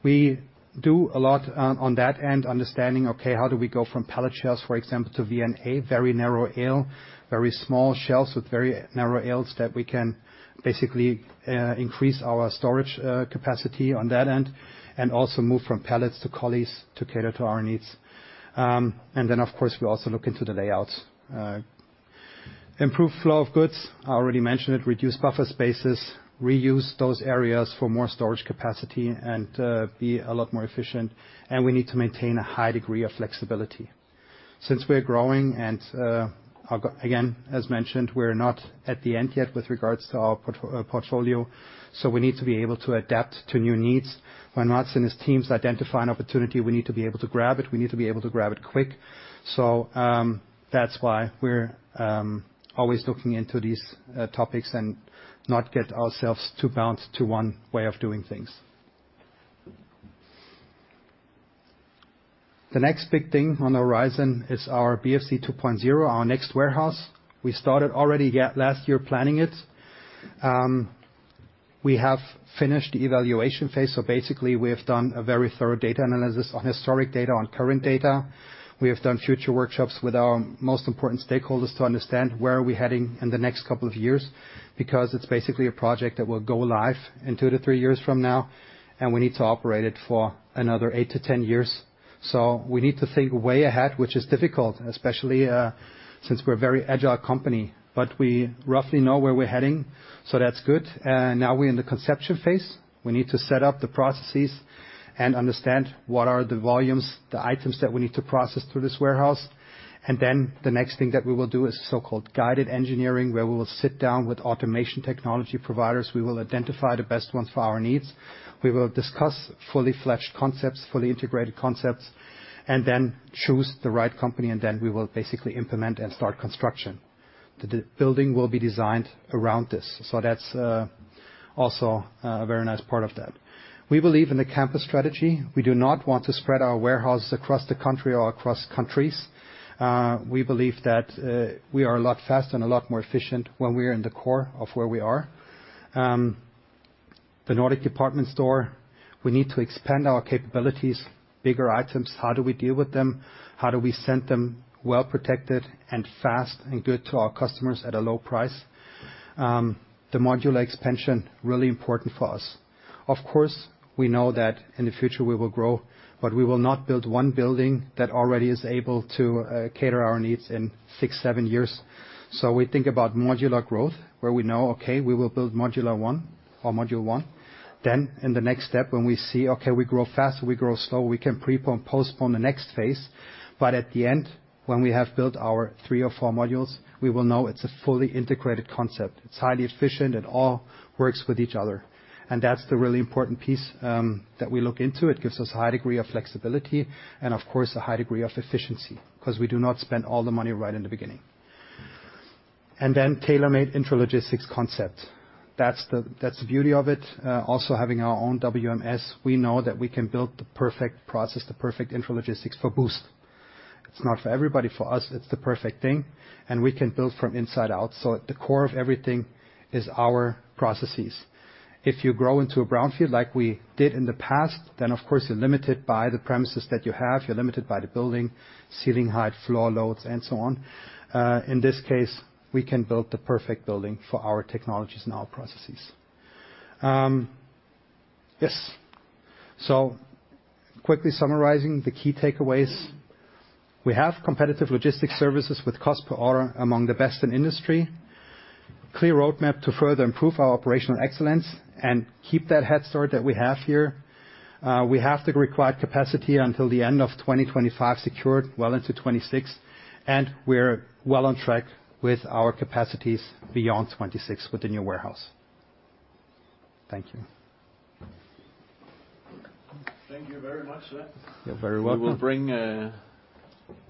we do a lot on, on that end understanding, okay, how do we go from pallet shelves, for example, to VNA, very narrow aisle, very small shelves with very narrow aisles that we can basically, uh, increase our storage, uh, capacity on that end, and also move from pallets to collies to cater to our needs. Um, and then of course, we also look into the layouts. Uh, improve flow of goods, I already mentioned it, reduce buffer spaces, reuse those areas for more storage capacity and, uh, be a lot more efficient, and we need to maintain a high degree of flexibility. Since we're growing and, uh, again, as mentioned, we're not at the end yet with regards to our port- uh, portfolio, so we need to be able to adapt to new needs. When Mats and his teams identify an opportunity, we need to be able to grab it, we need to be able to grab it quick. That's why we're always looking into these topics and not get ourselves too bound to one way of doing things. The next big thing on the horizon is our BFC 2.0, our next warehouse. We started already last year planning it. We have finished the evaluation phase, so basically we have done a very thorough data analysis on historic data, on current data. We have done future workshops with our most important stakeholders to understand where are we heading in the next couple of years, because it's basically a project that will go live in two-three years from now, and we need to operate it for another eight-ten years. We need to think way ahead, which is difficult, especially since we're a very agile company. We roughly know where we're heading, so that's good. Now we're in the conception phase. We need to set up the processes and understand what are the volumes, the items that we need to process through this warehouse. The next thing that we will do is so-called guided engineering, where we will sit down with automation technology providers, we will identify the best ones for our needs. We will discuss fully-fledged concepts, fully integrated concepts, and then choose the right company, and then we will basically implement and start construction. The building will be designed around this, so that's also a very nice part of that. We believe in the campus strategy. We do not want to spread our warehouses across the country or across countries. We believe that we are a lot faster and a lot more efficient when we are in the core of where we are. The Nordic Department Store, we need to expand our capabilities, bigger items. How do we deal with them? How do we send them well-protected and fast and good to our customers at a low price? The modular expansion, really important for us. Of course, we know that in the future we will grow, but we will not build one building that already is able to cater our needs in six, seven years. We think about modular growth, where we know, okay, we will build modular one or module one. In the next step, when we see, okay, we grow fast or we grow slow, we can postpone the next phase. At the end, when we have built our 3 or 4 modules, we will know it's a fully integrated concept. It's highly efficient. It all works with each other. That's the really important piece that we look into. It gives us a high degree of flexibility and, of course, a high degree of efficiency 'cause we do not spend all the money right in the beginning. Then tailor-made intralogistics concept. That's the beauty of it. Also having our own WMS, we know that we can build the perfect process, the perfect intralogistics for Boozt. It's not for everybody. For us, it's the perfect thing, and we can build from inside out. At the core of everything is our processes. If you grow into a brownfield like we did in the past, then of course, you're limited by the premises that you have, you're limited by the building, ceiling height, floor loads, and so on. In this case, we can build the perfect building for our technologies and our processes. Yes. Quickly summarizing the key takeaways. We have competitive logistics services with cost per order among the best in industry. Clear roadmap to further improve our operational excellence and keep that head start that we have here. We have the required capacity until the end of 2025 secured well into 2026, and we're well on track with our capacities beyond 2026 with the new warehouse. Thank you. Thank you very much, Sven. You're very welcome. We will bring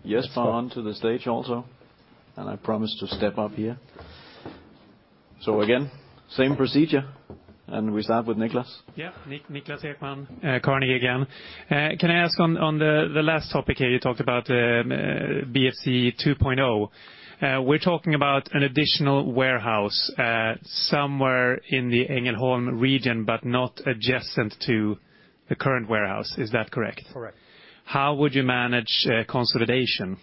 Jesper onto the stage also, and I promise to step up here. Again, same procedure, and we start with Nicholas. Yeah. Nicklas Ekman, Carnegie again. Can I ask on the last topic here, you talked about BFC 2.0. We're talking about an additional warehouse somewhere in the Ängelholm region, not adjacent to the current warehouse. Is that correct? Correct. How would you manage, consolidation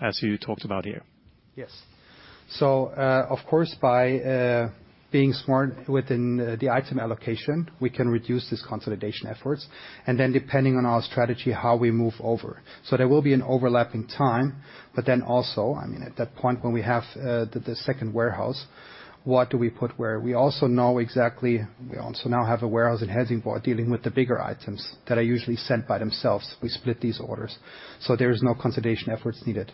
as you talked about here? Yes. Of course, by being smart within the item allocation, we can reduce this consolidation efforts. Depending on our strategy, how we move over. There will be an overlapping time. Also, I mean, at that point when we have the second warehouse, what do we put where? We also know exactly. We also now have a warehouse in Helsingborg dealing with the bigger items that are usually sent by themselves. We split these orders, there is no consolidation efforts needed.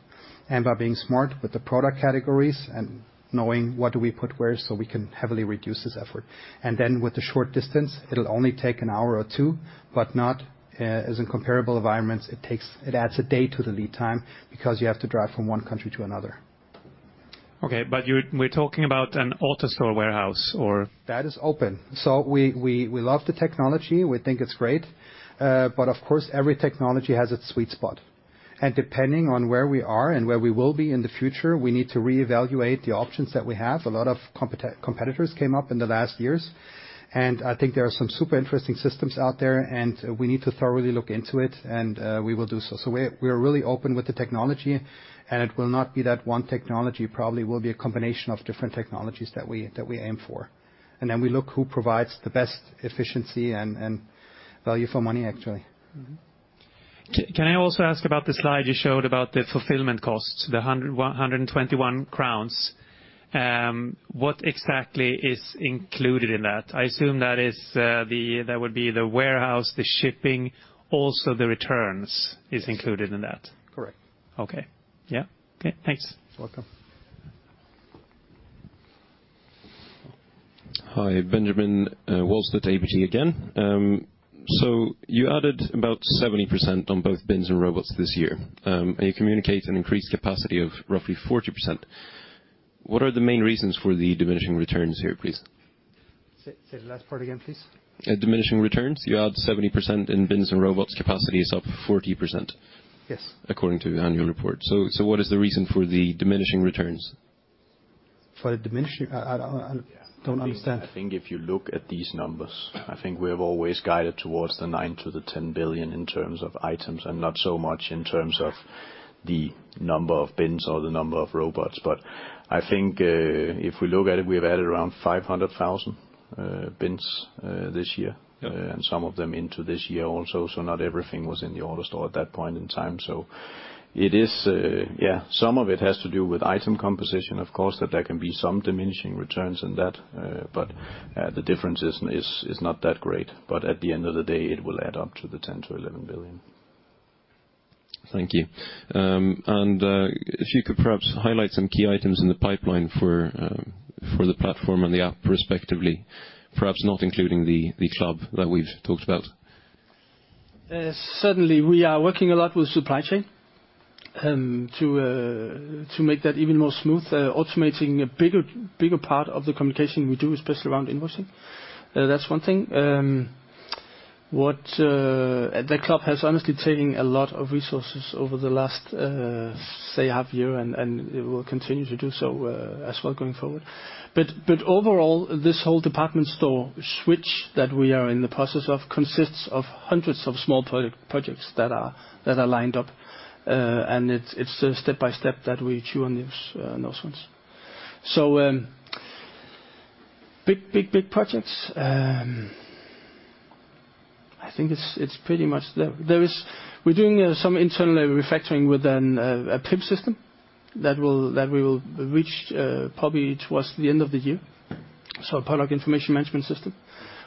By being smart with the product categories and knowing what do we put where, we can heavily reduce this effort. With the short distance, it'll only take an hour or two, but not as in comparable environments, it takes... it adds a day to the lead time because you have to drive from one country to another. Okay, we're talking about an AutoStore warehouse, or? That is open. We love the technology. We think it's great. But of course, every technology has its sweet spot. Depending on where we are and where we will be in the future, we need to reevaluate the options that we have. A lot of competitors came up in the last years, and I think there are some super interesting systems out there, and we need to thoroughly look into it, and we will do so. We're really open with the technology, and it will not be that one technology probably will be a combination of different technologies that we aim for. Then we look who provides the best efficiency and value for money, actually. Mm-hmm. Can I also ask about the slide you showed about the fulfillment costs, the 121 crowns? What exactly is included in that? I assume that is that would be the warehouse, the shipping, also the returns- Yes. is included in that. Correct. Okay. Yeah. Okay, thanks. You're welcome. Hi, Benjamin Wahlstedt, ABG again. You added about 70% on both bins and robots this year. And you communicate an increased capacity of roughly 40%. What are the main reasons for the diminishing returns here, please? Say the last part again, please. Diminishing returns. You add 70% in bins and robots, capacity is up 40%. Yes. according to the annual report. What is the reason for the diminishing returns? I don't understand. I think if you look at these numbers, I think we have always guided towards the 9 to 10 billion in terms of items and not so much in terms of the number of bins or the number of robots. I think if we look at it, we have added around 500,000 bins this year, and some of them into this year also. Not everything was in the AutoStore at that point in time. It is, yeah, some of it has to do with item composition, of course, that there can be some diminishing returns in that, but the difference is not that great. At the end of the day, it will add up to the 10 to 11 billion. Thank you. If you could perhaps highlight some key items in the pipeline for the platform and the app, respectively, perhaps not including the club that we've talked about. Certainly, we are working a lot with supply chain to make that even more smooth, automating a bigger part of the communication we do, especially around invoicing. That's one thing. The club has honestly taken a lot of resources over the last, say half year, and it will continue to do so as well going forward. Overall, this whole department store switch that we are in the process of consists of hundreds of small projects that are lined up. It's step by step that we chew on these, those ones. Big, big, big projects. I think it's pretty much there. There is... We're doing some internal refactoring with an a PIM system that we will reach probably towards the end of the year. Product information management system,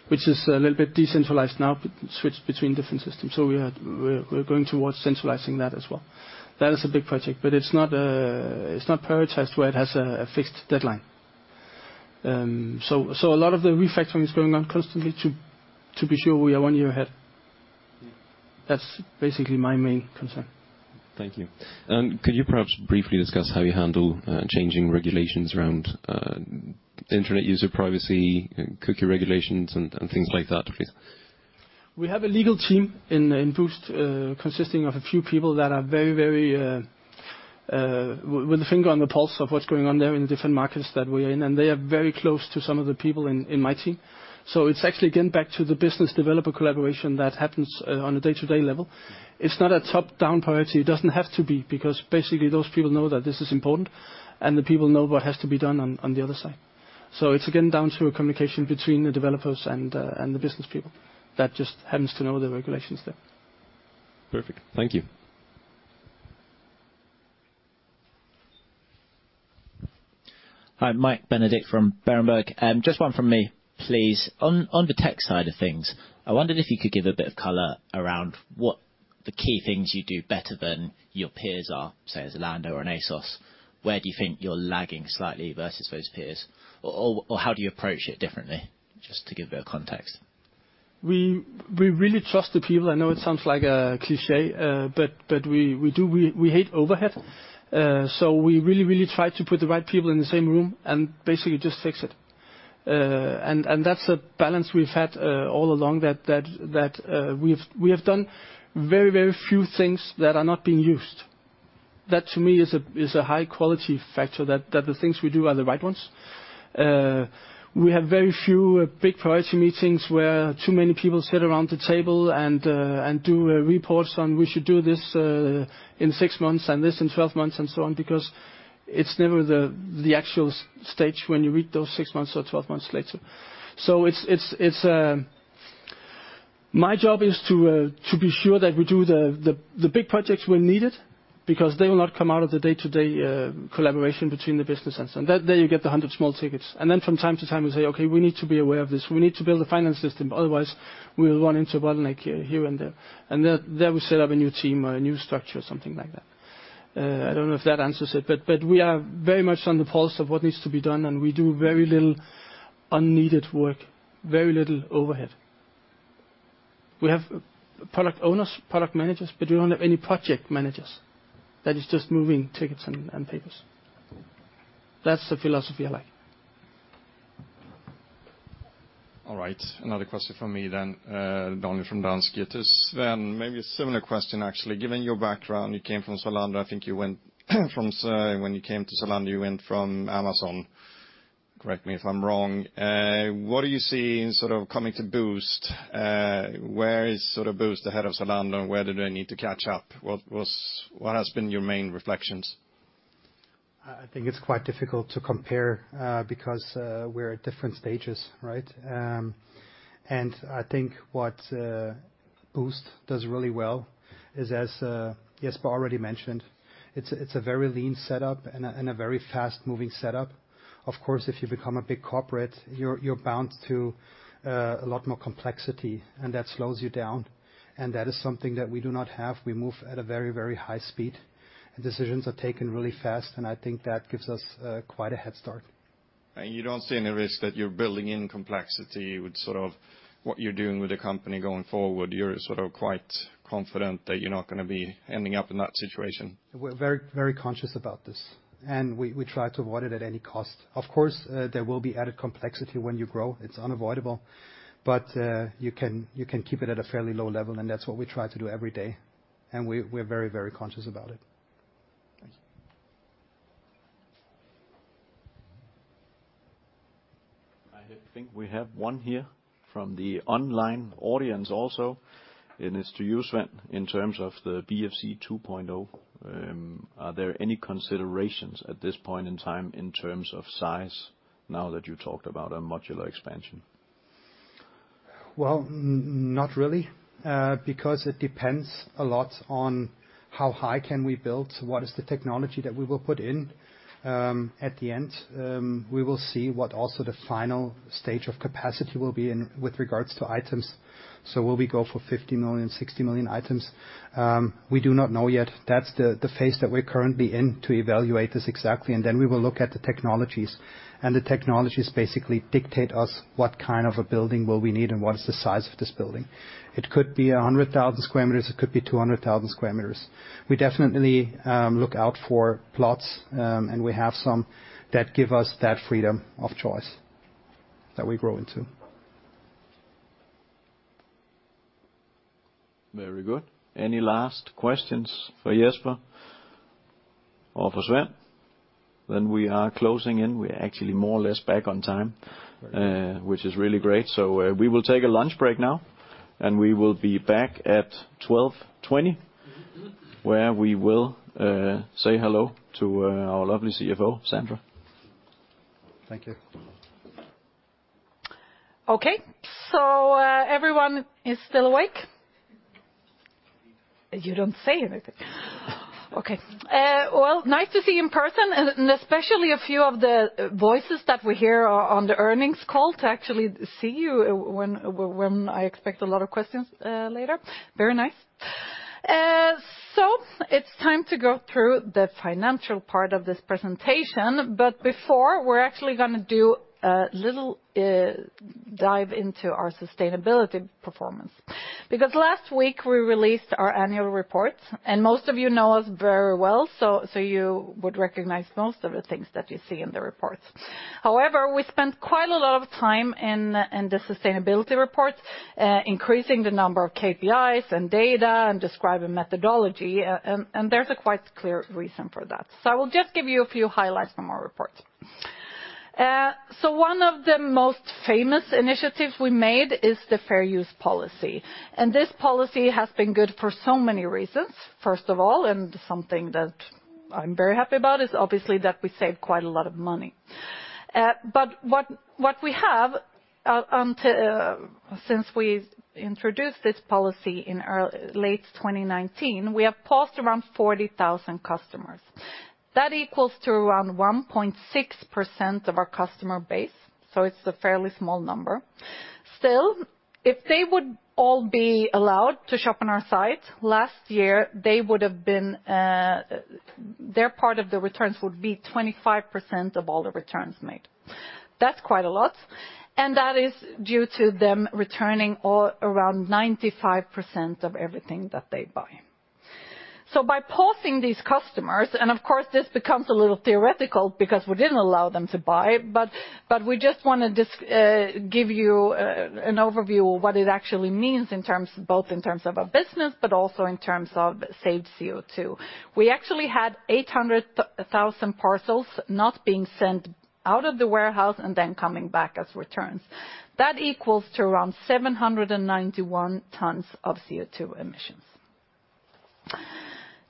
which is a little bit decentralized now, switched between different systems. We're going towards centralizing that as well. That is a big project, but it's not it's not prioritized where it has a fixed deadline. A lot of the refactoring is going on constantly to be sure we are one year ahead. That's basically my main concern. Thank you. Could you perhaps briefly discuss how you handle changing regulations around internet user privacy, cookie regulations and things like that, please? We have a legal team in Boozt, consisting of a few people that are very, with a finger on the pulse of what's going on there in the different markets that we're in, and they are very close to some of the people in my team. It's actually getting back to the business developer collaboration that happens, on a day-to-day level. It's not a top-down priority. It doesn't have to be, because basically those people know that this is important and the people know what has to be done on the other side. It's again, down to a communication between the developers and the business people that just happens to know the regulations there. Perfect. Thank you. Hi, Michael Benedict from Berenberg. Just one from me, please. On the tech side of things, I wondered if you could give a bit of color around what the key things you do better than your peers are, say, Zalando or an ASOS. Where do you think you're lagging slightly versus those peers? How do you approach it differently? Just to give a bit of context. We really trust the people. I know it sounds like a cliché, but we do. We hate overhead, so we really try to put the right people in the same room and basically just fix it. That's a balance we've had all along that we have done very few things that are not being used. That, to me, is a high quality factor, that the things we do are the right ones. We have very few big priority meetings where too many people sit around the table and do reports on we should do this in six months and this in 12 months and so on, because it's never the actual stage when you read those six months or 12 months later. It's my job is to be sure that we do the big projects when needed, because they will not come out of the day-to-day collaboration between the business center. That day you get the 100 small tickets. From time to time we say, "Okay, we need to be aware of this. We need to build a finance system, otherwise we will run into a bottleneck here and there." Then we set up a new team or a new structure, something like that. I don't know if that answers it, but we are very much on the pulse of what needs to be done, and we do very little unneeded work, very little overhead. We have product owners, product managers, but we don't have any project managers. That is just moving tickets and papers. That's the philosophy I like. All right. Another question from me then. Daniel from Danske. It is then maybe a similar question, actually. Given your background, you came from Zalando. I think you went from, when you came to Zalando, you went from Amazon. Correct me if I'm wrong. What do you see in sort of coming to Boozt? Where is sort of Boozt ahead of Zalando? Where do they need to catch up? What has been your main reflections? I think it's quite difficult to compare, because, we're at different stages, right? I think what Boozt does really well is, as Jesper already mentioned, it's a very lean setup and a very fast-moving setup. Of course, if you become a big corporate, you're bound to a lot more complexity, and that slows you down. That is something that we do not have. We move at a very, very high speed, and decisions are taken really fast. I think that gives us quite a head start. You don't see any risk that you're building in complexity with sort of what you're doing with the company going forward. You're sort of quite confident that you're not gonna be ending up in that situation. We're very, very conscious about this. We try to avoid it at any cost. Of course, there will be added complexity when you grow. It's unavoidable. You can keep it at a fairly low level, and that's what we try to do every day. We're very, very conscious about it. Thank you. I think we have one here from the online audience also, and it's to you, Sven. In terms of the BFC 2.0, are there any considerations at this point in time in terms of size now that you talked about a modular expansion? Well, not really, because it depends a lot on how high can we build, what is the technology that we will put in. At the end, we will see what also the final stage of capacity will be in with regards to items. Will we go for 50 million, 60 million items? We do not know yet. That's the phase that we're currently in to evaluate this exactly, and then we will look at the technologies, and the technologies basically dictate us what kind of a building will we need and what is the size of this building. It could be 100,000 square meters, it could be 200,000 square meters. We definitely look out for plots, and we have some that give us that freedom of choice that we grow into. Very good. Any last questions for Jesper or for Sven? We are closing in. We're actually more or less back on time, which is really great. We will take a lunch break now, and we will be back at 12:20 P.M., where we will say hello to our lovely CFO, Sandra. Thank you. Okay. Everyone is still awake? You don't say anything. Okay. Well, nice to see you in person and especially a few of the voices that we hear on the earnings call to actually see you when I expect a lot of questions later. Very nice. It's time to go through the financial part of this presentation. Before, we're actually gonna do a little dive into our sustainability performance because last week we released our annual report, and most of us very well, so you would recognize most of the things that you see in the reports. However, we spent quite a lot of time in the sustainability report, increasing the number of KPIs and data and describing methodology, and there's a quite clear reason for that. I will just give you a few highlights from our report. One of the most famous initiatives we made is the fair use policy, and this policy has been good for so many reasons. First of all, and something that I'm very happy about, is obviously that we save quite a lot of money. What we have to... Since we introduced this policy in late 2019, we have paused around 40,000 customers. That equals to around 1.6% of our customer base, so it's a fairly small number. Still, if they would all be allowed to shop on our site. Last year, they would've been... Their part of the returns would be 25% of all the returns made. That's quite a lot, that is due to them returning all around 95% of everything that they buy. By pausing these customers, of course, this becomes a little theoretical because we didn't allow them to buy, we just want to give you an overview of what it actually means in terms both in terms of our business, but also in terms of saved CO2. We actually had 800,000 parcels not being sent out of the warehouse and then coming back as returns. That equals to around 791 tons of CO2 emissions.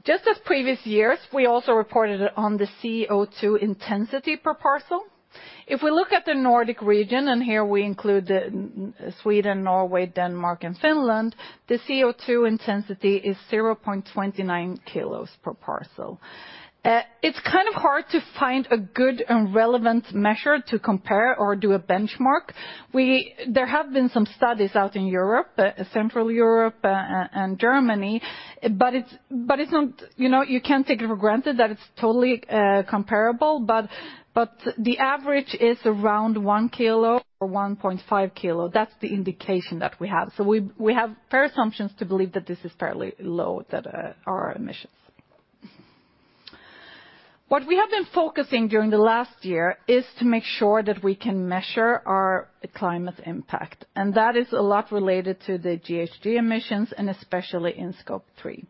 Just as previous years, we also reported on the CO2 intensity per parcel. If we look at the Nordic region, here we include the Sweden, Norway, Denmark, and Finland, the CO2 intensity is 0.29 kilos per parcel. It's kind of hard to find a good and relevant measure to compare or do a benchmark. There have been some studies out in Europe, Central Europe, and Germany, but it's not,. You can't take it for granted that it's totally comparable, but the average is around 1 kilo or 1.5 kilo. That's the indication that we have. We have fair assumptions to believe that this is fairly low, that our emissions. What we have been focusing during the last year is to make sure that we can measure our climate impact, and that is a lot related to the GHG emissions and especially in Scope 3.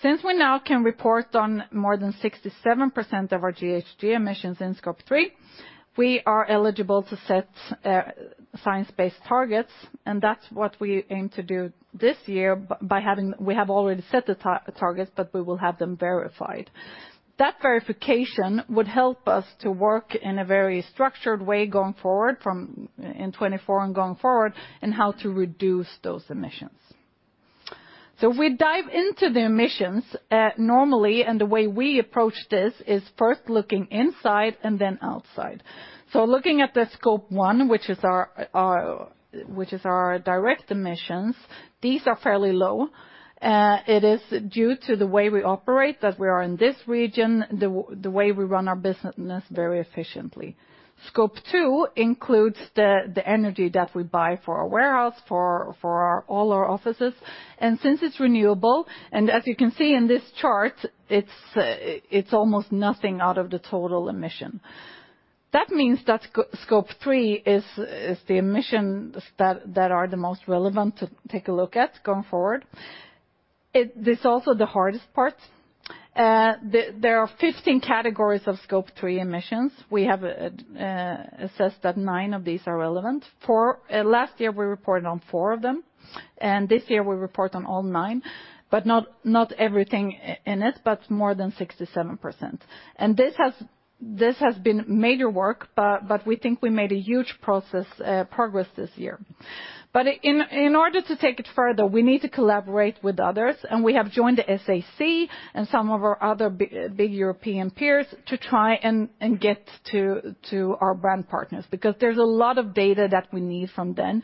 Since we now can report on more than 67% of our GHG emissions in Scope 3, we are eligible to set Science-Based Targets, and that's what we aim to do this year by having. We have already set the targets, but we will have them verified. That verification would help us to work in a very structured way going forward from, in 2024 and going forward, in how to reduce those emissions. We dive into the emissions normally, and the way we approach this is first looking inside and then outside. Looking at the Scope 1, which is our direct emissions, these are fairly low. It is due to the way we operate, that we are in this region, the way we run our business very efficiently. Scope 2 includes the energy that we buy for our warehouse, for all our offices, and since it's renewable, and as you can see in this chart, it's almost nothing out of the total emission. That means that Scope 3 is the emissions that are the most relevant to take a look at going forward. It is also the hardest part. There are 15 categories of Scope 3 emissions. We have assessed that 9 of these are relevant. Last year, we reported on 4 of them, and this year we report on all 9, but not everything in it, but more than 67%. This has been major work, but we think we made a huge process, progress this year. In order to take it further, we need to collaborate with others, and we have joined the SAC and some of our other big European peers to try and get to our brand partners because there's a lot of data that we need from them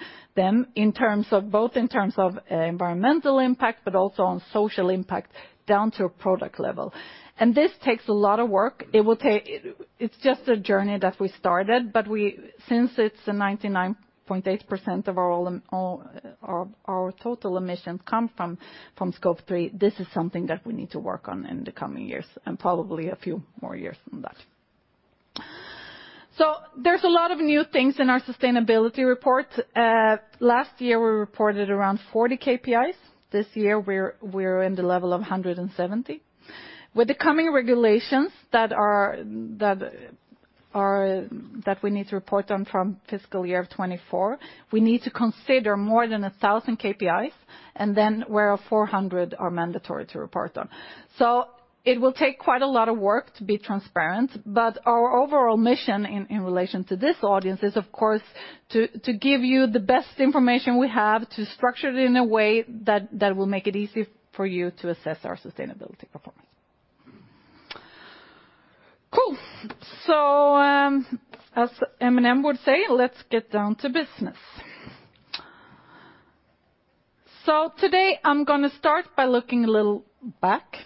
in terms of Both in terms of environmental impact, but also on social impact, down to a product level. This takes a lot of work. It will take. It's just a journey that we started, but since it's 99.8% of our total emissions come from Scope 3, this is something that we need to work on in the coming years, and probably a few more years than that. There's a lot of new things in our sustainability report. Last year, we reported around 40 KPIs. This year, we're in the level of 170. With the coming regulations that we need to report on from fiscal year of 2024, we need to consider more than 1,000 KPIs, and then where 400 are mandatory to report on. It will take quite a lot of work to be transparent, but our overall mission in relation to this audience is, of course, to give you the best information we have, to structure it in a way that will make it easy for you to assess our sustainability performance. Cool. As Eminem would say, let's get down to business. Today, I'm going to start by looking a little back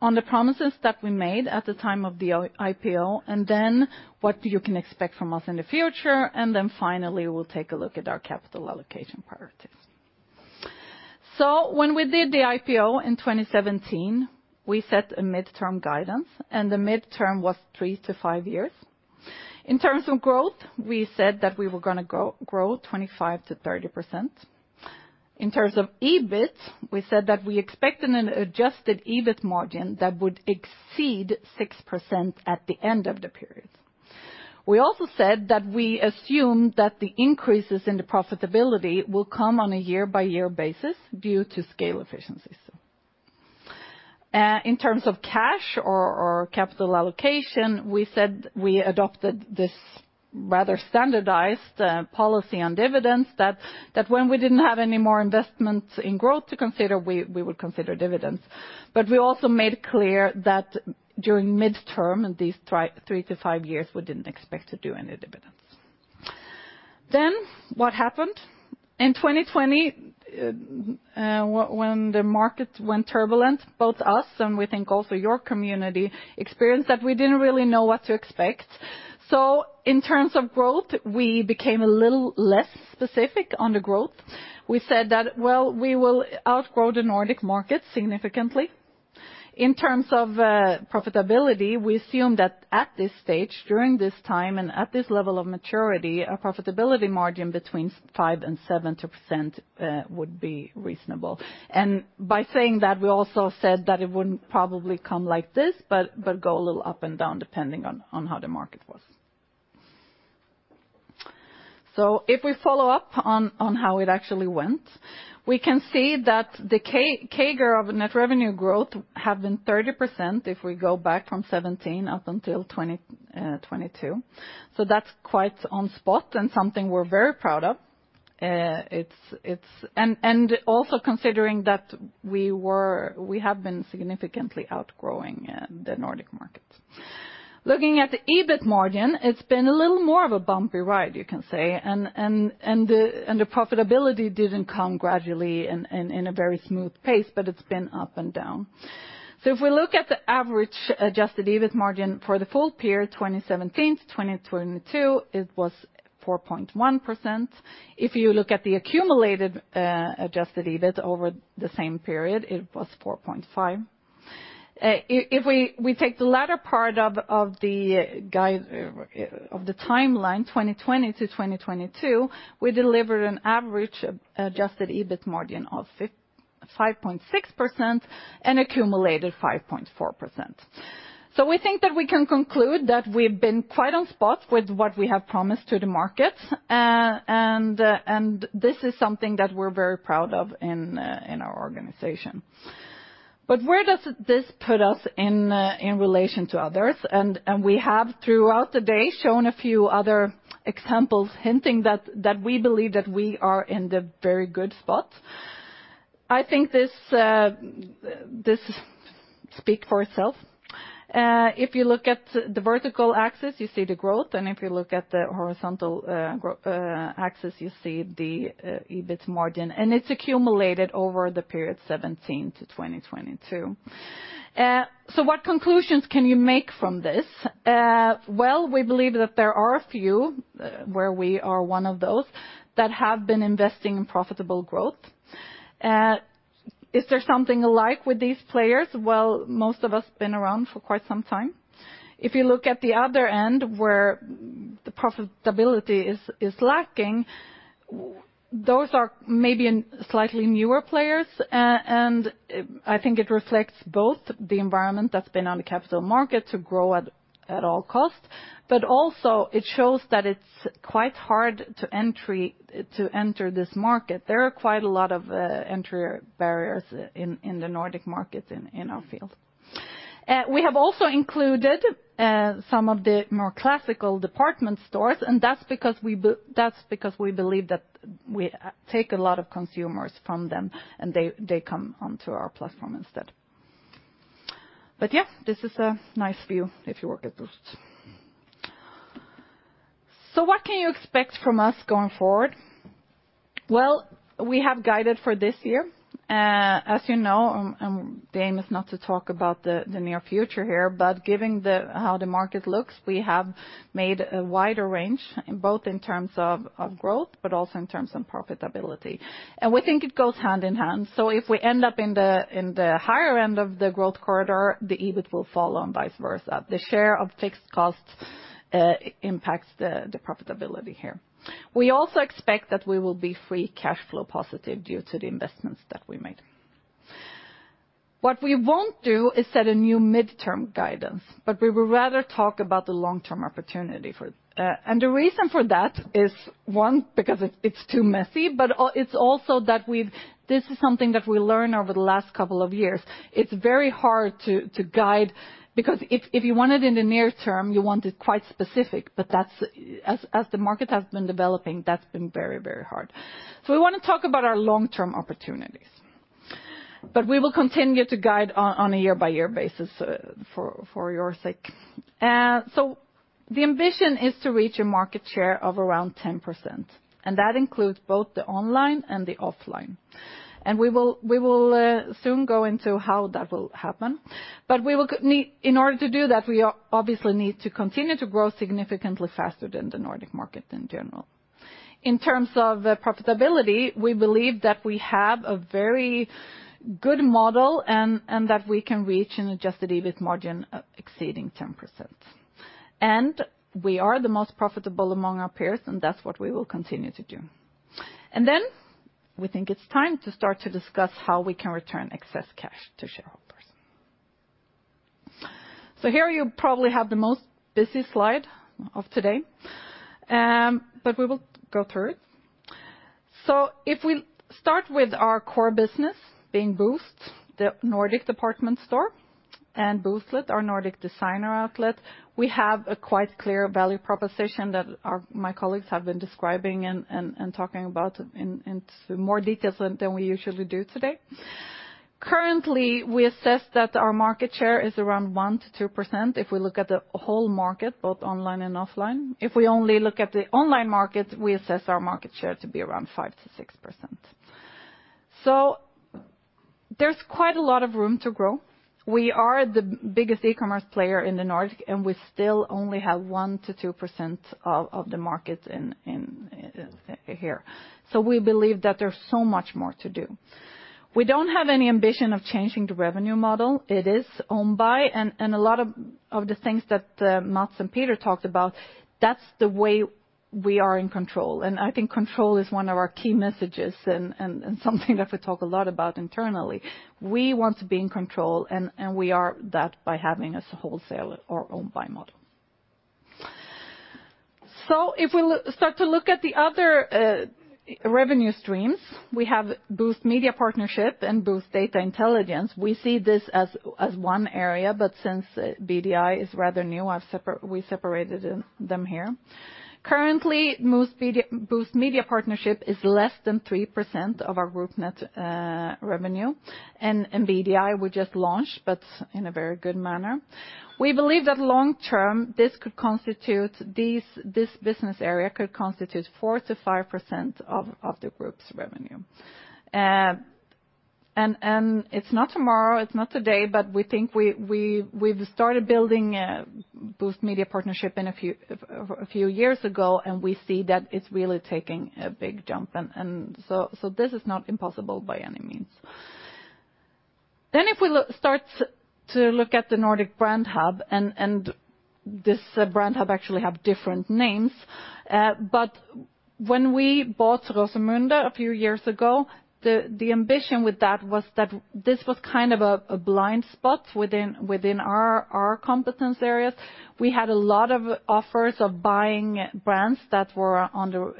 on the promises that we made at the time of the IPO, what you can expect from us in the future, and finally, we'll take a look at our capital allocation priorities. When we did the IPO in 2017, we set a midterm guidance, the midterm was three to five years. In terms of growth, we said that we were going to grow 25%-30%. In terms of EBIT, we said that we expected an adjusted EBIT margin that would exceed 6% at the end of the period. We also said that we assumed that the increases in the profitability will come on a year-by-year basis due to scale efficiencies. In terms of cash or capital allocation, we said we adopted this rather standardized policy on dividends that when we didn't have any more investment in growth to consider, we would consider dividends. We also made clear that during midterm, in these three-five years, we didn't expect to do any dividends. What happened? In 2020, when the market went turbulent, both us, and we think also your community, experienced that we didn't really know what to expect. In terms of growth, we became a little less specific on the growth. We said that, well, we will outgrow the Nordic market significantly. In terms of profitability, we assume that at this stage, during this time, and at this level of maturity, a profitability margin between 5% and 7% would be reasonable. By saying that, we also said that it wouldn't probably come like this, but go a little up and down depending on how the market was. If we follow up on how it actually went, we can see that the CAGR of net revenue growth have been 30% if we go back from 2017 up until 2022. That's quite on spot and something we're very proud of. It's... Also considering that we have been significantly outgrowing the Nordic market. Looking at the EBIT margin, it's been a little more of a bumpy ride, you can say, and the profitability didn't come gradually in, in a very smooth pace, but it's been up and down. If we look at the average adjusted EBIT margin for the full period, 2017 to 2022, it was 4.1%. If you look at the accumulated adjusted EBIT over the same period, it was 4.5%. If we take the latter part of the timeline, 2020 to 2022, we delivered an average adjusted EBIT margin of 5.6% and accumulated 5.4%. We think that we can conclude that we've been quite on spot with what we have promised to the market, and this is something that we're very proud of in our organization. Where does this put us in relation to others? We have, throughout the day, shown a few other examples hinting that we believe that we are in the very good spot. I think this speak for itself. If you look at the vertical axis, you see the growth, and if you look at the horizontal axis, you see the EBIT margin, and it's accumulated over the period 2017 to 2022. What conclusions can you make from this? Well, we believe that there are a few where we are one of those that have been investing in profitable growth. Is there something alike with these players? Well, most of us been around for quite some time. If you look at the other end where the profitability is lacking, those are maybe an slightly newer players. It, I think it reflects both the environment that's been on the capital market to grow at all costs, but also it shows that it's quite hard to enter this market. There are quite a lot of entry barriers in the Nordic market in our field. We have also included some of the more classical department stores, and that's because we believe that we take a lot of consumers from them, and they come onto our platform instead. Yeah, this is a nice view if you work at Boozt. What can you expect from us going forward? We have guided for this year. As, the aim is not to talk about the near future here, but given how the market looks, we have made a wider range, both in terms of growth, but also in terms of profitability. We think it goes hand in hand. If we end up in the higher end of the growth corridor, the EBIT will follow and vice versa. The share of fixed costs impacts the profitability here. We also expect that we will be free cash flow positive due to the investments that we made. What we won't do is set a new midterm guidance, but we would rather talk about the long-term opportunity for... The reason for that is, one, because it's too messy, but it's also that this is something that we learned over the last couple of years. It's very hard to guide because if you want it in the near term, you want it quite specific. That's As the market has been developing, that's been very, very hard. We wanna talk about our long-term opportunities. We will continue to guide on a year-by-year basis, for your sake. The ambition is to reach a market share of around 10%, and that includes both the online and the offline. We will soon go into how that will happen. We will In order to do that, we obviously need to continue to grow significantly faster than the Nordic market in general. In terms of profitability, we believe that we have a very good model and that we can reach an adjusted EBIT margin exceeding 10%. We are the most profitable among our peers. That's what we will continue to do. We think it's time to start to discuss how we can return excess cash to shareholders. Here you probably have the most busy slide of today, but we will go through it. If we start with our core business, being Boozt, the Nordic Department Store, and Booztlet, our Nordic designer outlet, we have a quite clear value proposition that my colleagues have been describing and talking about in more details than we usually do today. Currently, we assess that our market share is around 1%-2% if we look at the whole market, both online and offline. If we only look at the online market, we assess our market share to be around 5%-6%. There's quite a lot of room to grow. We are the biggest e-commerce player in the Nordic, and we still only have 1%-2% of the market in here. We believe that there's so much more to do. We don't have any ambition of changing the revenue model. It is owned by, and a lot of the things that Mats and Peter talked about, that's the way we are in control. I think control is one of our key messages and something that we talk a lot about internally. We want to be in control, and we are that by having as a wholesale or owned by model. If we start to look at the other revenue streams, we have Boozt Media Partnership and Boozt Data Intelligence. We see this as one area, but since BDI is rather new, we separated them here. Currently, Boozt Media Partnership is less than 3% of our group net revenue. BDI we just launched, but in a very good manner. We believe that long-term, this business area could constitute 4%-5% of the group's revenue. It's not tomorrow, it's not today, but we think we've started building Boozt Media Partnership a few years ago, and we see that it's really taking a big jump. This is not impossible by any means. If we start to look at the Nordic Brand Hub, this brand hub actually have different names. When we bought Rosemunde a few years ago, the ambition with that was that this was kind of a blind spot within our competence areas. We had a lot of offers of buying brands that were under.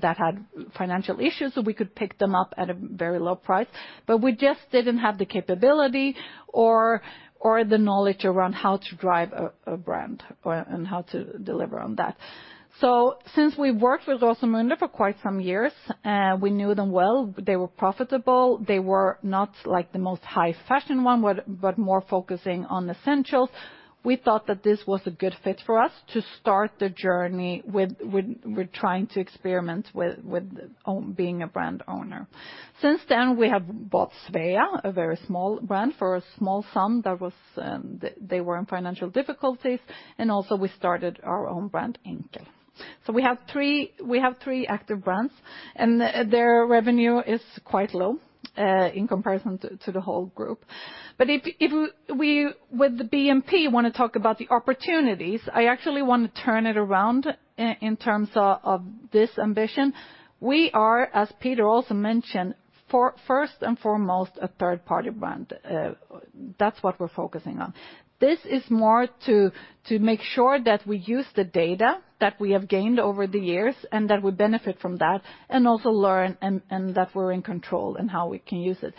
That had financial issues, we could pick them up at a very low price. We just didn't have the capability or the knowledge around how to drive a brand or how to deliver on that. Since we worked with Rosemunde for quite some years, we knew them well. They were profitable. They were not like the most high fashion one, but more focusing on essentials. We thought that this was a good fit for us to start the journey with trying to experiment with being a brand owner. Since then, we have bought Svea, a very small brand for a small sum that they were in financial difficulties, and also we started our own brand, Inte. We have three active brands, and their revenue is quite low in comparison to the whole group. If we, with the BMP, wanna talk about the opportunities, I actually wanna turn it around in terms of this ambition. We are, as Peter also mentioned, first and foremost, a third-party brand. That's what we're focusing on. This is more to make sure that we use the data that we have gained over the years and that we benefit from that and also learn and that we're in control in how we can use it.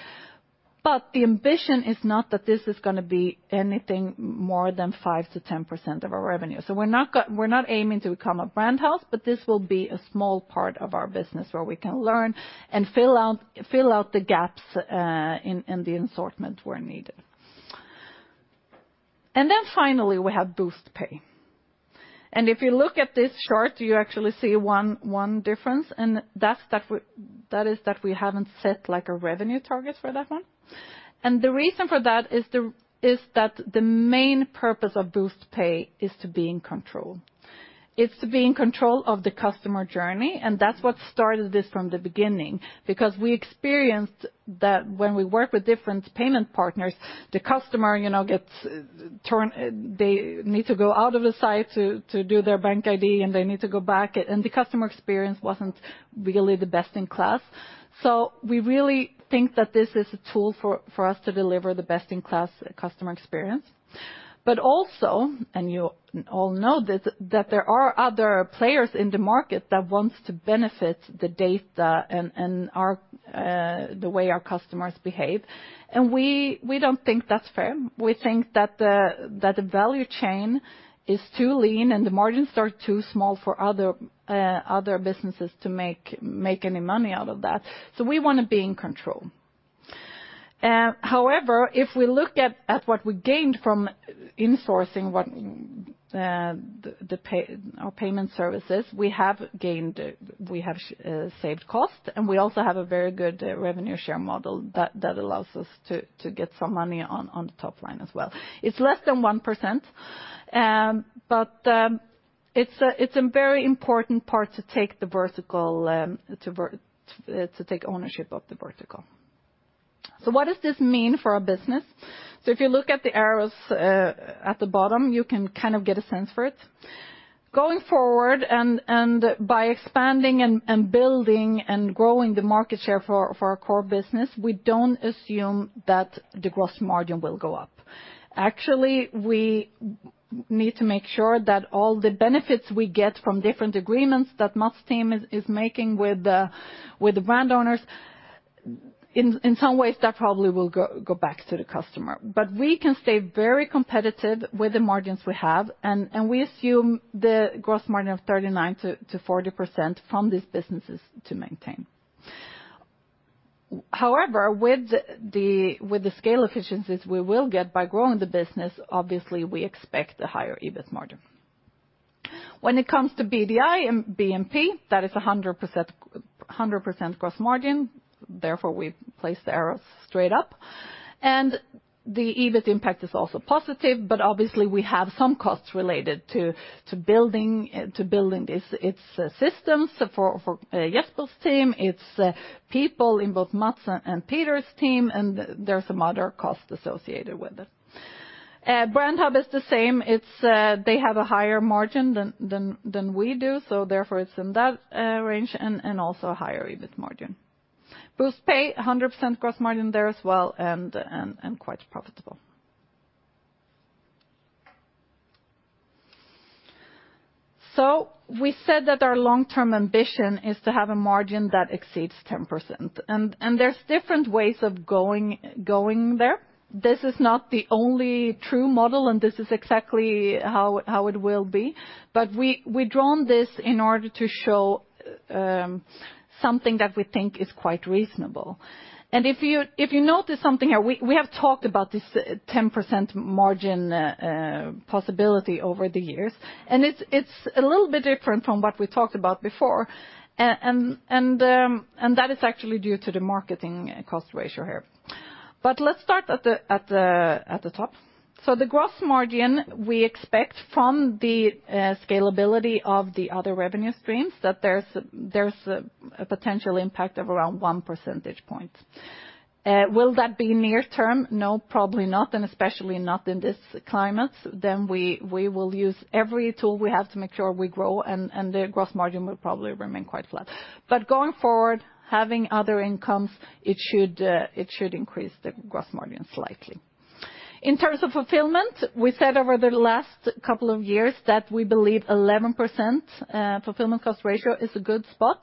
The ambition is not that this is gonna be anything more than 5%-10% of our revenue. We're not aiming to become a brand house, but this will be a small part of our business where we can learn and fill out the gaps in the assortment where needed. Finally, we have Boozt PAY. If you look at this chart, you actually see one difference, and that's that we haven't set like a revenue target for that one. The reason for that is that the main purpose of Boozt PAY is to be in control. It's to be in control of the customer journey, and that's what started this from the beginning because we experienced that when we work with different payment partners, the customer gets turned... They need to go out of the site to do their BankID, and they need to go back, and the customer experience wasn't really the best in class. We really think that this is a tool for us to deliver the best in class customer experience. Also, and you all know this, that there are other players in the market that wants to benefit the data and our the way our customers behave. We don't think that's fair. We think that the value chain is too lean and the margins are too small for other other businesses to make any money out of that. We wanna be in control. However, if we look at what we gained from insourcing what our payment services, we have gained, we have saved cost, and we also have a very good revenue share model that allows us to get some money on the top line as well. It's less than 1%, but it's a very important part to take the vertical to take ownership of the vertical. What does this mean for our business? If you look at the arrows at the bottom, you can kind of get a sense for it. Going forward and by expanding and building and growing the market share for our core business, we don't assume that the gross margin will go up. Actually, we need to make sure that all the benefits we get from different agreements that Mats' team is making with the brand owners, in some ways, that probably will go back to the customer. We can stay very competitive with the margins we have, and we assume the gross margin of 39%-40% from these businesses to maintain. However, with the scale efficiencies we will get by growing the business, obviously, we expect a higher EBIT margin. When it comes to BDI and BMP, that is a 100% gross margin, therefore, we place the arrow straight up. The EBIT impact is also positive, but obviously, we have some costs related to building its systems for Jesper's team. It's people in both Mats and Peter G.'s team, and there's some other costs associated with it. Brandhub is the same. It's they have a higher margin than we do, so therefore it's in that range and also a higher EBIT margin. Booztpay, 100% gross margin there as well and quite profitable. We said that our long-term ambition is to have a margin that exceeds 10%. There's different ways of going there. This is not the only true model, and this is exactly how it will be. We've drawn this in order to show something that we think is quite reasonable. If you notice something here, we have talked about this 10% margin possibility over the years, it's a little bit different from what we talked about before. That is actually due to the marketing cost ratio here. Let's start at the top. The gross margin we expect from the scalability of the other revenue streams that there's a potential impact of around 1 percentage point. Will that be near term? No, probably not, and especially not in this climate. We will use every tool we have to make sure we grow, and the gross margin will probably remain quite flat. Going forward, having other incomes, it should increase the gross margin slightly. In terms of fulfillment, we said over the last couple of years that we believe 11% fulfillment cost ratio is a good spot.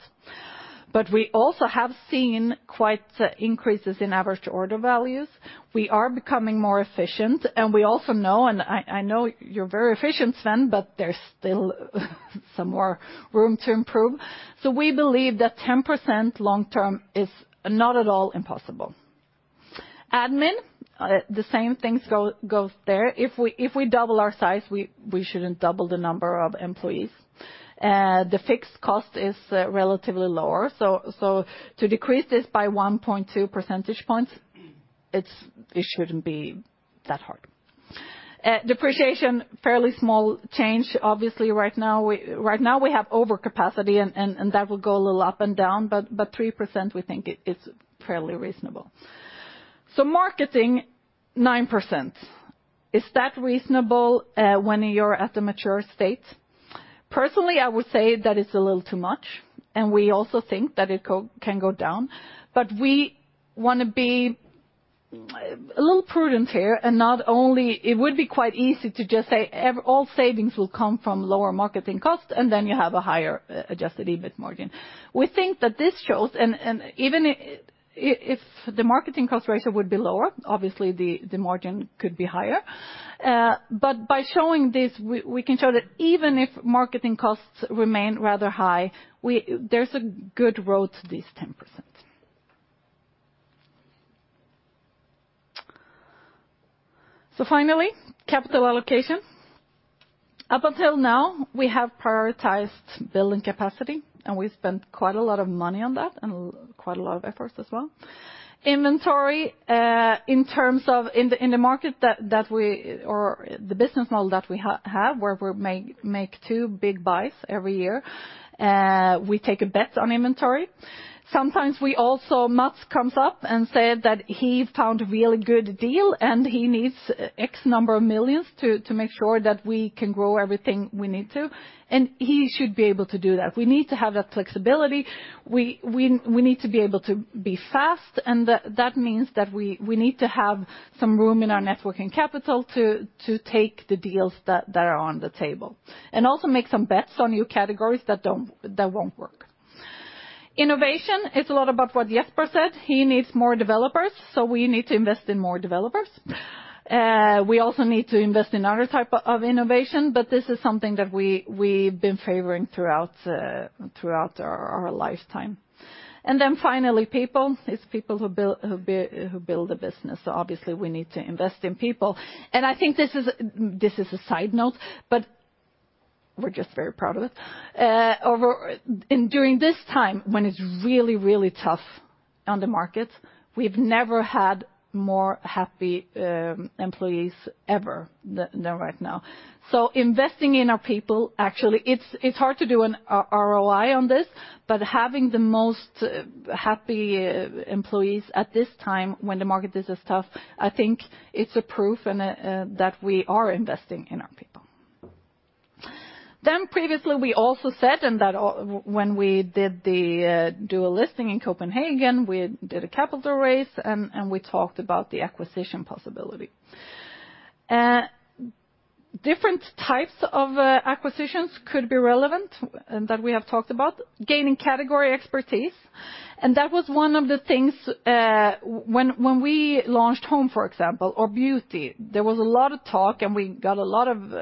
We also have seen quite increases in average order values. We are becoming more efficient. We also know, and I know you're very efficient, Sven, there's still some more room to improve. We believe that 10% long term is not at all impossible. Admin, the same things goes there. If we double our size, we shouldn't double the number of employees. The fixed cost is relatively lower, so to decrease this by 1.2 percentage points, it shouldn't be that hard. Depreciation, fairly small change. Right now, we have overcapacity and that will go a little up and down, but 3% we think it's fairly reasonable. Marketing, 9%. Is that reasonable when you're at the mature state? Personally, I would say that it's a little too much, and we also think that it can go down. We wanna be a little prudent here. It would be quite easy to just say all savings will come from lower marketing costs, and then you have a higher adjusted EBIT margin. We think that this shows, and even if the marketing cost ratio would be lower, obviously the margin could be higher. By showing this, we can show that even if marketing costs remain rather high, there's a good road to this 10%. Finally, capital allocation. Up until now, we have prioritized building capacity, and we spent quite a lot of money on that and quite a lot of efforts as well. Inventory, in terms of in the, in the market that or the business model that we have, where we make 2 big buys every year, we take a bet on inventory. Sometimes Mats comes up and said that he found a really good deal, and he needs SEK x number of millions to make sure that we can grow everything we need to, and he should be able to do that. We need to have that flexibility. We need to be able to be fast and that means that we need to have some room in our networking capital to take the deals that are on the table and also make some bets on new categories that won't work. Innovation, it's a lot about what Jesper said. He needs more developers, we need to invest in more developers. We also need to invest in other type of innovation, but this is something that we've been favoring throughout our lifetime. Finally, people. It's people who build a business. Obviously we need to invest in people. I think this is a side note, but we're just very proud of it. During this time when it's really, really tough on the markets, we've never had more happy employees ever than right now. Investing in our people, actually, it's hard to do an ROI on this, but having the most happy employees at this time when the market is as tough, I think it's a proof in a that we are investing in our people. Previously we also said and that, when we did the dual listing in Copenhagen, we did a capital raise and we talked about the acquisition possibility. Different types of acquisitions could be relevant that we have talked about. Gaining category expertise. That was one of the things, when we launched Home, for example, or Beauty, there was a lot of talk and we got a lot of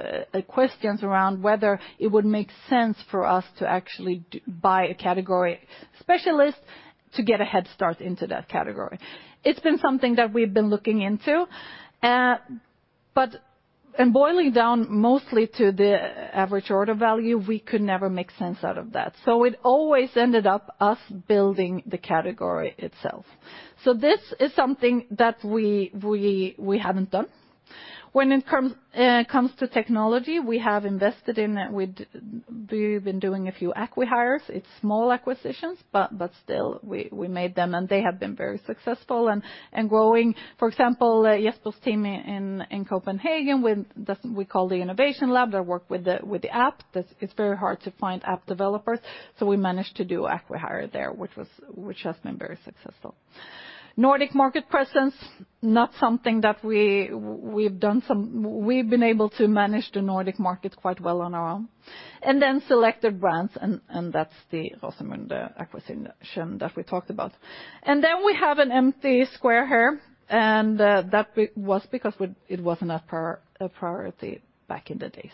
questions around whether it would make sense for us to actually buy a category specialist to get a head start into that category. It's been something that we've been looking into. In boiling down mostly to the average order value, we could never make sense out of that. It always ended up us building the category itself. This is something that we haven't done. When it comes to technology, we have invested in. We've been doing a few acqui-hires. It's small acquisitions, but still we made them and they have been very successful and growing. For example, Jesper's team in Copenhagen with the we call the innovation lab. They work with the app. It's very hard to find app developers, so we managed to do acqui-hire there, which has been very successful. Nordic market presence, not something that we've done. We've been able to manage the Nordic market quite well on our own. Selected brands, that's the Rosendahl acquisition that we talked about. We have an empty square here, that was because it wasn't a priority back in the days.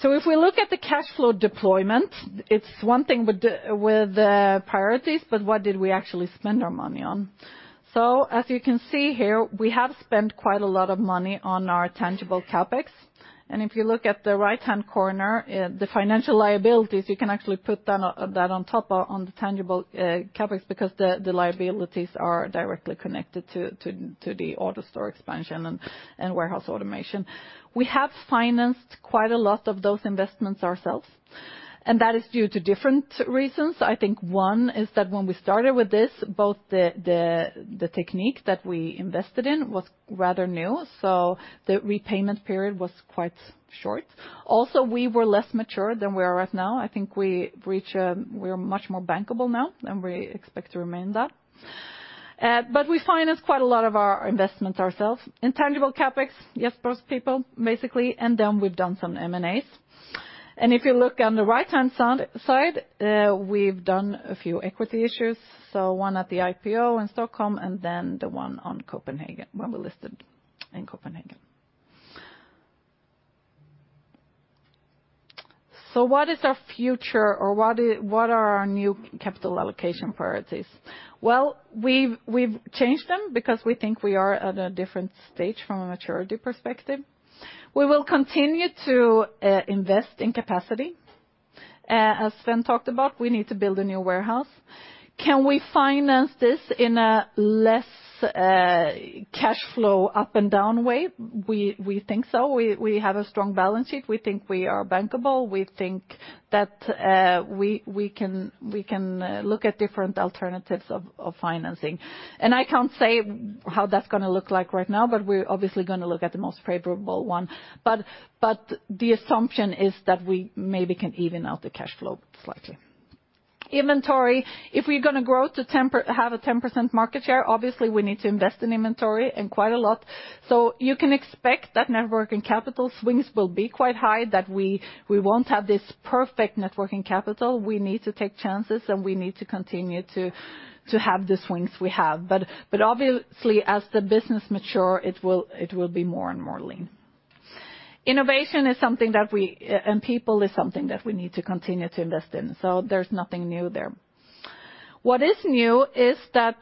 If we look at the cash flow deployment, it's 1 thing with the priorities, but what did we actually spend our money on? As you can see here, we have spent quite a lot of money on our tangible CapEx. If you look at the right-hand corner, the financial liabilities, you can actually put down that on top of on the tangible CapEx because the liabilities are directly connected to the AutoStore expansion and warehouse automation. We have financed quite a lot of those investments ourselves, that is due to different reasons. I think one is that when we started with this, both the technique that we invested in was rather new, so the repayment period was quite short. We were less mature than we are right now. I think we've reached We are much more bankable now, we expect to remain that. We finance quite a lot of our investments ourselves. Intangible CapEx, yes, those people, basically, then we've done some M&As. If you look on the right-hand side, we've done a few equity issues, one at the IPO in Stockholm and the one on Copenhagen, when we listed in Copenhagen. What is our future or what are our new capital allocation priorities? Well, we've changed them because we think we are at a different stage from a maturity perspective. We will continue to invest in capacity. As Sven talked about, we need to build a new warehouse. Can we finance this in a less cash flow up and down way? We think so. We have a strong balance sheet. We think we are bankable. We think that we can look at different alternatives of financing. I can't say how that's gonna look like right now, but we're obviously gonna look at the most favorable one. But the assumption is that we maybe can even out the cash flow slightly. Inventory, if we're gonna grow to have a 10% market share, obviously we need to invest in inventory and quite a lot. You can expect that net working capital swings will be quite high, that we won't have this perfect net working capital. We need to take chances, and we need to continue to have the swings we have. But obviously, as the business mature, it will be more and more lean. Innovation is something that we... people is something that we need to continue to invest in. There's nothing new there. What is new is that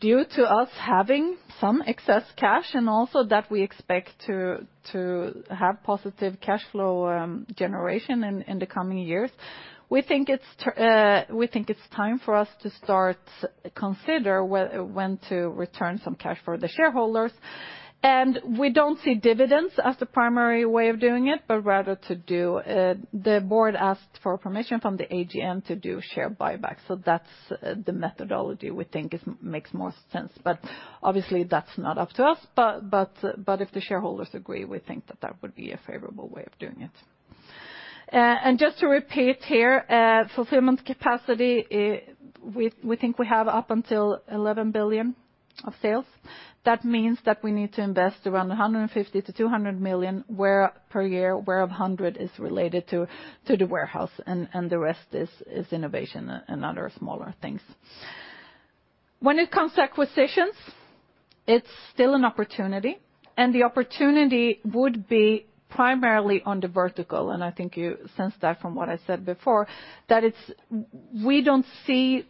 due to us having some excess cash and also that we expect to have positive cash flow generation in the coming years, we think it's time for us to start consider when to return some cash for the shareholders. We don't see dividends as the primary way of doing it, but rather to do. The board asked for permission from the AGM to do share buyback. That's the methodology we think makes most sense. Obviously, that's not up to us. If the shareholders agree, we think that that would be a favorable way of doing it. Just to repeat here, fulfillment capacity, we think we have up until 11 billion of sales. That means that we need to invest around 150 million-200 million per year, where 100 million is related to the warehouse and the rest is innovation and other smaller things. When it comes to acquisitions, it's still an opportunity, the opportunity would be primarily on the vertical, and I think you sensed that from what I said before. That we don't see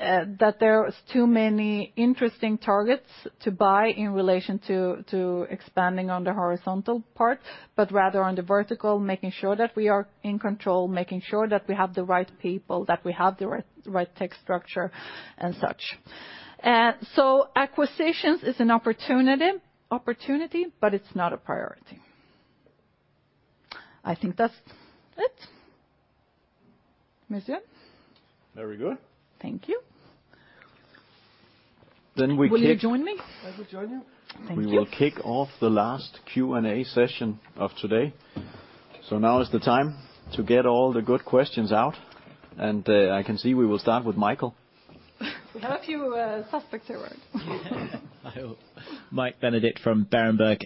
that there's too many interesting targets to buy in relation to expanding on the horizontal part, but rather on the vertical, making sure that we are in control, making sure that we have the right people, that we have the right tech structure and such. Acquisitions is an opportunity, but it's not a priority. I think that's it. Monsieur? Very good. Thank you. Then we kick- Will you join me? I will join you. Thank you. We will kick off the last Q&A session of today. Now is the time to get all the good questions out, and I can see we will start with Michael. We have a few, suspects here. Michael Benedict from Berenberg.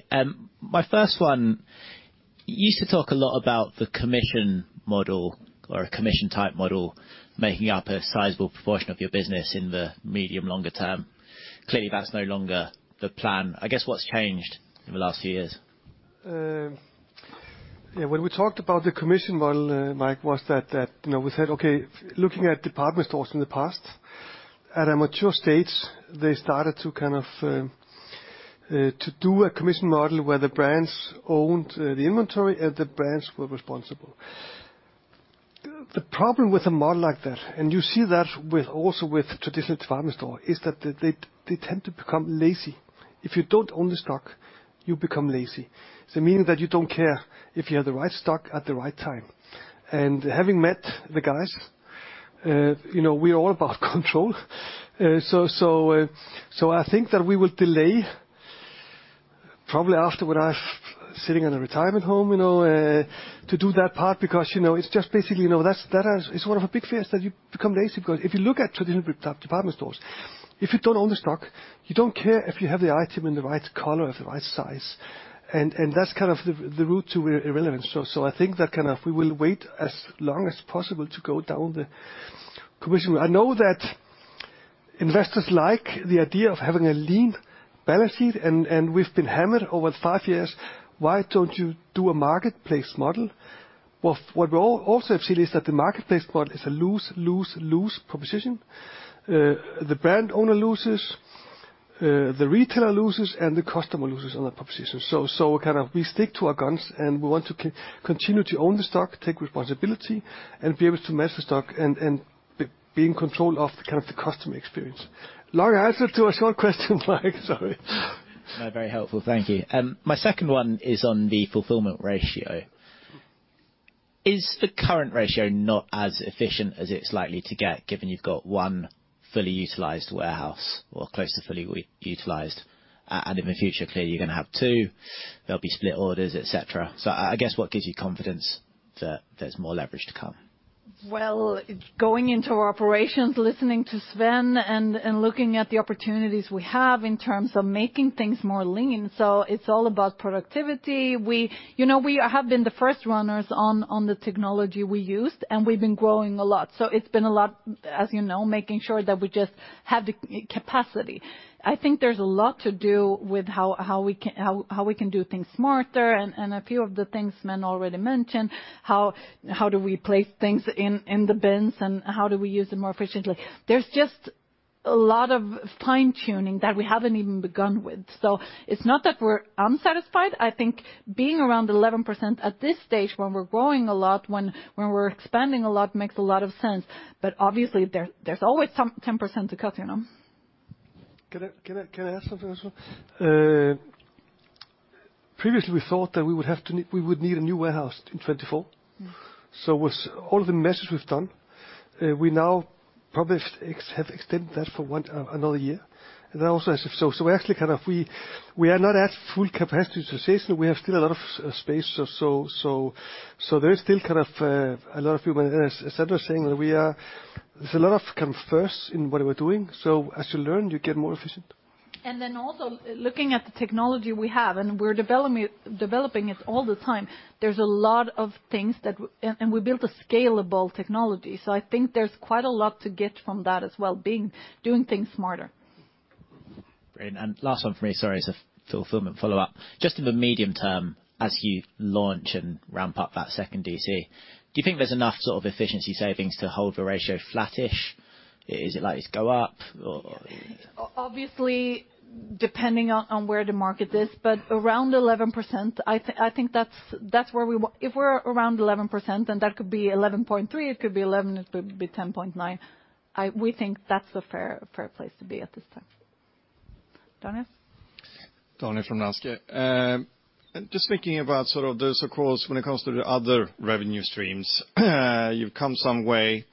My first one, you used to talk a lot about the commission model or a commission type model making up a sizable proportion of your business in the medium longer term. Clearly, that's no longer the plan. I guess what's changed in the last few years? Yeah, when we talked about the commission model, Mike, was that we said, okay, looking at department stores in the past, at a mature stage, they started to kind of to do a commission model where the brands owned the inventory, and the brands were responsible. The problem with a model like that, and you see that also with traditional department store, is that they tend to become lazy. If you don't own the stock, you become lazy, so meaning that you don't care if you have the right stock at the right time. Having met the guys we're all about control. I think that we will delay probably after when I've sitting in a retirement home to do that part because it's just basically that's, that is one of the big fears, that you become lazy. Because if you look at traditional department stores, if you don't own the stock, you don't care if you have the item in the right color or the right size, and that's kind of the route to irrelevance. I think that kind of we will wait as long as possible to go down the commission. I know that investors like the idea of having a lean balance sheet and we've been hammered over five years, "Why don't you do a marketplace model?" Well, what we also have seen is that the marketplace model is a lose-lose-lose proposition. The brand owner loses, the retailer loses, and the customer loses on that proposition. Kind of we stick to our guns, and we want to continue to own the stock, take responsibility, and be able to match the stock and be in control of kind of the customer experience. Long answer to a short question, Mike. Sorry. Very helpful. Thank you. My second one is on the fulfillment ratio. Is the current ratio not as efficient as it's likely to get, given you've got one fully utilized warehouse or close to fully utilized, and in the future clearly you're gonna have two, there'll be split orders, et cetera? I guess what gives you confidence that there's more leverage to come? Going into our operations, listening to Sven, and looking at the opportunities we have in terms of making things more lean. It's all about productivity., we have been the first runners on the technology we used, and we've been growing a lot. It's been a lot, as, making sure that we just have the capacity. I think there's a lot to do with how we can, how we can do things smarter and a few of the things Sven already mentioned, how do we place things in the bins and how do we use them more efficiently? There's just a lot of fine-tuning that we haven't even begun with. It's not that we're unsatisfied. I think being around 11% at this stage when we're growing a lot, when we're expanding a lot, makes a lot of sense. Obviously there's always some 10% to cut,? Can I ask something as well? Previously we thought that we would need a new warehouse in 2024. Mm-hmm. With all the measures we've done, we now probably have extended that for one another year. That also has. We're actually kind of, we are not at full capacity to say so. We have still a lot of space, so there is still kind of a lot of room. As Sandra was saying, we are. There's a lot of kind of firsts in what we're doing, so as you learn, you get more efficient. Then also looking at the technology we have, and we're developing it all the time, there's a lot of things that. We built a scalable technology. I think there's quite a lot to get from that as well, doing things smarter. Great. Last one for me, sorry, it's a fulfillment follow-up. Just in the medium term, as you launch and ramp up that second DC, do you think there's enough sort of efficiency savings to hold the ratio flattish? Is it likely to go up or- Obviously, depending on where the market is, but around 11%. If we're around 11%, and that could be 11.3%, it could be 11%, it could be 10.9%, we think that's the fair place to be at this time. Jonas? Jonas from Rask. Just thinking about sort of those, of course, when it comes to the other revenue streams, you've come some way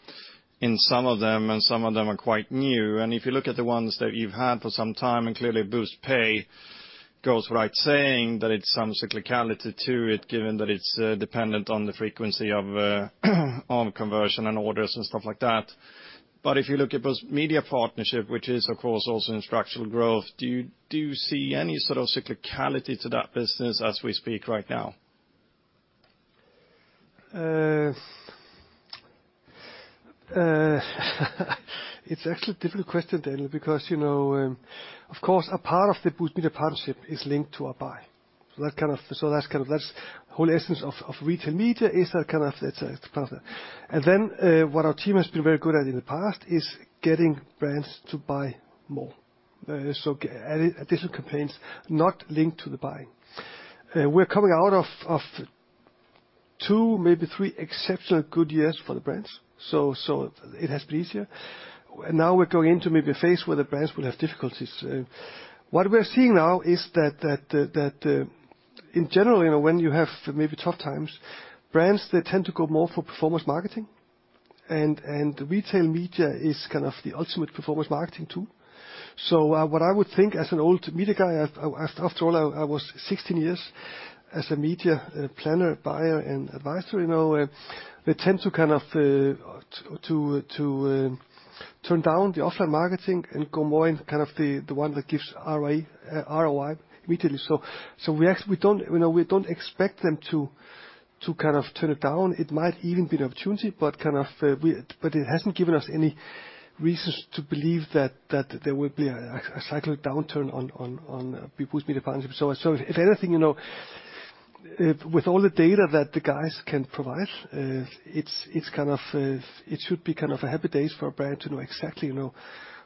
in some of them, and some of them are quite new. If you look at the ones that you've had for some time, and clearly Booztpay goes without saying that it's some cyclicality to it, given that it's dependent on the frequency of on conversion and orders and stuff like that. If you look at Boozt Media Partnership, which is of course also in structural growth, do you see any sort of cyclicality to that business as we speak right now? It's actually a difficult question, Daniel, because of course, a part of the Boozt Media Partnership is linked to our buy. That's the whole essence of retail media. It's part of that. What our team has been very good at in the past is getting brands to buy more, so getting additional campaigns not linked to the buying. We're coming out of two, maybe three exceptional good years for the brands, so it has been easier. Now we're going into maybe a phase where the brands will have difficulties. What we are seeing now is that, in general when you have maybe tough times, brands, they tend to go more for performance marketing, and retail media is kind of the ultimate performance marketing tool. What I would think as an old media guy, after all, I was 16 years as a media planner, buyer, and advisor they tend to kind of turn down the offline marketing and go more in kind of the one that gives ROI immediately. We don't we don't expect them to kind of turn it down. It might even be an opportunity, but kind of, we... It hasn't given us any reasons to believe that there will be a cyclic downturn on people's media patterns. So if anything with all the data that the guys can provide, it's kind of, it should be kind of a happy days for a brand to know exactly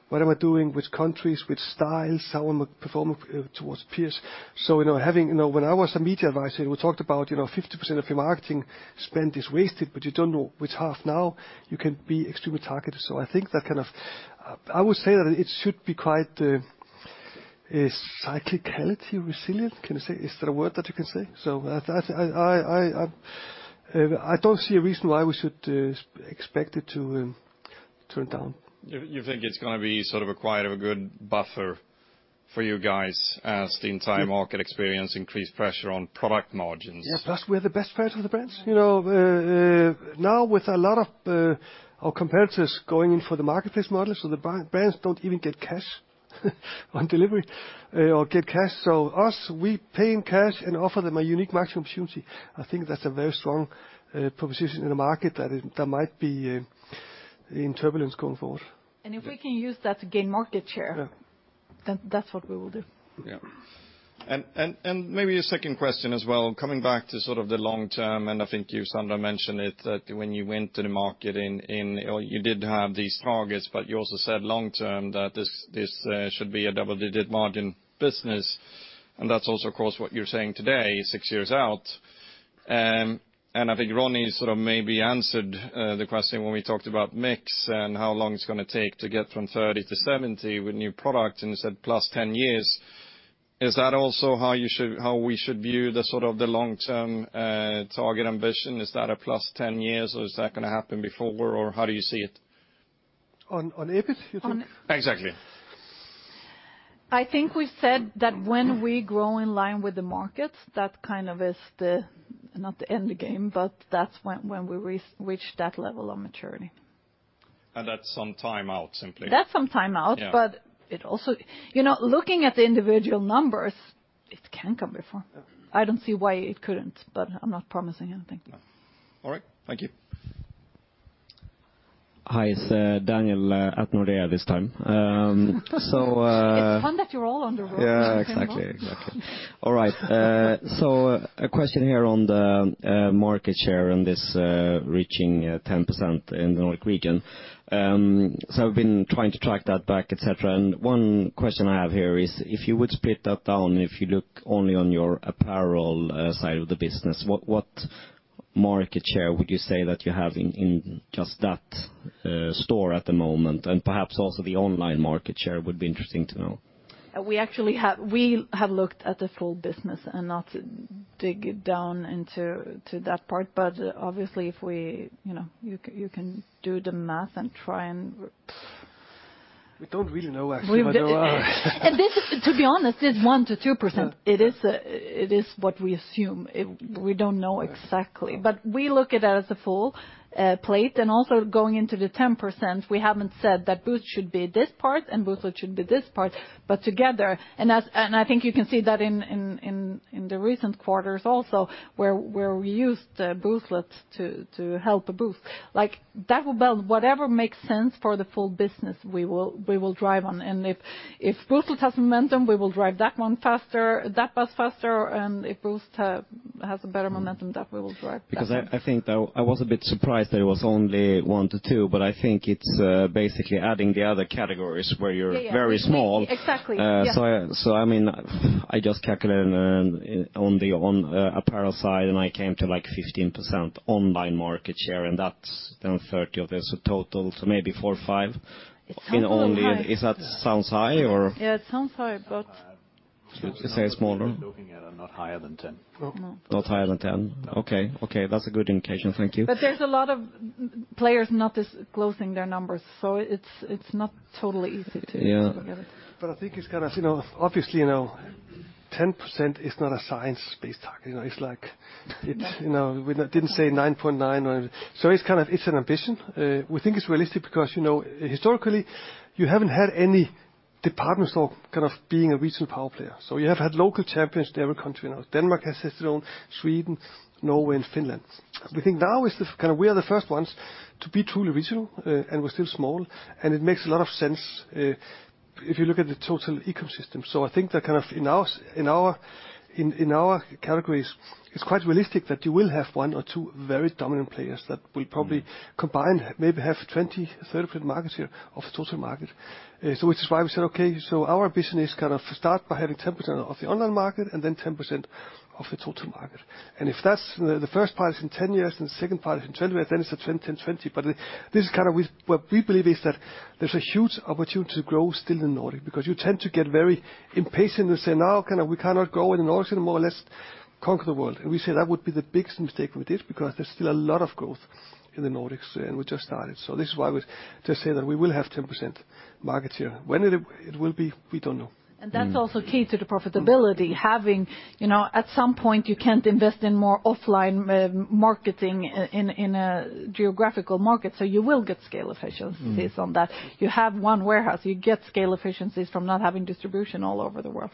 what am I doing? Which countries? Which styles? How am I performing towards peers?, when I was a media advisor, we talked about 50% of your marketing spend is wasted, but you don't know which half. Now you can be extremely targeted. I think that kind of... I would say that it should be quite a cyclicality-resilient. Is there a word that you can say? I don't see a reason why we should expect it to turn down. You think it's gonna be sort of a quite of a good buffer for you guys as the entire market experience increased pressure on product margins? Yes. Plus we're the best friends with the brands., now with a lot of our competitors going in for the marketplace model, so the brands don't even get cash on delivery or get cash. Us, we pay in cash and offer them a unique maximum opportunity. I think that's a very strong proposition in the market that there might be in turbulence going forward. If we can use that to gain market share. Yeah. That's what we will do. Yeah. Maybe a second question as well, coming back to sort of the long-term, and I think you, Sandra, mentioned it, that when you went to the market in... Or you did have these targets, but you also said long-term that this should be a double-digit margin business. That's also of course what you're saying today, six years out. I think Ronnie sort of maybe answered the question when we talked about mix and how long it's gonna take to get from 30 to 70 with new products, and you said +10 years. Is that also how we should view the sort of the long-term target ambition? Is that a +10 years, or is that gonna happen before? How do you see it? On EBIT, you said? Exactly. I think we said that when we grow in line with the markets, that kind of is the, not the end game, but that's when we re-reach that level of maturity. That's some time out, simply. That's some time out. Yeah. It also looking at the individual numbers, it can come before. Yeah. I don't see why it couldn't, but I'm not promising anything. All right. Thank you. Hi, it's Daniel at Nordea this time. It's fun that you're all on the road. Yeah, exactly. Exactly. All right. A question here on the market share and this reaching 10% in the Nordic region. I've been trying to track that back, et cetera. One question I have here is, if you would split that down, if you look only on your apparel side of the business, what market share would you say that you have in just that store at the moment? Perhaps also the online market share would be interesting to know. We have looked at the full business and not dig down into to that part. Obviously, if we you can, you can do the math and try and... We don't really know actually. This, to be honest, is 1%-2%. It is, it is what we assume. We don't know exactly, but we look at it as a full plate, also going into the 10%, we haven't said that Boozt should be this part and Booztlet should be this part, but together. I think you can see that in the recent quarters also, where we used Booztlet to help the Boozt. Like, that will build whatever makes sense for the full business we will drive on. And if Booztlet has momentum, we will drive that one faster, that bus faster, and if Boozt has a better momentum, that we will drive that one. I think though, I was a bit surprised that it was only 1 to 2, but I think it's basically adding the other categories. Yeah, yeah. very small. Exactly. Yeah. I mean, I just calculate on the apparel side. I came to like 15% online market share. That's then 30 of this total. Maybe 4 or 5. It sounds a little high., Is that sounds high or? Yeah, it sounds high. Sounds high. Should say smaller? Looking at it, not higher than 10. No. Not higher than 10? Okay. Okay, that's a good indication. Thank you. There's a lot of players not disclosing their numbers, so it's not totally easy to- Yeah. to get it. I think it's kind of obviously 10% is not a Science-Based Target., it's like- No. it we didn't say 9.9 or. It's kind of, it's an ambition. We think it's realistic because historically, you haven't had any departments or kind of being a regional power player. You have had local champions in every country,. Denmark has its own, Sweden, Norway, and Finland. We think now is the kind of we are the first ones to be truly regional, and we're still small, and it makes a lot of sense if you look at the total ecosystem. I think that kind of in our categories, it's quite realistic that you will have 1 or 2 very dominant players that will probably combine, maybe have 20%-30% market share of the total market. which is why we said, okay, our ambition is kind of start by having 10% of the online market and then 10% of the total market. If that's the first part is in 10 years and the second part is in 20 years, then it's a 10, 20. This is kind of what we believe is that there's a huge opportunity to grow still in the Nordics because you tend to get very impatient and say, "Now, cannot grow in the Nordics anymore. Let's conquer the world." We say that would be the biggest mistake we did because there's still a lot of growth in the Nordics, and we just started. This is why we just say that we will have 10% market share. When it will be, we don't know. That's also key to the profitability. having at some point, you can't invest in more offline marketing in a geographical market, you will get scale efficiencies on that. You have one warehouse, you get scale efficiencies from not having distribution all over the world.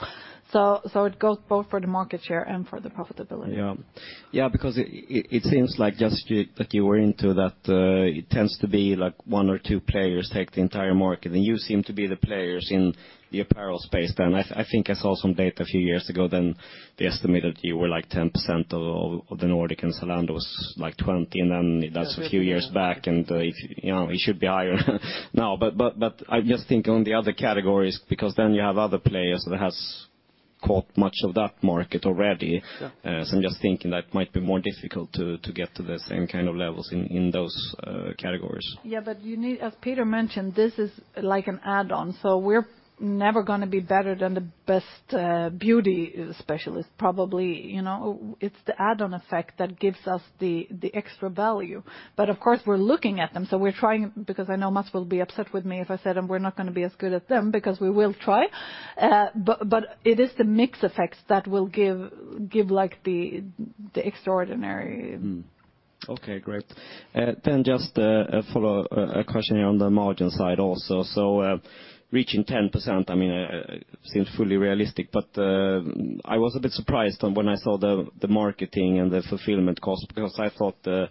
It goes both for the market share and for the profitability. Yeah. Yeah, because it seems like just you, like you were into that, it tends to be like one or two players take the entire market. You seem to be the players in the apparel space then. I think I saw some data a few years ago, then they estimated you were like 10% of the Nordic and Zalando was like 20, and then that's a few years back it should be higher now. I just think on the other categories, because then you have other players that caught much of that market already. Yeah. I'm just thinking that might be more difficult to get to the same kind of levels in those categories. As Peter mentioned, this is like an add-on, so we're never gonna be better than the best beauty specialist, probably,. It's the add-on effect that gives us the extra value. Of course, we're looking at them, so we're trying, because I know Mads will be upset with me if I said, "We're not gonna be as good as them," because we will try. But it is the mix effects that will give like the extraordinary. Okay, great. Then just a follow-up question here on the margin side also. Reaching 10%, seems fully realistic, but I was a bit surprised when I saw the marketing and the fulfillment cost because I thought the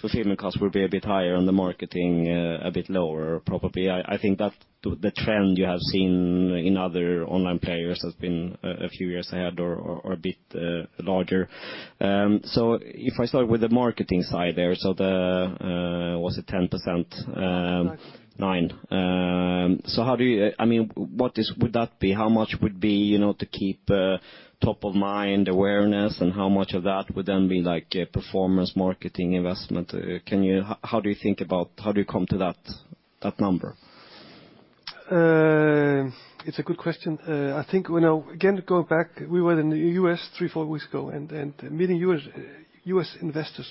fulfillment cost would be a bit higher and the marketing a bit lower probably. I think that the trend you have seen in other online players has been a few years ahead or a bit larger. If I start with the marketing side there, was it 10%? Nine. 9. How do you... I mean, what is, would that be? How much would be to keep top of mind awareness, and how much of that would then be like a performance marketing investment? Can you how do you think about, how do you come to that number? It's a good question. I think again, going back, we were in the U.S. three, four weeks ago, and meeting U.S. Investors.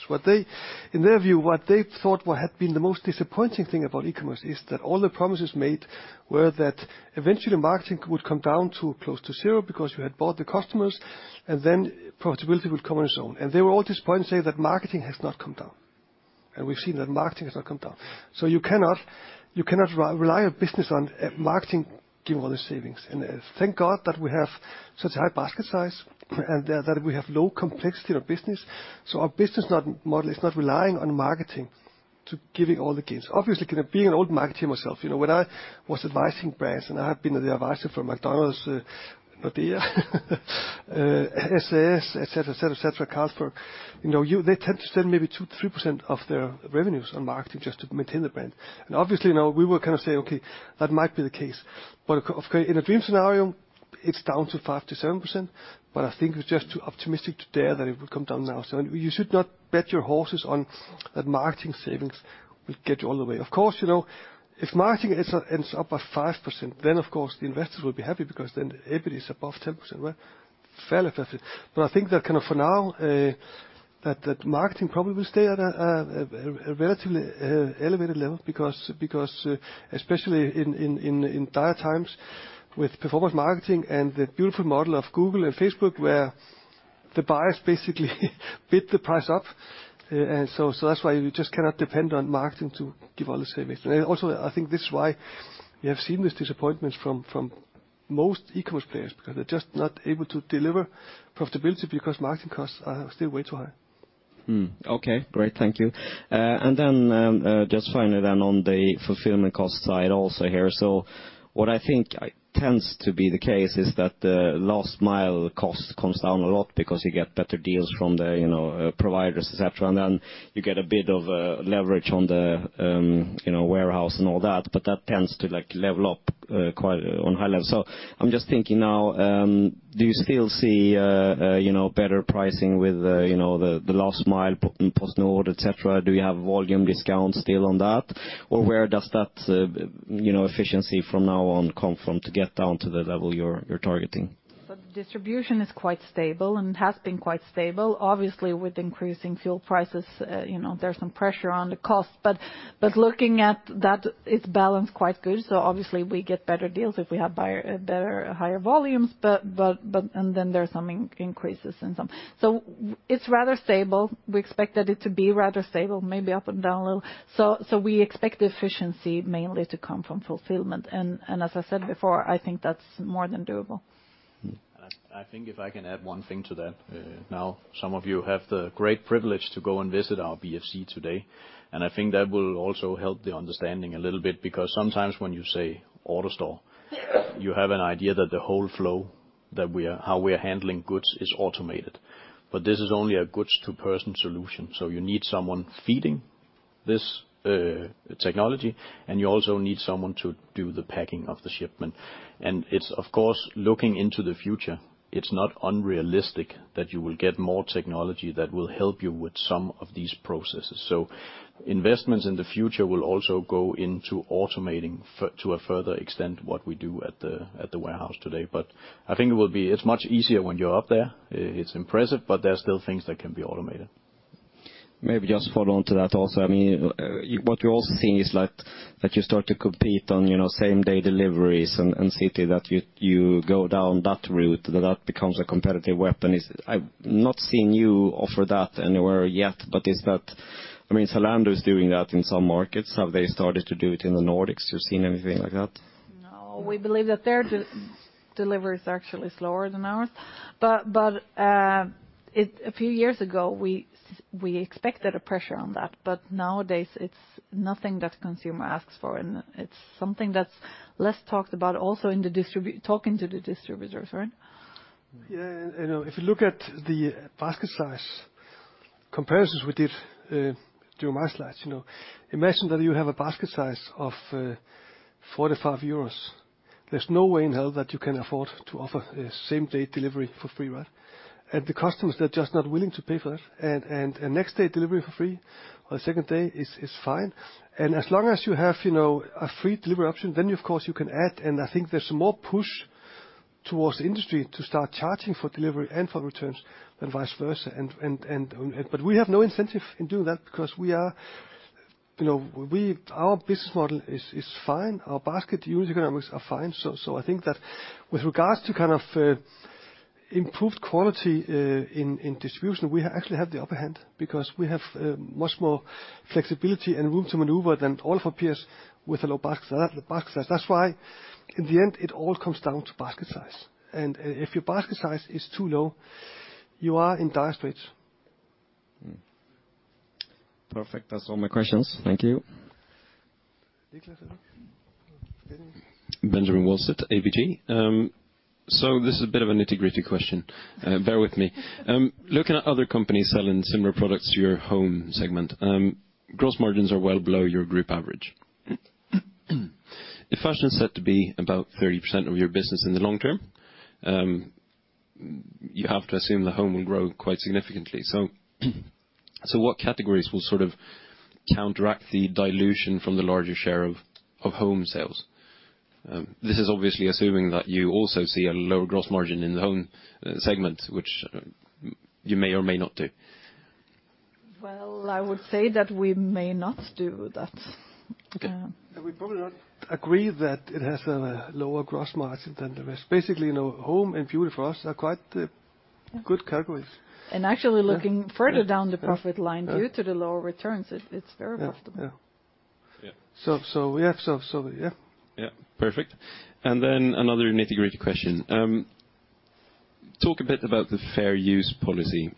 In their view, what they thought what had been the most disappointing thing about e-commerce is that all the promises made were that eventually marketing would come down to close to zero because you had bought the customers, and then profitability would come on its own. They were all disappointed to say that marketing has not come down, and we've seen that marketing has not come down. You cannot rely on business on marketing giving all the savings. Thank God that we have such high basket size and that we have low complexity of business, so our business model is not relying on marketing to giving all the gains. obviously being an old marketer myself when I was advising brands, and I have been the advisor for McDonald's, Nordea, SAS, et cetera, et cetera, Carlsberg they tend to spend maybe 2%-3% of their revenues on marketing just to maintain the brand. obviously we will kind of say, "Okay, that might be the case," but of course in a dream scenario, it's down to 5%-7%, but I think it's just too optimistic to dare that it would come down now. You should not bet your horses on that marketing savings will get you all the way. Of course if marketing ends up at 5%, then of course the investors will be happy because then the EBIT is above 10%, right? Fairly, fairly. I think that kind of for now, that marketing probably will stay at a relatively elevated level because especially in dire times with performance marketing and the beautiful model of Google and Facebook where the buyers basically bid the price up. So that's why you just cannot depend on marketing to give all the savings. Also, I think this is why you have seen these disappointments from most e-commerce players, because they're just not able to deliver profitability because marketing costs are still way too high. Okay, great. Thank you. Just finally then on the fulfillment cost side also here. What I think tends to be the case is that the last mile cost comes down a lot because you get better deals from the providers, et cetera, and then you get a bit of leverage on the, warehouse and all that, but that tends to, like, level up quite on high level. I'm just thinking now, do you still see better pricing with the last mile, PostNord, et cetera? Do you have volume discounts still on that? Where does that efficiency from now on come from to get down to the level you're targeting? Distribution is quite stable and has been quite stable. Obviously, with increasing fuel prices there's some pressure on the cost. But looking at that, it's balanced quite good, so obviously we get better deals if we have buyer, better, higher volumes. Then there are some in-increases in some. It's rather stable. We expected it to be rather stable, maybe up and down a little. We expect efficiency mainly to come from fulfillment, and as I said before, I think that's more than doable. Mm. I think if I can add one thing to that. Now some of you have the great privilege to go and visit our BFC today, and I think that will also help the understanding a little bit, because sometimes when you say AutoStore, you have an idea that the whole flow that we are, how we are handling goods is automated. This is only a goods to person solution, so you need someone feeding this technology, and you also need someone to do the packing of the shipment. It's of course, looking into the future, it's not unrealistic that you will get more technology that will help you with some of these processes. So investments in the future will also go into automating to a further extent what we do at the, at the warehouse today. I think it will be... It's much easier when you're up there. It's impressive, but there are still things that can be automated. Maybe just follow on to that also. I mean, what you also see is like you start to compete on same-day deliveries and city that you go down that route, that that becomes a competitive weapon. I've not seen you offer that anywhere yet. I mean, Zalando is doing that in some markets. Have they started to do it in the Nordics? You've seen anything like that? No. We believe that their delivery is actually slower than ours. A few years ago, we expected a pressure on that, but nowadays it's nothing that consumer asks for, and it's something that's less talked about also in the talking to the distributors, right? Yeah., if you look at the basket size-Comparisons we did, during my slides,. Imagine that you have a basket size of 45 euros. There's no way in hell that you can afford to offer a same-day delivery for free, right? The customers, they're just not willing to pay for that. A next day delivery for free or the second day is fine. As long as you have a free delivery option, then of course you can add, and I think there's more push towards the industry to start charging for delivery and for returns than vice versa. We have no incentive in doing that because we are our business model is fine. Our basket unit economics are fine. I think that with regards to kind of improved quality in distribution, we actually have the upper hand because we have much more flexibility and room to maneuver than all of our peers with a low basket size. That's why in the end, it all comes down to basket size. If your basket size is too low, you are in dire straits. Mm-hmm. Perfect. That's all my questions. Thank you. Niklas or Benjamin. Benjamin Walseth, ABG. This is a bit of a nitty-gritty question. Bear with me. Looking at other companies selling similar products to your home segment, gross margins are well below your group average. If fashion is set to be about 30% of your business in the long term, you have to assume the home will grow quite significantly. What categories will sort of counteract the dilution from the larger share of home sales? This is obviously assuming that you also see a lower gross margin in the home segment, which you may or may not do. Well, I would say that we may not do that. Okay. We probably don't agree that it has a lower gross margin than the rest. basically home and beauty for us are quite good categories. actually. Yeah. further down the profit line Yeah. due to the lower returns, it's very profitable. Yeah. Yeah. We have. Yeah. Yeah. Perfect. Another nitty-gritty question. Talk a bit about the fair use policy.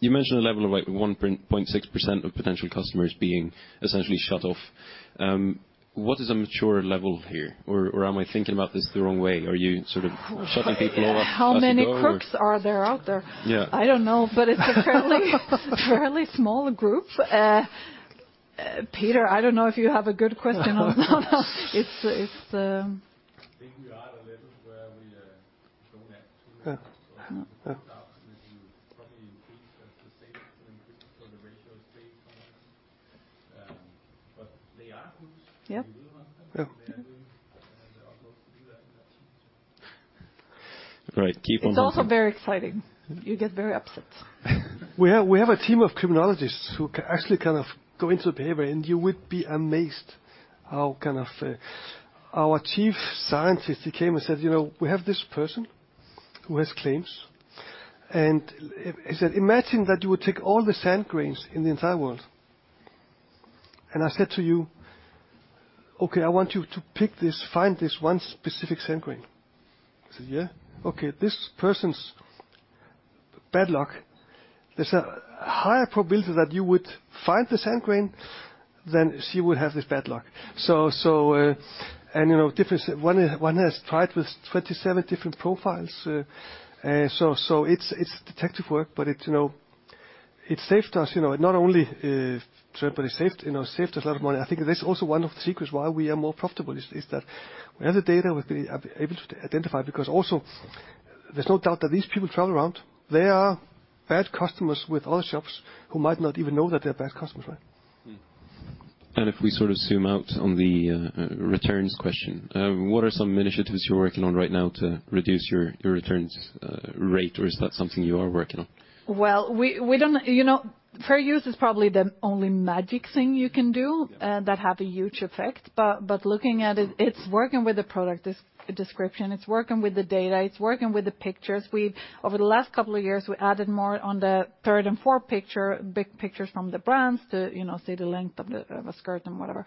You mentioned a level of like 1.6% of potential customers being essentially shut off. What is a mature level here? Or, or am I thinking about this the wrong way? Are you sort of shutting people off as you go? How many crooks are there out there? Yeah. I don't know, it's a fairly small group. Peter, I don't know if you have a good question or not. It's. I think we are at a level where we don't have too much. Yeah. There's no doubt that you probably increase that the same so the ratio stays the same. They are crooks. Yeah. We know about them. Yeah. They are going to do that. Right. It's also very exciting. You get very upset. We have a team of criminologists who actually kind of go into the behavior, and you would be amazed how kind of. Our chief scientist, he came and said, ", we have this person who has claims." He said, "Imagine that you would take all the sand grains in the entire world." I said to you, "Okay, I want you to pick this, find this one specific sand grain." I said, "Yeah. Okay. This person's bad luck, there's a higher probability that you would find the sand grain than she would have this bad luck." and different. One has tried with 27 different profiles, so it's detective work, but it it saved us not only, but it saved us a lot of money. I think that's also one of the secrets why we are more profitable is that we have the data, we've been able to identify, because also there's no doubt that these people travel around. They are bad customers with other shops who might not even know that they are bad customers, right? If we sort of zoom out on the returns question, what are some initiatives you're working on right now to reduce your returns rate? Is that something you are working on? Well, we don't., fair use is probably the only magic thing you can do. Yeah. that have a huge effect. Looking at it's working with the product description, it's working with the data, it's working with the pictures. Over the last couple of years, we added more on the third and fourth picture, big pictures from the brands to see the length of the, of a skirt and whatever.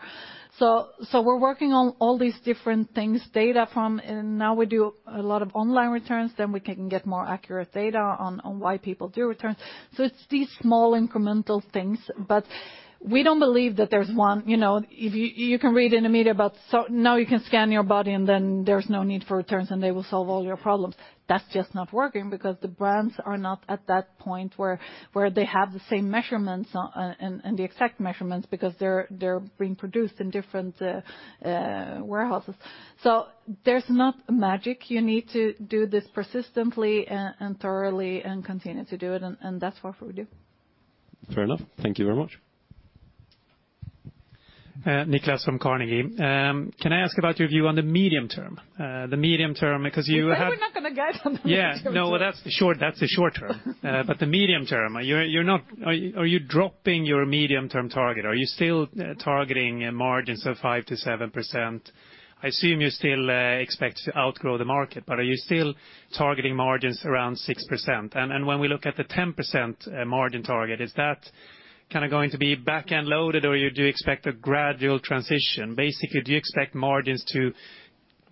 We're working on all these different things, data from. Now we do a lot of online returns, then we can get more accurate data on why people do returns. It's these small incremental things, but we don't believe that there's one., if you can read in the media about, so now you can scan your body, and then there's no need for returns, and they will solve all your problems. That's just not working because the brands are not at that point where they have the same measurements, and the exact measurements because they're being produced in different warehouses. There's not magic. You need to do this persistently and thoroughly and continue to do it, and that's what we do. Fair enough. Thank you very much. Niklas from Carnegie. Can I ask about your view on the medium term? The medium term, because you. We're probably not gonna guide on the medium term. Yeah. No, that's short, that's the short term. The medium term, you're not... Are you dropping your medium-term target? Are you still targeting margins of 5%-7%? I assume you still expect to outgrow the market, but are you still targeting margins around 6%? When we look at the 10% margin target, is that kinda going to be back-end loaded, or you do expect a gradual transition? Basically, do you expect margins to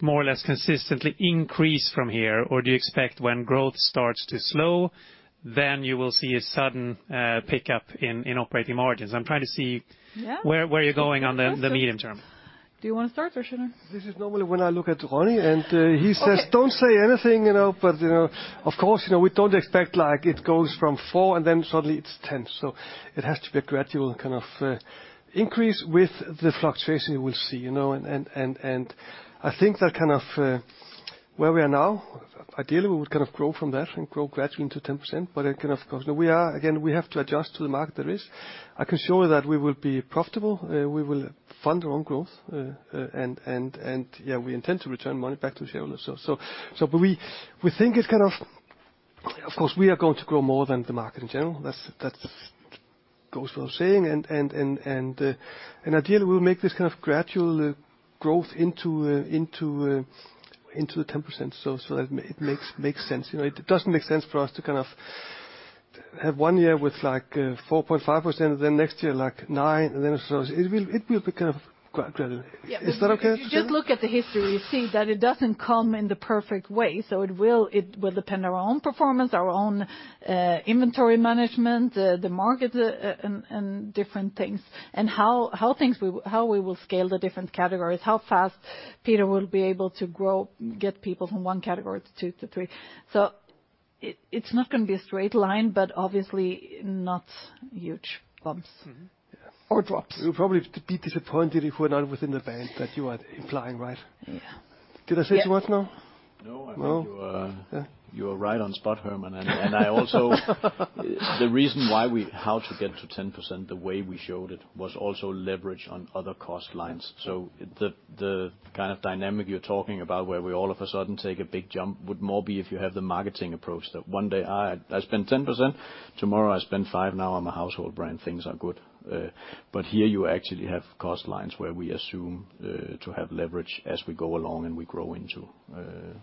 more or less consistently increase from here? Do you expect when growth starts to slow, then you will see a sudden pickup in operating margins? I'm trying to see. Yeah. Where you're going on the medium term. Do you wanna start or should I? This is normally when I look at Ronnie, and he says- Okay. Don't say anything,", but of course we don't expect like it goes from 4 and then suddenly it's 10. It has to be a gradual kind of increase with the fluctuation we'll see,. I think that kind of where we are now, ideally, we would kind of grow from there and grow gradually into 10%, but it kind of goes. Again, we have to adjust to the market there is. I can show you that we will be profitable, we will fund our own growth, and, yeah, we intend to return money back to shareholders. But we think it's kind of. Of course, we are going to grow more than the market in general. That goes without saying. Ideally, we'll make this kind of gradual growth into the 10% so that it makes sense., it doesn't make sense for us to kind of have one year with like 4.5%, then next year, like 9%. It will be kind of gradual. Yeah. Is that okay? If you just look at the history, you see that it doesn't come in the perfect way, it will depend our own performance, our own inventory management, the market, and different things, and how we will scale the different categories, how fast Peter will be able to grow, get people from one category to two to three. It's not gonna be a straight line, but obviously not huge bumps. Mm-hmm. Drops. You'll probably be disappointed if we're not within the band that you are implying, right? Yeah. Did I say too much now? No. No? I think you. Yeah. You are right on spot, Hermann. The reason why we how to get to 10%, the way we showed it, was also leverage on other cost lines. The kind of dynamic you're talking about, where we all of a sudden take a big jump, would more be if you have the marketing approach, that one day I spend 10%, tomorrow I spend 5%, now I'm a household brand, things are good. Here you actually have cost lines where we assume to have leverage as we go along and we grow into a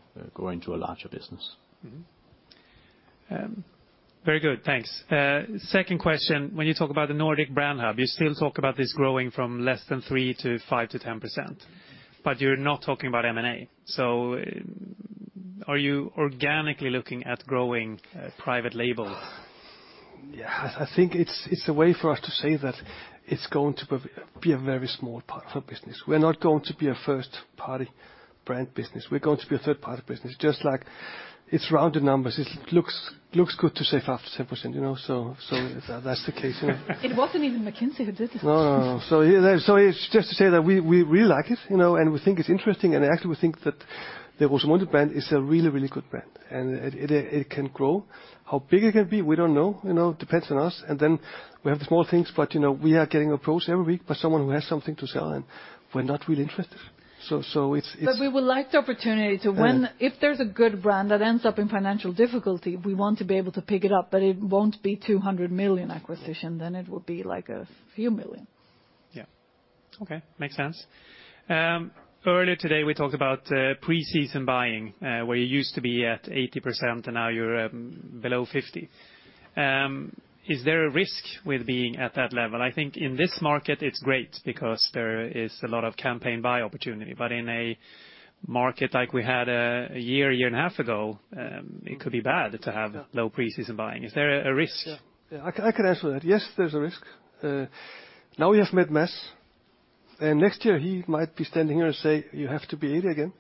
larger business. Mm-hmm. Very good. Thanks. Second question, when you talk about the Nordic Brand Hub, you still talk about this growing from less than 3% to 5% to 10%, but you're not talking about M&A. Are you organically looking at growing private label? Yeah. I think it's a way for us to say that it's going to be a very small part of our business. We're not going to be a first-party brand business. We're going to be a third-party business, just like it's rounded numbers. It looks good to say 5%-10% so that's the case,. It wasn't even McKinsey who did this. No, no. Yeah, it's just to say that we really like it and we think it's interesting, and actually we think that the Rosemunde brand is a really, really good brand, and it can grow. How big it can be, we don't know,. Depends on us, and then we have the small things, but we are getting approached every week by someone who has something to sell, and we're not really interested. it's. we would like the opportunity to. Uh. If there's a good brand that ends up in financial difficulty, we want to be able to pick it up, but it won't be 200 million acquisition, then it would be like a few million SEK. Okay. Makes sense. Earlier today we talked about pre-season buying, where you used to be at 80% and now you're below 50%. Is there a risk with being at that level? I think in this market it's great because there is a lot of campaign buy opportunity, but in a market like we had a year, a year and a half ago, it could be bad to have low pre-season buying. Is there a risk? Yeah. I can answer that. Yes, there's a risk. Now we have met Mads, next year he might be standing here and say, "You have to be 80% again."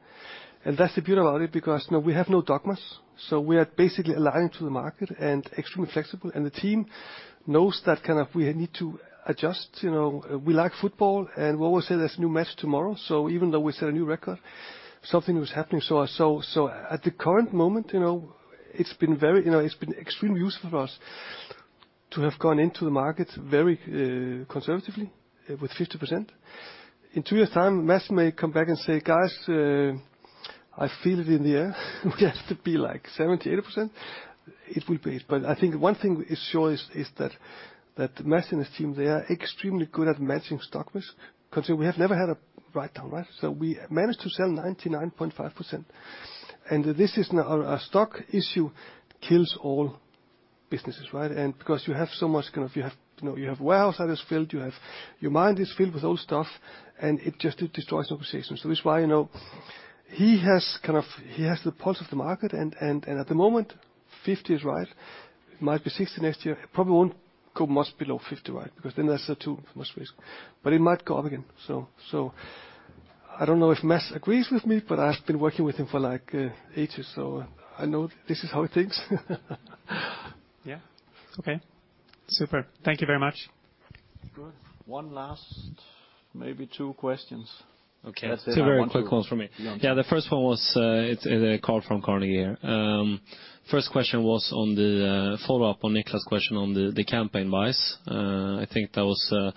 That's the beauty about it because we have no dogmas, we are basically aligned to the market and extremely flexible, and the team knows that kind of we need to adjust., we like football, we always say there's a new match tomorrow, even though we set a new record, something was happening. At the current moment it's been very..., it's been extremely useful for us to have gone into the market very conservatively with 50%. In Two years time, Mads may come back and say, "Guys, I feel it in the air. We have to be like 70%, 80%. It will be, I think one thing is sure is that Mads and his team, they are extremely good at matching stock with consumer. We have never had a write-down, right? We managed to sell 99.5%. This is. Now a stock issue kills all businesses, right? Because you have so much kind of. You have, you have warehouse that is filled, you have. Your mind is filled with old stuff, it just, it destroys an organization. This is why, he has kind of, he has the pulse of the market, and at the moment, 50 is right. It might be 60 next year. It probably won't go much below 50, right? There's too much risk. It might go up again. I don't know if Mads agrees with me, but I've been working with him for like ages, so I know this is how he thinks. Yeah. Okay. Super. Thank you very much. Good. One last, maybe two questions. Okay. That's it. Two very quick ones from me. Be on time. Yeah. The first one was, it's Carl from Carnegie. First question was on the follow-up on Niklas' question on the campaign buys. I think that was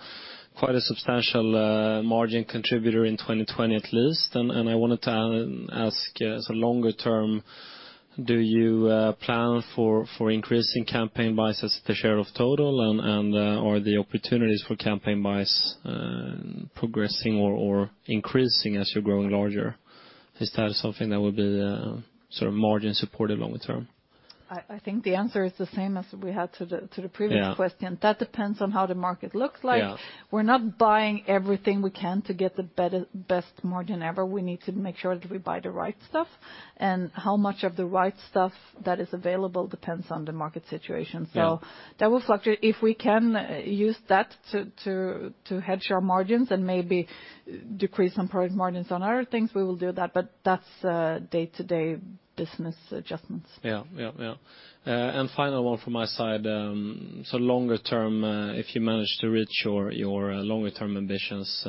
quite a substantial margin contributor in 2020 at least. I wanted to ask as a longer term, do you plan for increasing campaign buys as the share of total, and are the opportunities for campaign buys progressing or increasing as you're growing larger? Is that something that will be sort of margin supported longer term? I think the answer is the same as we had to the previous- Yeah question. That depends on how the market looks like. Yeah. We're not buying everything we can to get the best margin ever. We need to make sure that we buy the right stuff, and how much of the right stuff that is available depends on the market situation. Yeah. That will fluctuate. If we can use that to hedge our margins and maybe decrease some product margins on other things, we will do that, but that's day-to-day business adjustments. Yeah. Yeah. Yeah. Final one from my side, longer term, if you manage to reach your longer term ambitions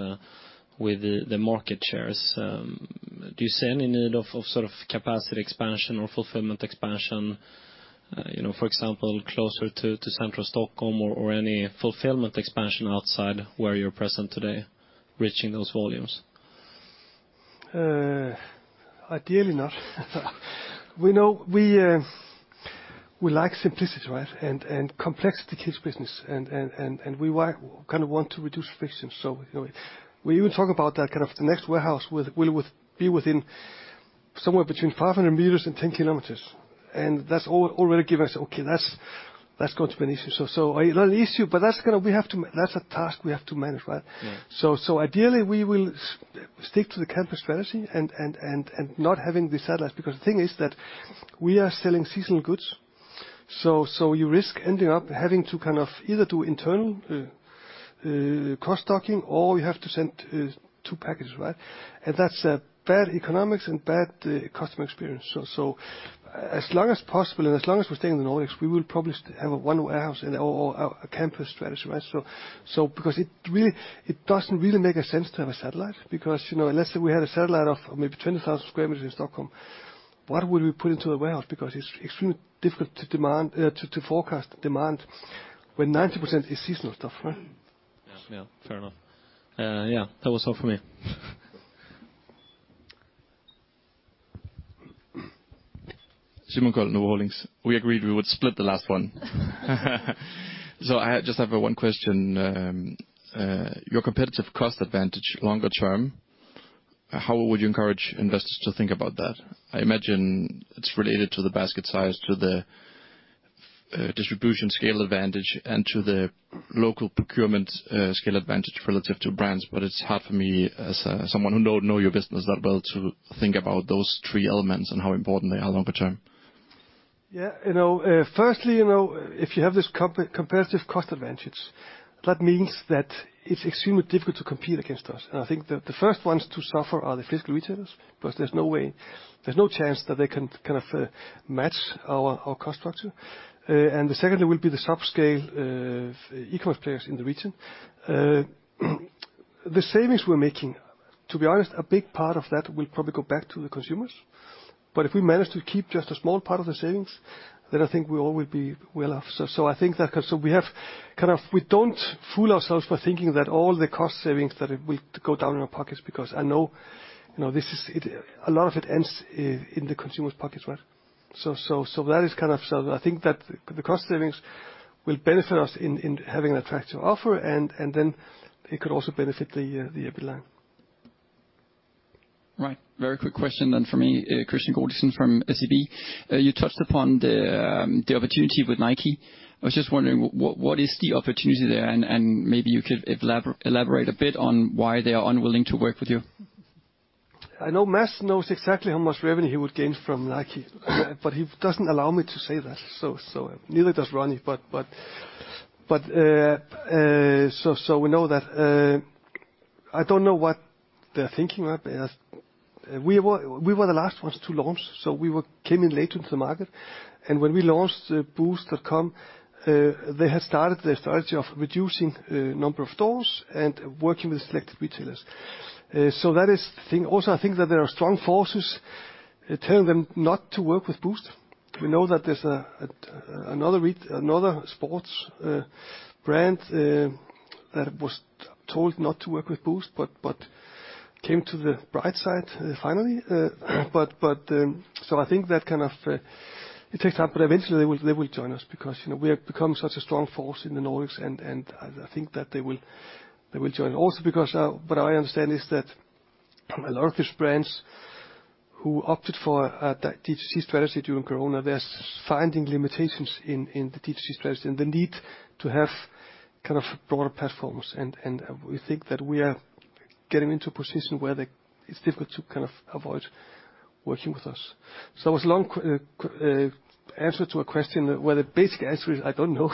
with the market shares, do you see any need of sort of capacity expansion or fulfillment expansion for example, closer to central Stockholm or any fulfillment expansion outside where you're present today, reaching those volumes? Ideally not. We know we like simplicity, right? Complexity kills business and we kind of want to reduce friction, so we even talk about that kind of the next warehouse will be within somewhere between 500 meters and 10 kilometers. That's already give us, okay, that's going to be an issue. Not an issue, but that's a task we have to manage, right? Yeah. Ideally we will stick to the campus strategy and not having the satellites, because the thing is that we are selling seasonal goods. You risk ending up having to kind of either do internal cross-docking or you have to send two packages, right? That's bad economics and bad customer experience. As long as possible, and as long as we're staying in the Nordics, we will probably have a one warehouse and or a campus strategy, right? Because it doesn't really make a sense to have a satellite because let's say we had a satellite of maybe 20,000 square meters in Stockholm, what would we put into the warehouse? Because it's extremely difficult to forecast demand when 90% is seasonal stuff, right? Yeah. Yeah. Fair enough. Yeah, that was all for me. Simon Granath, Nordea Holdings. We agreed we would split the last one. I just have one question. Your competitive cost advantage longer term, how would you encourage investors to think about that? I imagine it's related to the basket size, to the distribution scale advantage, and to the local procurement scale advantage relative to brands, but it's hard for me as someone who don't know your business that well to think about those three elements and how important they are longer term. , firstly if you have this competitive cost advantage, that means that it's extremely difficult to compete against us. I think the first ones to suffer are the physical retailers, because there's no way, there's no chance that they can kind of match our cost structure. The second will be the subscale e-commerce players in the region. The savings we're making, to be honest, a big part of that will probably go back to the consumers. If we manage to keep just a small part of the savings, then I think we all will be well off. I think that. We don't fool ourselves by thinking that all the cost savings that it will go down in our pockets because I know this is. it, a lot of it ends in the consumer's pockets, right? That is kind of. I think that the cost savings will benefit us in having an attractive offer and then it could also benefit the EBITDA line. Right. Very quick question then from me. Christian Gordison from SEB. You touched upon the opportunity with Nike. I was just wondering what is the opportunity there and maybe you could elaborate a bit on why they are unwilling to work with you. I know Mads knows exactly how much revenue he would gain from Nike, but he doesn't allow me to say that, so neither does Ronnie. We know that I don't know what they're thinking about, but as we were the last ones to launch, so we came in later into the market. When we launched boozt.com, they had started the strategy of reducing number of stores and working with selected retailers. That is the thing. Also, I think that there are strong forces telling them not to work with Boozt. We know that there's another sports brand that was told not to work with Boozt, but came to the bright side finally. I think that kind of, it takes time, but eventually they will join us because we have become such a strong force in the Nordics and I think that they will join. What I understand is that a lot of these brands who opted for a D2C strategy during Corona, they're finding limitations in the D2C strategy and the need to have kind of broader platforms. We think that we are getting into a position where it's difficult to kind of avoid working with us. It was long answer to a question where the basic answer is I don't know.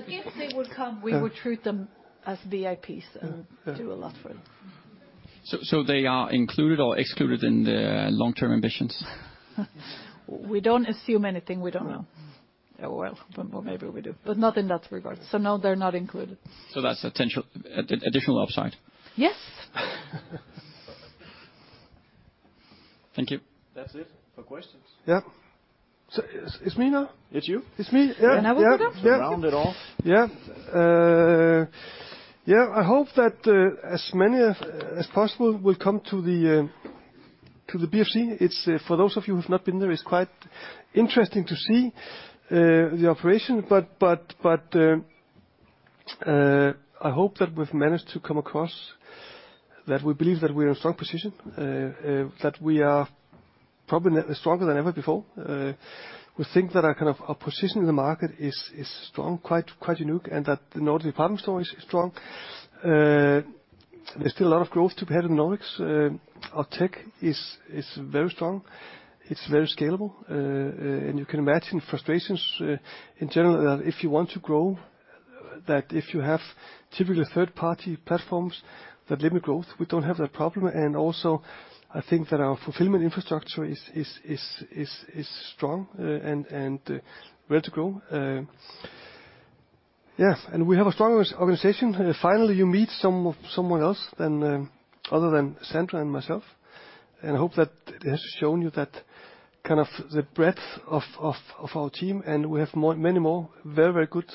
If they would come, we would treat them as VIPs and do a lot for them. They are included or excluded in the long-term ambitions? We don't assume anything we don't know. Well, well, maybe we do, but not in that regard. No, they're not included. That's a potential... additional upside? Yes. Thank you. That's it for questions. Yeah. It's me now? It's you. It's me? Yeah. I will be done. Yeah. Yeah. Round it off. I hope that as many as possible will come to the BFC. It's for those of you who've not been there, it's quite interesting to see the operation. I hope that we've managed to come across, that we believe that we're in a strong position, that we are probably stronger than ever before. We think that our position in the market is strong, quite unique, and that the Nordic Department Store is strong. There's still a lot of growth to be had in the Nordics. Our tech is very strong, it's very scalable. You can imagine frustrations, in general, that if you want to grow, that if you have typically third-party platforms that limit growth, we don't have that problem, and also I think that our fulfillment infrastructure is strong, and ready to grow. Yeah. We have a strong organization. Finally, you meet someone else than other than Sandra and myself. I hope that it has shown you that kind of the breadth of our team, and we have many more very, very good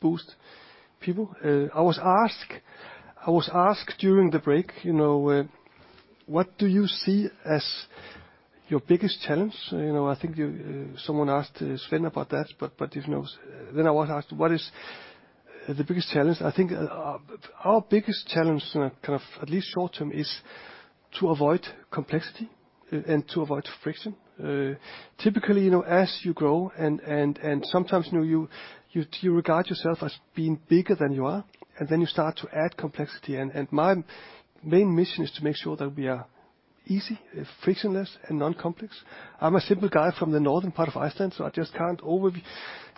Boozt people. I was asked during the break what do you see as your biggest challenge?, I think you, someone asked Sven about that, but if,. I was asked, what is the biggest challenge? I think, our biggest challenge in a kind of, at least short-term, is to avoid complexity and to avoid friction. typically as you grow and sometimes you regard yourself as being bigger than you are, and then you start to add complexity. My main mission is to make sure that we are easy, frictionless, and non-complex. I'm a simple guy from the northern part of Iceland, so I just can't overview,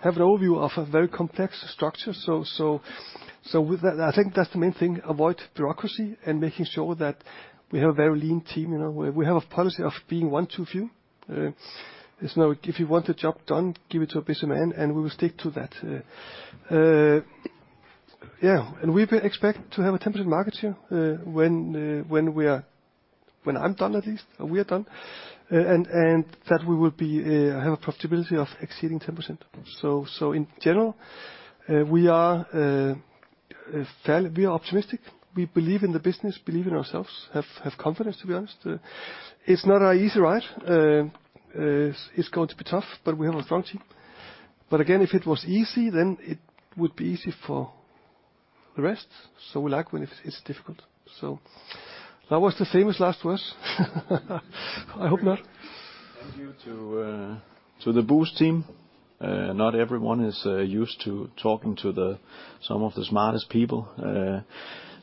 have an overview of a very complex structure. With that, I think that's the main thing, avoid bureaucracy and making sure that we have a very lean team,. We have a policy of being one to a few. There's no, if you want a job done, give it to a busy man, and we will stick to that. Yeah. We expect to have a temperate market here, when I'm done at least, or we are done, and that we will be have a profitability of exceeding 10%. In general, we are fairly, we are optimistic. We believe in the business, believe in ourselves, have confidence, to be honest. It's not an easy ride. It's going to be tough, but we have a strong team. Again, if it was easy, then it would be easy for the rest. We like when it's difficult. That was the famous last words. I hope not. Thank you to the Boozt team. Not everyone is used to talking to some of the smartest people.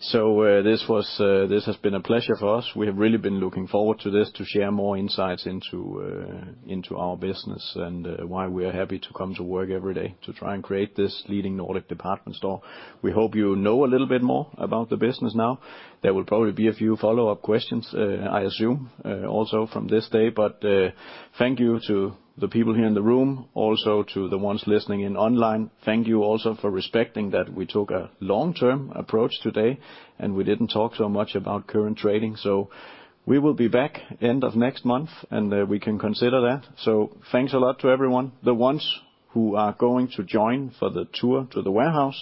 This has been a pleasure for us. We have really been looking forward to this, to share more insights into our business and why we are happy to come to work every day to try and create this leading Nordic Department Store. We hope a little bit more about the business now. There will probably be a few follow-up questions, I assume, also from this day. Thank you to the people here in the room, also to the ones listening in online. Thank you also for respecting that we took a long-term approach today, and we didn't talk so much about current trading. We will be back end of next month, and we can consider that. Thanks a lot to everyone. The ones who are going to join for the tour to the warehouse,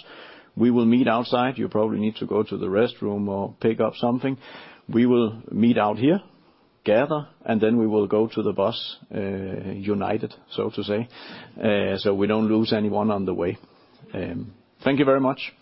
we will meet outside. You probably need to go to the restroom or pick up something. We will meet out here, gather, and then we will go to the bus, united, so to say, so we don't lose anyone on the way. Thank you very much.